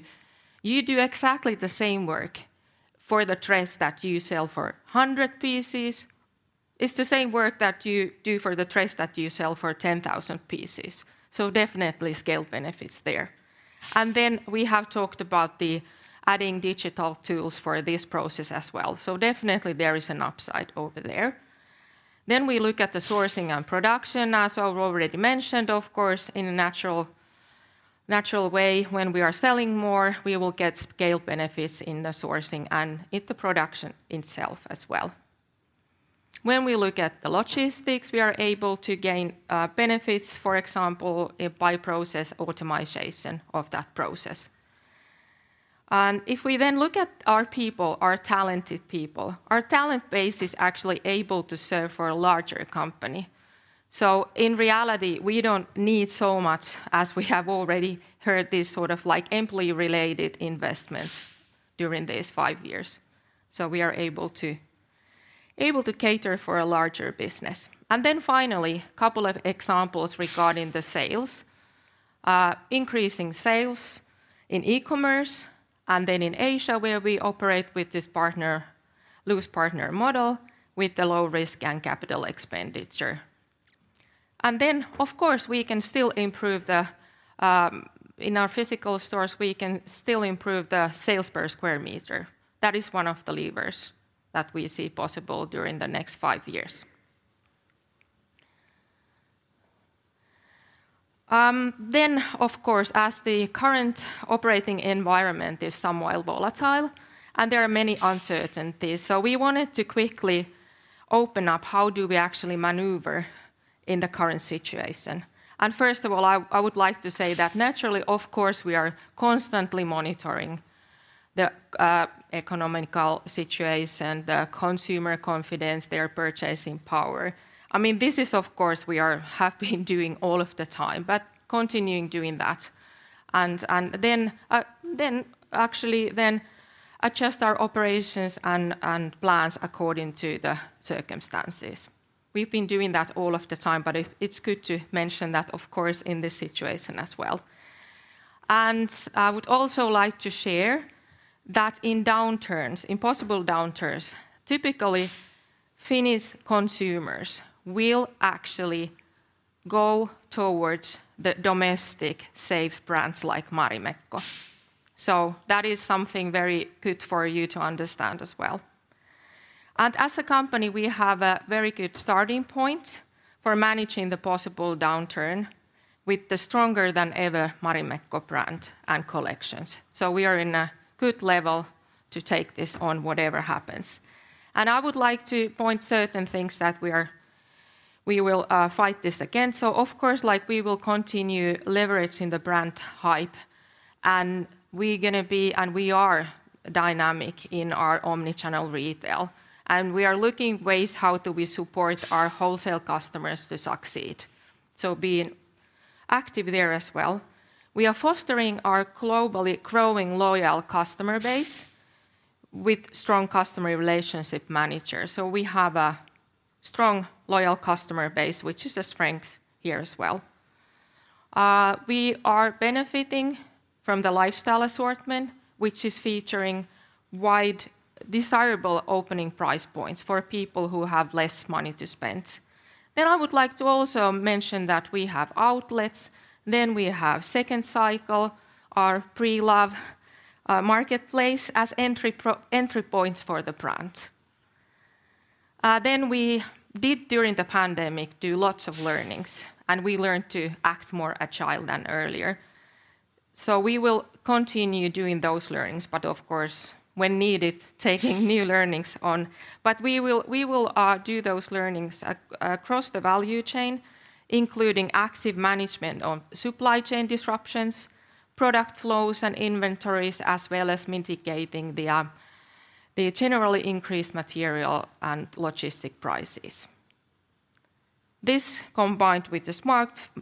you do exactly the same work for the dress that you sell for 100 pieces. It's the same work that you do for the dress that you sell for 10,000 pieces. Definitely scale benefits there. We have talked about adding digital tools for this process as well. Definitely there is an upside over there. We look at the sourcing and production, as I've already mentioned, of course, in a natural way, when we are selling more, we will get scale benefits in the sourcing and in the production itself as well. When we look at the logistics, we are able to gain benefits, for example, by process automation of that process. If we look at our people, our talented people, our talent base is actually able to serve for a larger company. In reality, we don't need so much as we have already heard these sort of like employee related investments during these five years. We are able to cater for a larger business. Finally, a couple of examples regarding the sales, increasing sales in e-commerce and then in Asia, where we operate with this partner, local partner model with the low risk and capital expenditure. Of course, we can still improve the, in our physical stores, we can still improve the sales per square meter. That is one of the levers that we see possible during the next five years. Of course, as the current operating environment is somewhat volatile, and there are many uncertainties. We wanted to quickly open up how do we actually maneuver in the current situation. First of all, I would like to say that naturally, of course, we are constantly monitoring the, economic situation, the consumer confidence, their purchasing power. I mean, this is of course, we have been doing all of the time, but continuing doing that. Then actually adjust our operations and plans according to the circumstances. We've been doing that all of the time, but it's good to mention that, of course, in this situation as well. I would also like to share that in downturns, in possible downturns, typically Finnish consumers will actually go towards the domestic safe brands like Marimekko. That is something very good for you to understand as well. As a company, we have a very good starting point for managing the possible downturn with the stronger than ever Marimekko brand and collections. We are in a good level to take this on, whatever happens. I would like to point certain things that we will fight this again. Of course, like, we will continue leveraging the brand hype, and we are dynamic in our omni-channel retail. We are looking ways how we support our wholesale customers to succeed, so being active there as well. We are fostering our globally growing loyal customer base with strong customer relationship management. We have a strong, loyal customer base, which is a strength here as well. We are benefiting from the lifestyle assortment, which is featuring wide, desirable opening price points for people who have less money to spend. I would like to also mention that we have outlets, we have second cycle, our Pre-loved marketplace as entry points for the brand. We did, during the pandemic, do lots of learnings, and we learned to act more agile than earlier. We will continue doing those learnings, but of course, when needed, taking new learnings on. We will do those learnings across the value chain, including active management of supply chain disruptions, product flows, and inventories, as well as mitigating the generally increased material and logistics prices. This, combined with the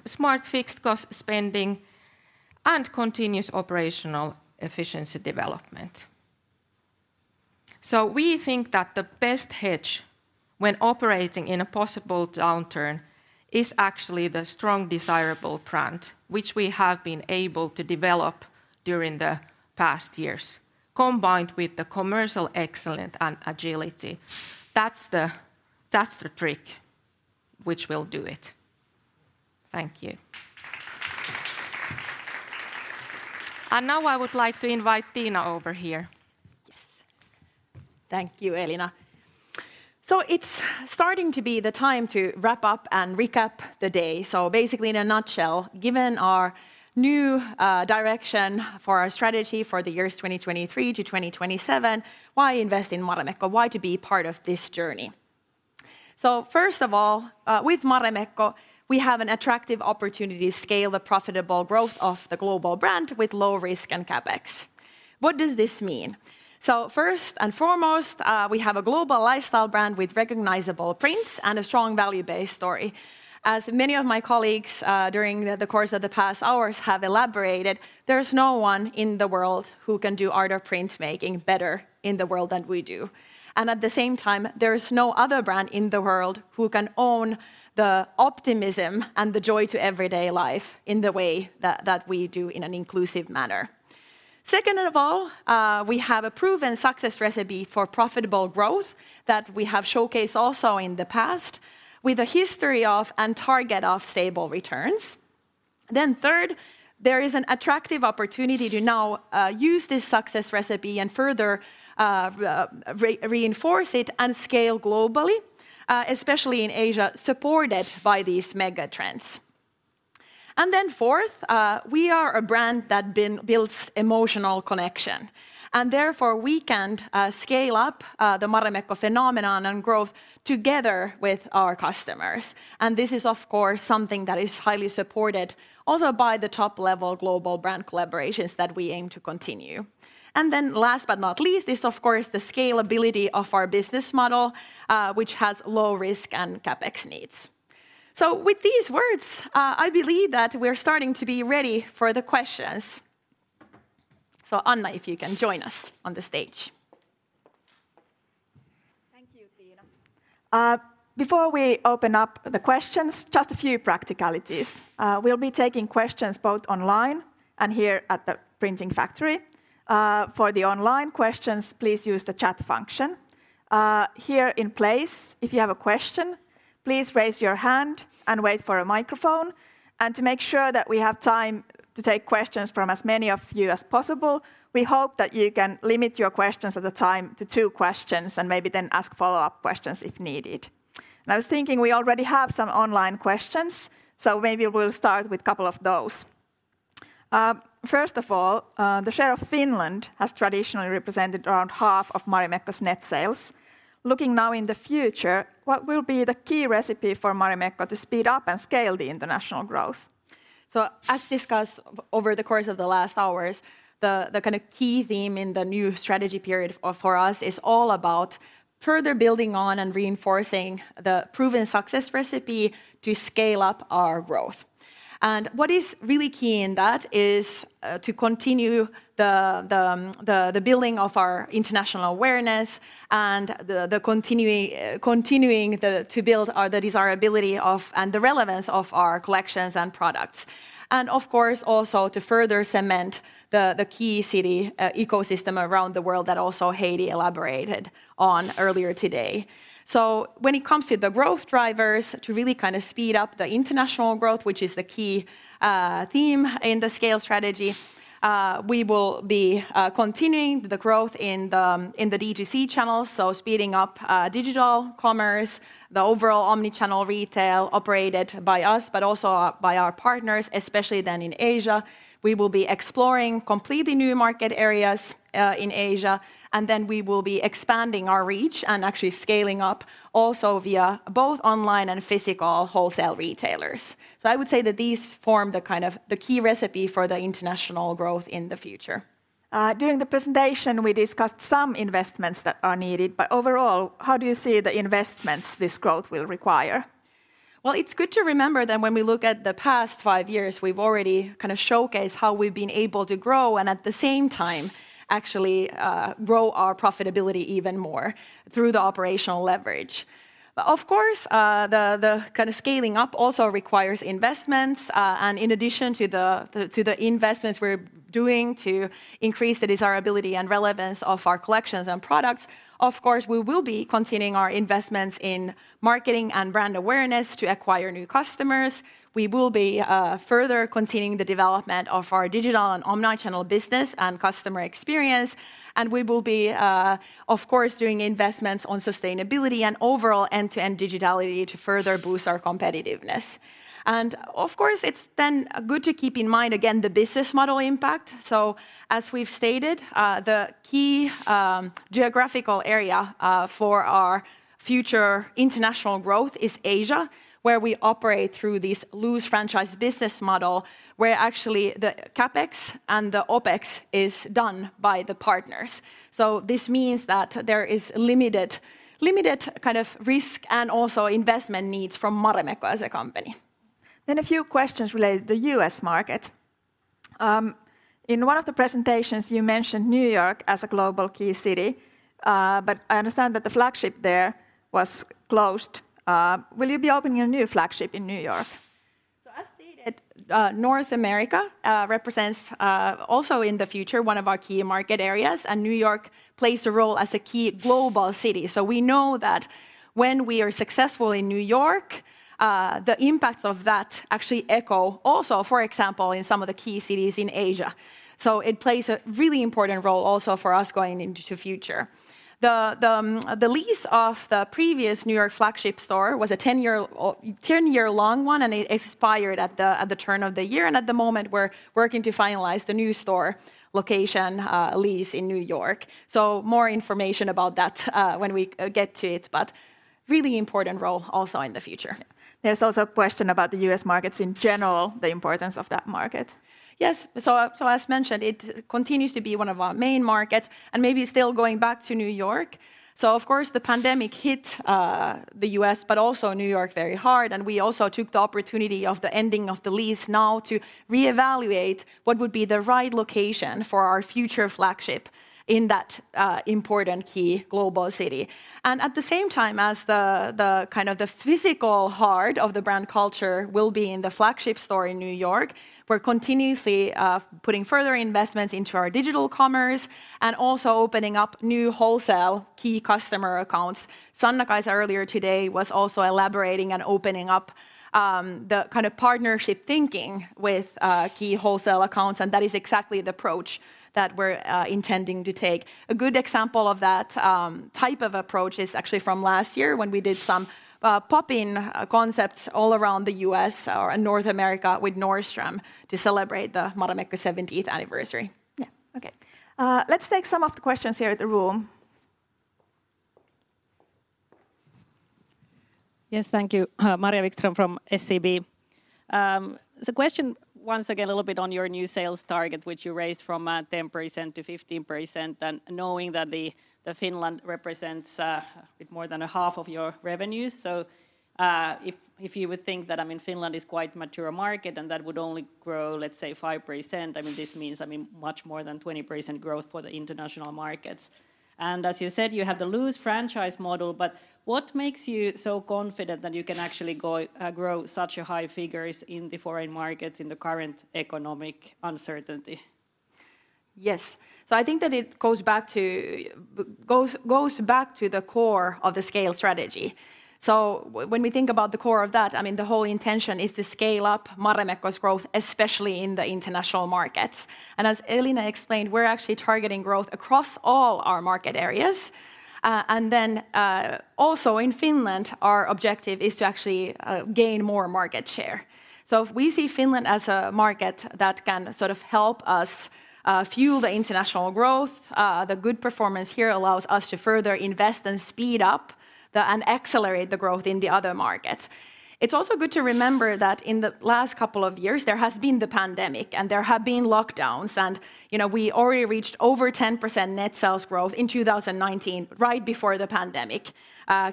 smart fixed cost spending and continuous operational efficiency development. We think that the best hedge when operating in a possible downturn is actually the strong, desirable brand which we have been able to develop during the past years, combined with the commercial excellence and agility. That's the trick which will do it. Thank you. Now I would like to invite Tiina over here. Yes. Thank you, Elina. It's starting to be the time to wrap up and recap the day. Basically, in a nutshell, given our new direction for our strategy for the years 2023 to 2027, why invest in Marimekko? Why to be part of this journey? First of all, with Marimekko, we have an attractive opportunity to scale the profitable growth of the global brand with low risk and CapEx. What does this mean? First and foremost, we have a global lifestyle brand with recognizable prints and a strong value-based story. As many of my colleagues during the course of the past hours have elaborated, there's no one in the world who can do art of printmaking better in the world than we do. At the same time, there's no other brand in the world who can own the optimism and the joy to everyday life in the way that we do in an inclusive manner. Second of all, we have a proven success recipe for profitable growth that we have showcased also in the past, with a history of and target of stable returns. Third, there is an attractive opportunity to now use this success recipe and further reinforce it and scale globally, especially in Asia, supported by these mega trends. Fourth, we are a brand that builds emotional connection, and therefore, we can scale up the Marimekko phenomenon and growth together with our customers. This is, of course, something that is highly supported also by the top-level global brand collaborations that we aim to continue. Last but not least is, of course, the scalability of our business model, which has low risk and CapEx needs. With these words, I believe that we're starting to be ready for the questions. Anna, if you can join us on the stage. Thank you, Tiina. Before we open up the questions, just a few practicalities. We'll be taking questions both online and here at the printing factory. For the online questions, please use the chat function. Here in place, if you have a question, please raise your hand and wait for a microphone. To make sure that we have time to take questions from as many of you as possible, we hope that you can limit your questions at a time to two questions and maybe then ask follow-up questions if needed. I was thinking we already have some online questions, so maybe we'll start with a couple of those. First of all, the share of Finland has traditionally represented around half of Marimekko's net sales. Looking now in the future, what will be the key recipe for Marimekko to speed up and scale the international growth? As discussed over the course of the last hours, the kind of key theme in the new strategy period for us is all about further building on and reinforcing the proven success recipe to scale up our growth. What is really key in that is to continue the building of our international awareness and the continuing to build the desirability of and the relevance of our collections and products. Of course, also to further cement the key city ecosystem around the world that also Heidi elaborated on earlier today. When it comes to the growth drivers, to really kind of speed up the international growth, which is the key theme in the scale strategy, we will be continuing the growth in the DTC channels, speeding up digital commerce, the overall omni-channel retail operated by us, but also by our partners, especially then in Asia. We will be exploring completely new market areas in Asia, and then we will be expanding our reach and actually scaling up also via both online and physical wholesale retailers. I would say that these form the kind of the key recipe for the international growth in the future. During the presentation, we discussed some investments that are needed, but overall, how do you see the investments this growth will require? Well, it's good to remember that when we look at the past five years, we've already kind of showcased how we've been able to grow and at the same time actually grow our profitability even more through the operational leverage. Of course, the kind of scaling up also requires investments. In addition to the investments we're doing to increase the desirability and relevance of our collections and products, of course, we will be continuing our investments in marketing and brand awareness to acquire new customers. We will be further continuing the development of our digital and omni-channel business and customer experience, and we will be, of course, doing investments on sustainability and overall end-to-end digitality to further boost our competitiveness. Of course, it's then good to keep in mind again the business model impact. As we've stated, the key geographical area for our future international growth is Asia, where we operate through this loose franchise business model, where actually the CapEx and the OpEx is done by the partners. This means that there is limited kind of risk and also investment needs from Marimekko as a company. A few questions related to the U.S. market. In one of the presentations, you mentioned New York as a global key city, but I understand that the flagship there was closed. Will you be opening a new flagship in New York? As stated, North America represents also in the future one of our key market areas, and New York plays a role as a key global city. We know that when we are successful in New York, the impacts of that actually echo also, for example, in some of the key cities in Asia. It plays a really important role also for us going into future. The lease of the previous New York flagship store was a 10-year-long one, and it expired at the turn of the year. At the moment, we're working to finalize the new store location lease in New York. More information about that when we get to it, but really important role also in the future. There's also a question about the U.S. markets in general, the importance of that market. Yes. As mentioned, it continues to be one of our main markets and maybe still going back to New York. Of course, the pandemic hit the US, but also New York very hard, and we also took the opportunity of the ending of the lease now to reevaluate what would be the right location for our future flagship in that important key global city. At the same time as the kind of the physical heart of the brand culture will be in the flagship store in New York, we're continuously putting further investments into our digital commerce and also opening up new wholesale key customer accounts. Sanna-Kaisa earlier today was also elaborating and opening up the kind of partnership thinking with key wholesale accounts, and that is exactly the approach that we're intending to take. A good example of that type of approach is actually from last year when we did some pop-in concepts all around the U.S. or North America with Nordstrom to celebrate the Marimekko seventieth anniversary. Yeah. Okay. Let's take some of the questions here at the room. Yes. Thank you. Maria Wikström from SEB. The question once again a little bit on your new sales target, which you raised from 10% to 15%, and knowing that Finland represents a bit more than a half of your revenues. If you would think that, I mean, Finland is quite mature market and that would only grow, let's say 5%, I mean, this means, I mean, much more than 20% growth for the international markets. As you said, you have the loose franchise model, but what makes you so confident that you can actually go grow such a high figures in the foreign markets in the current economic uncertainty? Yes. I think that it goes back to the core of the scale strategy. When we think about the core of that, I mean, the whole intention is to scale up Marimekko's growth, especially in the international markets. As Elina explained, we're actually targeting growth across all our market areas. Also in Finland, our objective is to actually gain more market share. If we see Finland as a market that can sort of help us fuel the international growth, the good performance here allows us to further invest and accelerate the growth in the other markets. It's also good to remember that in the last couple of years, there has been the pandemic, and there have been lockdowns. You know, we already reached over 10% net sales growth in 2019, right before the pandemic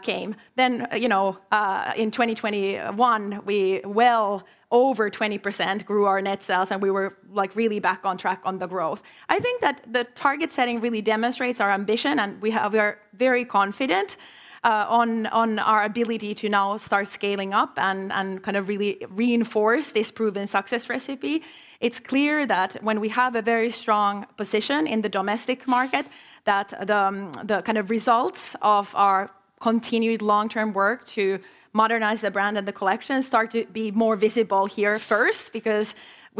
came. Then, you know, in 2021, we well over 20% grew our net sales, and we were, like, really back on track on the growth. I think that the target setting really demonstrates our ambition, and we are very confident on our ability to now start scaling up and kind of really reinforce this proven success recipe. It's clear that when we have a very strong position in the domestic market, that the kind of results of our continued long-term work to modernize the brand and the collection start to be more visible here first because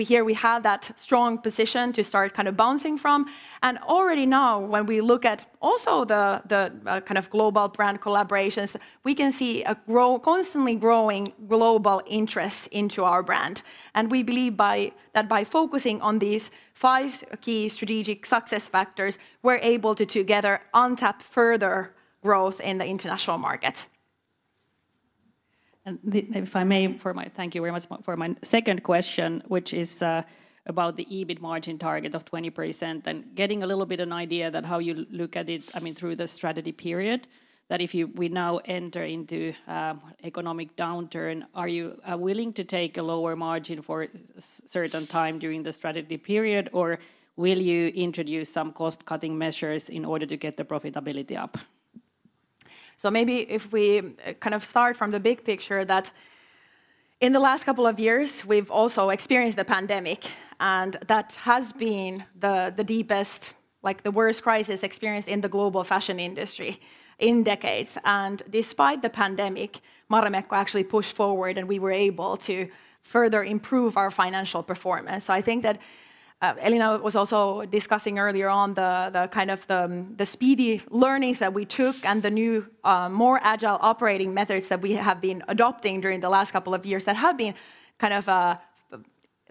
here we have that strong position to start kind of bouncing from. Already now, when we look at also the kind of global brand collaborations, we can see a constantly growing global interest in our brand. We believe that by focusing on these five key strategic success factors, we're able to together untap further growth in the international market. If I may, thank you very much for my second question, which is about the EBIT margin target of 20% and getting a little bit of an idea about how you look at it, I mean, through the strategy period, that if we now enter into an economic downturn, are you willing to take a lower margin for a certain time during the strategy period, or will you introduce some cost-cutting measures in order to get the profitability up? Maybe if we kind of start from the big picture that in the last couple of years, we've also experienced the pandemic, and that has been the deepest, like, the worst crisis experienced in the global fashion industry in decades. Despite the pandemic, Marimekko actually pushed forward, and we were able to further improve our financial performance. I think that Elina was also discussing earlier on the kind of speedy learnings that we took and the new more agile operating methods that we have been adopting during the last couple of years that have been kind of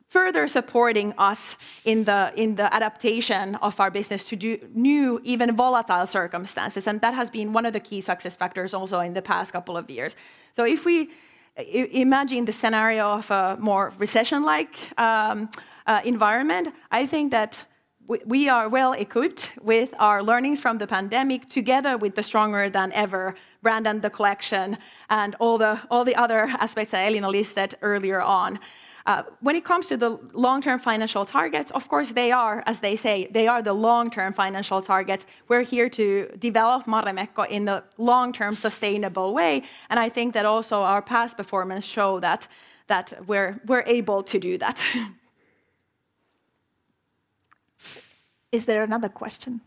further supporting us in the adaptation of our business to do new, even volatile circumstances. That has been one of the key success factors also in the past couple of years. If we imagine the scenario of a more recession-like environment, I think that we are well-equipped with our learnings from the pandemic together with the stronger than ever brand and the collection and all the other aspects that Elina listed earlier on. When it comes to the long-term financial targets, of course, they are, as they say, the long-term financial targets. We're here to develop Marimekko in a long-term sustainable way, and I think that also our past performance show that we're able to do that. Is there another question?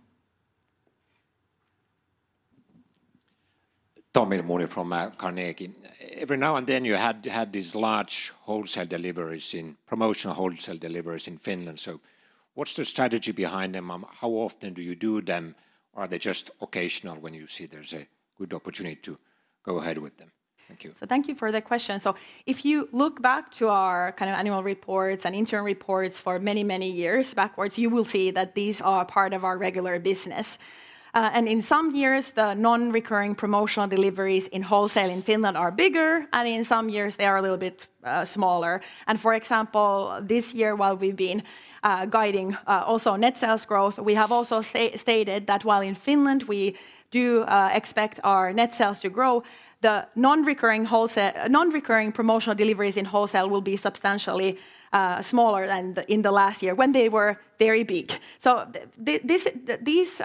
Tommy Ilmoni from Carnegie. Every now and then you had these large promotional wholesale deliveries in Finland. What's the strategy behind them? How often do you do them? Are they just occasional when you see there's a good opportunity to go ahead with them? Thank you. Thank you for the question. If you look back to our kind of annual reports and interim reports for many, many years backwards, you will see that these are part of our regular business. In some years, the non-recurring promotional deliveries in wholesale in Finland are bigger, and in some years, they are a little bit smaller. For example, this year, while we've been guiding also net sales growth, we have also stated that while in Finland we do expect our net sales to grow, the non-recurring promotional deliveries in wholesale will be substantially smaller than in the last year when they were very big. These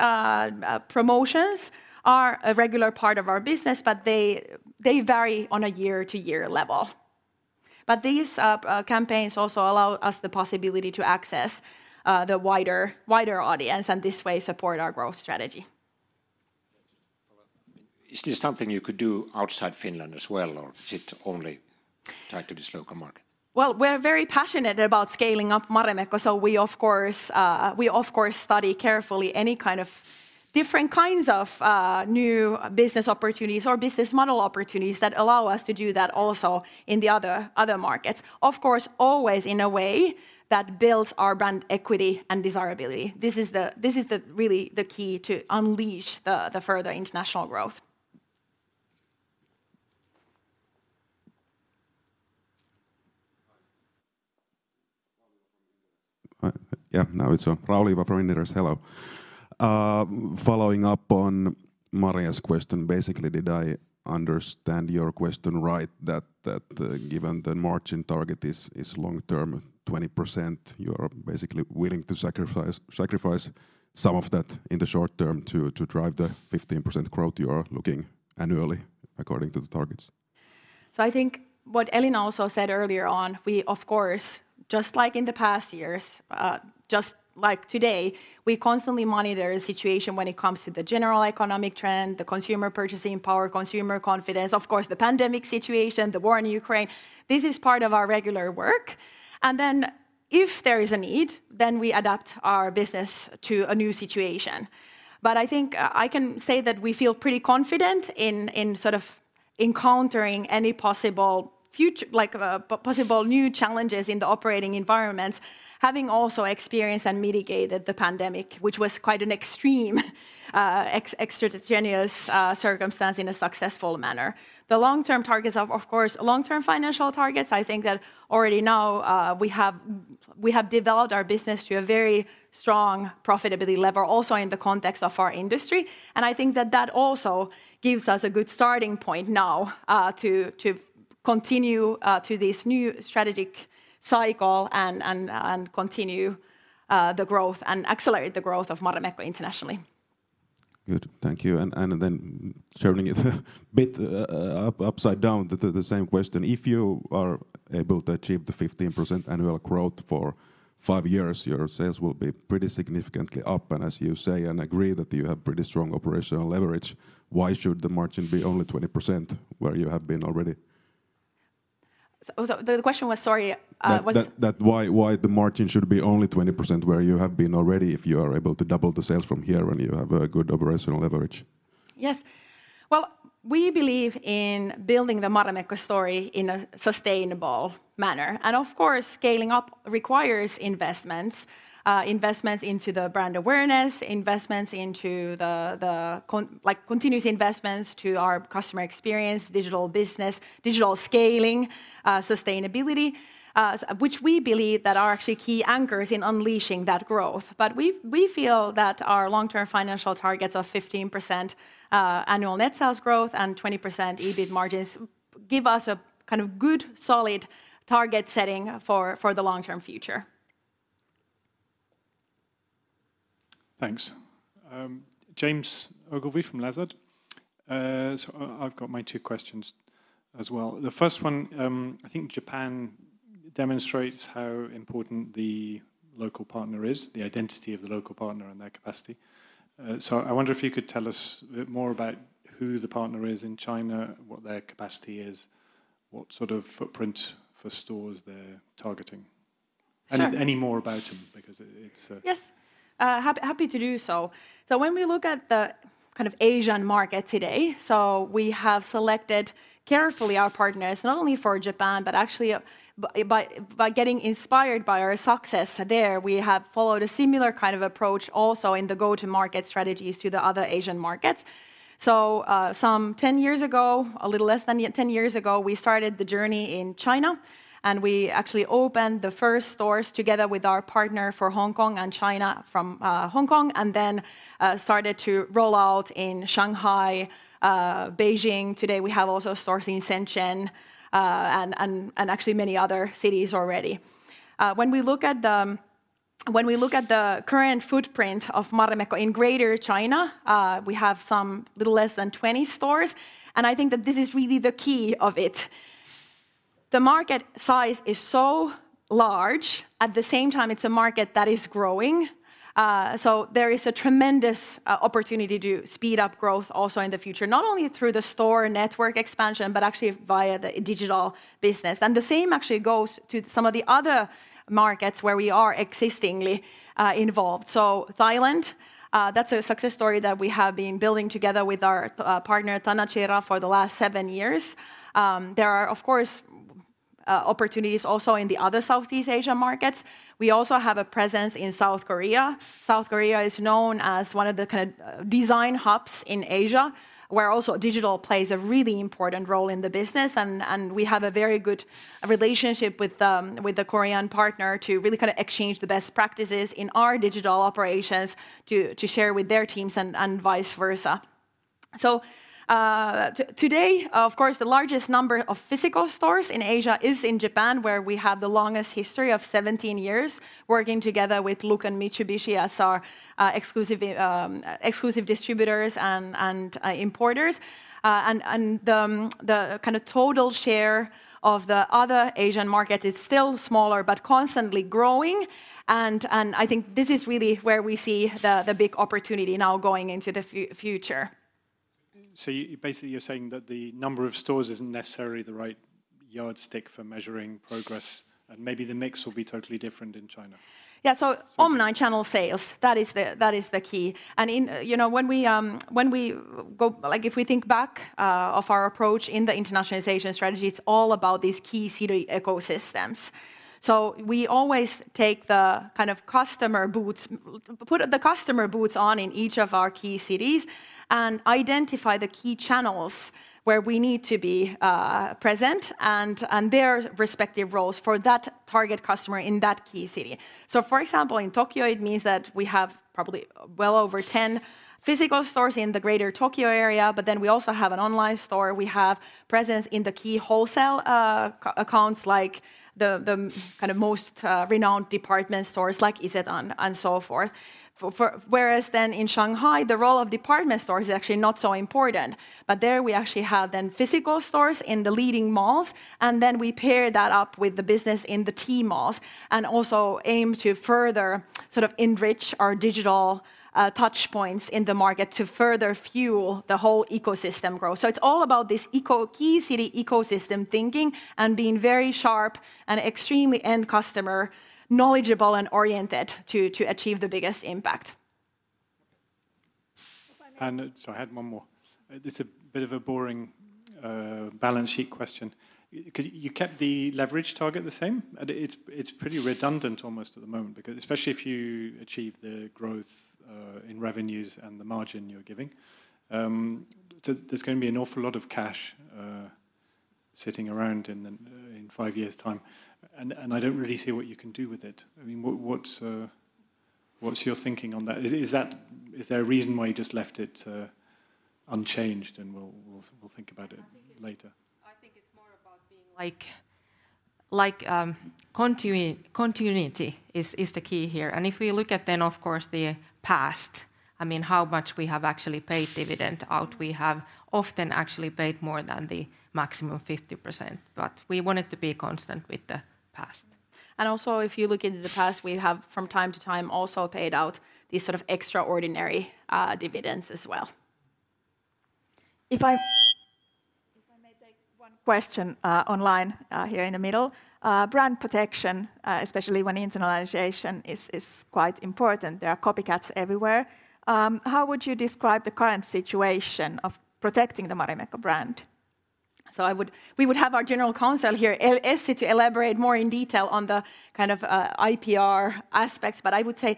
promotions are a regular part of our business, but they vary on a year-to-year level. These campaigns also allow us the possibility to access the wider audience, and this way support our growth strategy. Is this something you could do outside Finland as well, or is it only tied to this local market? Well, we're very passionate about scaling up Marimekko, so we of course study carefully different kinds of new business opportunities or business model opportunities that allow us to do that also in the other markets. Of course, always in a way that builds our brand equity and desirability. This is really the key to unleash the further international growth. Yeah. Now it's on. Rauli Juva from Inderes. Hello. Following up on Maria's question, basically, did I understand your question right that, given the margin target is long-term 20%, you are basically willing to sacrifice some of that in the short term to drive the 15% growth you are looking annually according to the targets? I think what Elina also said earlier on, we of course, just like in the past years, just like today, we constantly monitor the situation when it comes to the general economic trend, the consumer purchasing power, consumer confidence, of course, the pandemic situation, the war in Ukraine. This is part of our regular work. Then if there is a need, then we adapt our business to a new situation. I think I can say that we feel pretty confident in sort of encountering any possible future, like, possible new challenges in the operating environments, having also experienced and mitigated the pandemic, which was quite an extreme, extraneous circumstance in a successful manner. The long-term targets are, of course, long-term financial targets. I think that already now we have developed our business to a very strong profitability level also in the context of our industry. I think that that also gives us a good starting point now to continue to this new strategic cycle and continue the growth and accelerate the growth of Marimekko internationally. Good. Thank you. Turning it a bit upside down to the same question. If you are able to achieve the 15% annual growth for 5 years, your sales will be pretty significantly up. As you say and agree that you have pretty strong operational leverage, why should the margin be only 20% where you have been already? The question was, sorry. Why the margin should be only 20% when you have been already if you are able to double the sales from here and you have a good operational leverage? Yes. Well, we believe in building the Marimekko story in a sustainable manner. Of course, scaling up requires investments into the brand awareness, investments into continuous investments to our customer experience, digital business, digital scaling, sustainability, which we believe that are actually key anchors in unleashing that growth. We feel that our long-term financial targets of 15% annual net sales growth and 20% EBIT margins give us a kind of good, solid target setting for the long-term future. Thanks. James Ogilvy from Lazard. I've got my two questions as well. The first one, I think Japan demonstrates how important the local partner is, the identity of the local partner and their capacity. I wonder if you could tell us a bit more about who the partner is in China, what their capacity is, what sort of footprint for stores they're targeting. Sure. If any more about them, because it's Yes. Happy to do so. When we look at the kind of Asian market today, we have selected carefully our partners, not only for Japan, but actually by getting inspired by our success there, we have followed a similar kind of approach also in the go-to-market strategies to the other Asian markets. Some 10 years ago, a little less than 10 years ago, we started the journey in China, and we actually opened the first stores together with our partner for Hong Kong and China from Hong Kong, and then started to roll out in Shanghai, Beijing. Today, we have also stores in Shenzhen, and actually many other cities already. When we look at the current footprint of Marimekko in Greater China, we have somewhat less than 20 stores, and I think that this is really the key to it. The market size is so large. At the same time, it's a market that is growing, so there is a tremendous opportunity to speed up growth also in the future, not only through the store network expansion, but actually via the digital business. The same actually goes to some of the other markets where we are already involved. Thailand, that's a success story that we have been building together with our partner, Tanachira, for the last seven years. There are, of course, opportunities also in the other Southeast Asia markets. We also have a presence in South Korea. South Korea is known as one of the kind of design hubs in Asia, where also digital plays a really important role in the business and we have a very good relationship with the Korean partner to really kind of exchange the best practices in our digital operations to share with their teams and vice versa. Today, of course, the largest number of physical stores in Asia is in Japan, where we have the longest history of 17 years working together with Look and Mitsubishi as our exclusive distributors and the kind of total share of the other Asian market is still smaller, but constantly growing and I think this is really where we see the big opportunity now going into the future. Basically you're saying that the number of stores isn't necessarily the right yardstick for measuring progress, and maybe the mix will be totally different in China. Yeah. Omni-channel sales, that is the key. In, you know, when we go like if we think back of our approach in the internationalization strategy, it's all about these key city ecosystems. We always take the kind of customer boots, put the customer boots on in each of our key cities and identify the key channels where we need to be present and their respective roles for that target customer in that key city. For example, in Tokyo, it means that we have probably well over 10 physical stores in the Greater Tokyo Area, but then we also have an online store. We have presence in the key wholesale accounts like the kind of most renowned department stores like Isetan and so forth. Whereas then in Shanghai, the role of department store is actually not so important. There we actually have then physical stores in the leading malls, and then we pair that up with the business in the Tmall and also aim to further sort of enrich our digital touchpoints in the market to further fuel the whole ecosystem growth. It's all about this key city ecosystem thinking and being very sharp and extremely end customer knowledgeable and oriented to achieve the biggest impact. Sorry, I had one more. This is a bit of a boring balance sheet question. You kept the leverage target the same, and it's pretty redundant almost at the moment because especially if you achieve the growth in revenues and the margin you're giving, so there's gonna be an awful lot of cash sitting around in five years' time, and I don't really see what you can do with it. I mean, what's your thinking on that? Is there a reason why you just left it unchanged, and we'll think about it later? I think it's more about being like continuity is the key here. If we look at then, of course, the past, I mean, how much we have actually paid dividend out, we have often actually paid more than the maximum 50%, but we want it to be constant with the past. Also, if you look into the past, we have from time to time also paid out these sort of extraordinary dividends as well. If I- Question, online, here in the middle. Brand protection, especially when internationalization is quite important. There are copycats everywhere. How would you describe the current situation of protecting the Marimekko brand? We would have our general counsel here, Essi Weseri, to elaborate more in detail on the kind of IPR aspects. I would say,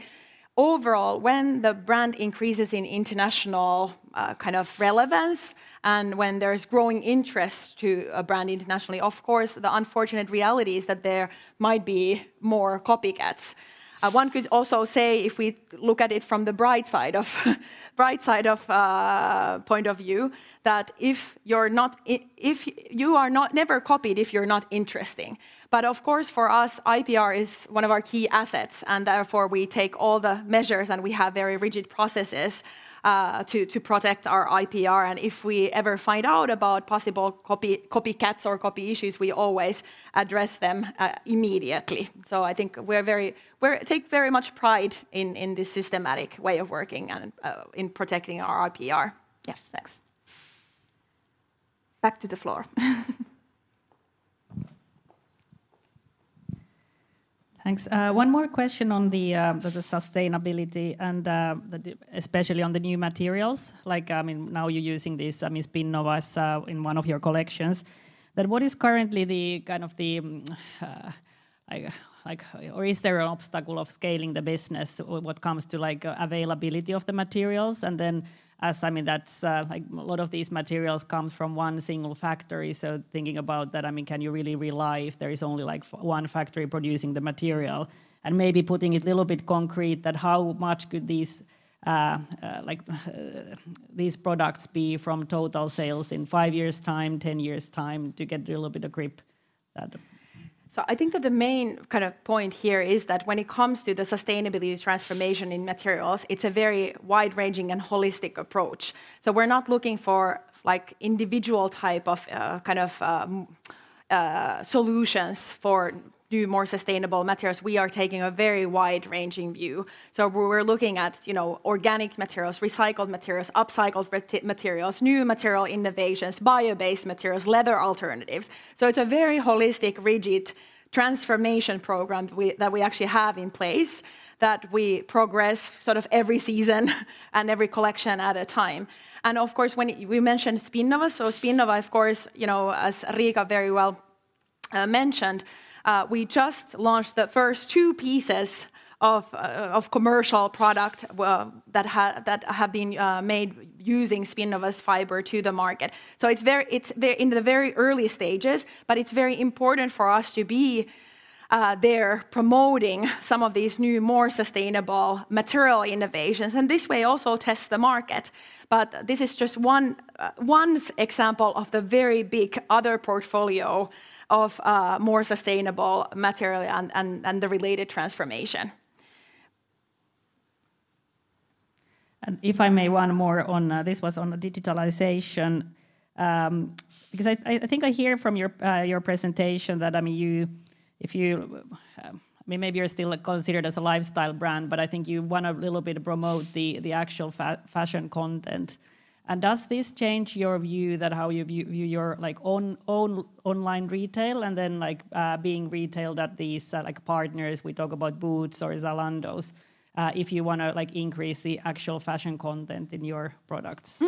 overall, when the brand increases in international kind of relevance, and when there's growing interest in a brand internationally, of course, the unfortunate reality is that there might be more copycats. One could also say, if we look at it from the bright side of point of view, that you're never copied if you're not interesting. Of course, for us, IPR is one of our key assets, and therefore, we take all the measures, and we have very rigid processes to protect our IPR. If we ever find out about possible copycats or copy issues, we always address them immediately. I think we take very much pride in this systematic way of working and in protecting our IPR. Yeah. Thanks. Back to the floor. Thanks. One more question on the sustainability and especially on the new materials. Like, I mean, now you're using these Spinnova in one of your collections. What is currently the kind of like or is there an obstacle of scaling the business when it comes to, like, availability of the materials? Then I mean, that's like a lot of these materials comes from one single factory, so thinking about that, I mean, can you really rely if there is only, like, one factory producing the material? Maybe putting a little bit concrete that how much could these products be from total sales in five years' time, 10 years' time, to get a little bit of grip that. I think that the main kind of point here is that when it comes to the sustainability transformation in materials, it's a very wide-ranging and holistic approach. We're not looking for, like, individual type of, kind of, solutions for new, more sustainable materials. We are taking a very wide-ranging view. We're looking at, you know, organic materials, recycled materials, upcycled materials, new material innovations, bio-based materials, leather alternatives. It's a very holistic, rigorous transformation program that we actually have in place, that we progress sort of every season and every collection at a time. Of course, when you mentioned Spinnova, of course, you know, as Riika very well mentioned, we just launched the first two pieces of commercial product that have been made using Spinnova's fiber to the market. It's in the very early stages, but it's very important for us to be there promoting some of these new, more sustainable material innovations. In this way, also test the market. This is just one example of the very big other portfolio of more sustainable material and the related transformation. If I may, one more on this was on the digitalization. Because I think I hear from your presentation that, I mean, you, if you, I mean, maybe you're still, like, considered as a lifestyle brand, but I think you wanna a little bit promote the actual fashion content. Does this change your view that how you view your, like, own online retail and then, like, being retailed at these, like, partners, we talk about Boozt or Zalando, if you wanna, like, increase the actual fashion content in your products?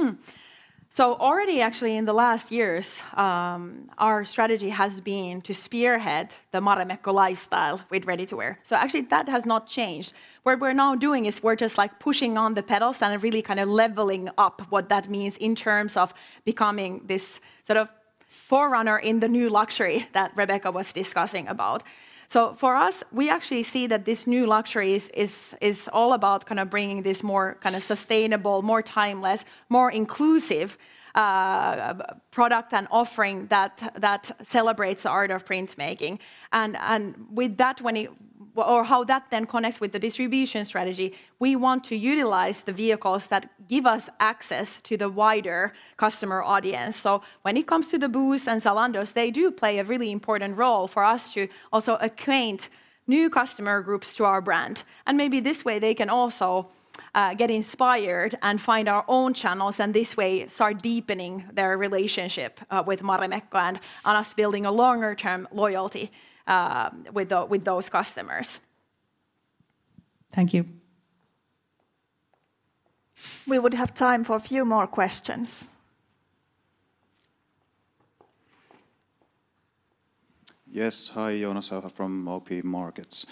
Already, actually, in the last years, our strategy has been to spearhead the Marimekko lifestyle with ready-to-wear. Actually, that has not changed. What we're now doing is we're just, like, pushing on the pedals and really kind of leveling up what that means in terms of becoming this sort of forerunner in the new luxury that Rebekka was discussing about. For us, we actually see that this new luxury is all about kind of bringing this more kind of sustainable, more timeless, more inclusive, product and offering that celebrates the art of printmaking. With that, when it, or how that then connects with the distribution strategy, we want to utilize the vehicles that give us access to the wider customer audience. When it comes to the Boozt and Zalando, they do play a really important role for us to also acquaint new customer groups to our brand. Maybe this way, they can also get inspired and find our own channels, and this way, start deepening their relationship with Marimekko, and us building a longer-term loyalty with those customers. Thank you. We would have time for a few more questions. Yes. Hi. Joonas Häyhä from OP Markets.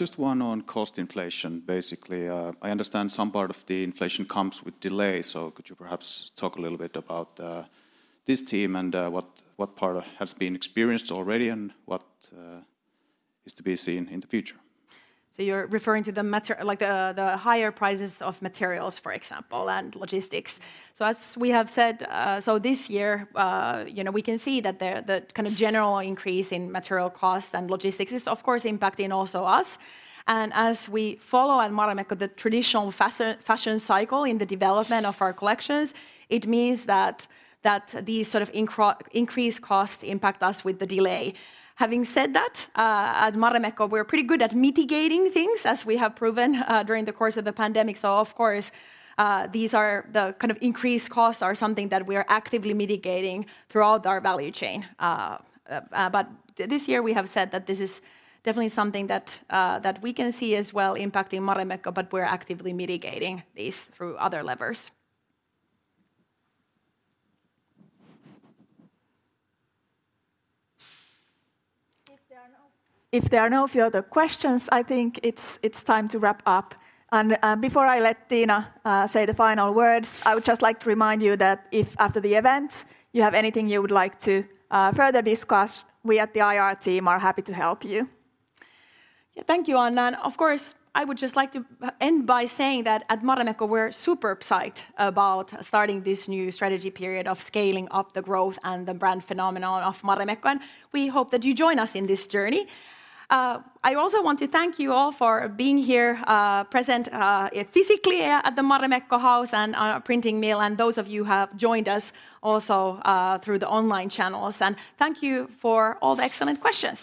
Just one on cost inflation, basically. I understand some part of the inflation comes with delay, so could you perhaps talk a little bit about this theme and what part has been experienced already and what is to be seen in the future? You're referring to the higher prices of materials, for example, and logistics. As we have said, this year we can see that the kind of general increase in material costs and logistics is, of course, impacting also us. As we follow at Marimekko the traditional fashion cycle in the development of our collections, it means that these sort of increased costs impact us with the delay. Having said that, at Marimekko, we're pretty good at mitigating things, as we have proven during the course of the pandemic. Of course, the kind of increased costs are something that we are actively mitigating throughout our value chain. This year, we have said that this is definitely something that we can see as well impacting Marimekko, but we're actively mitigating this through other levers. If there are no further questions, I think it's time to wrap up. Before I let Tiina say the final words, I would just like to remind you that if, after the event, you have anything you would like to further discuss, we at the IR team are happy to help you. Yeah. Thank you, Anna. Of course, I would just like to end by saying that at Marimekko, we're super psyched about starting this new strategy period of scaling up the growth and the brand phenomenon of Marimekko, and we hope that you join us in this journey. I also want to thank you all for being here, present physically at the Marimekko House and our printing mill, and those of you who have joined us also through the online channels. Thank you for all the excellent questions.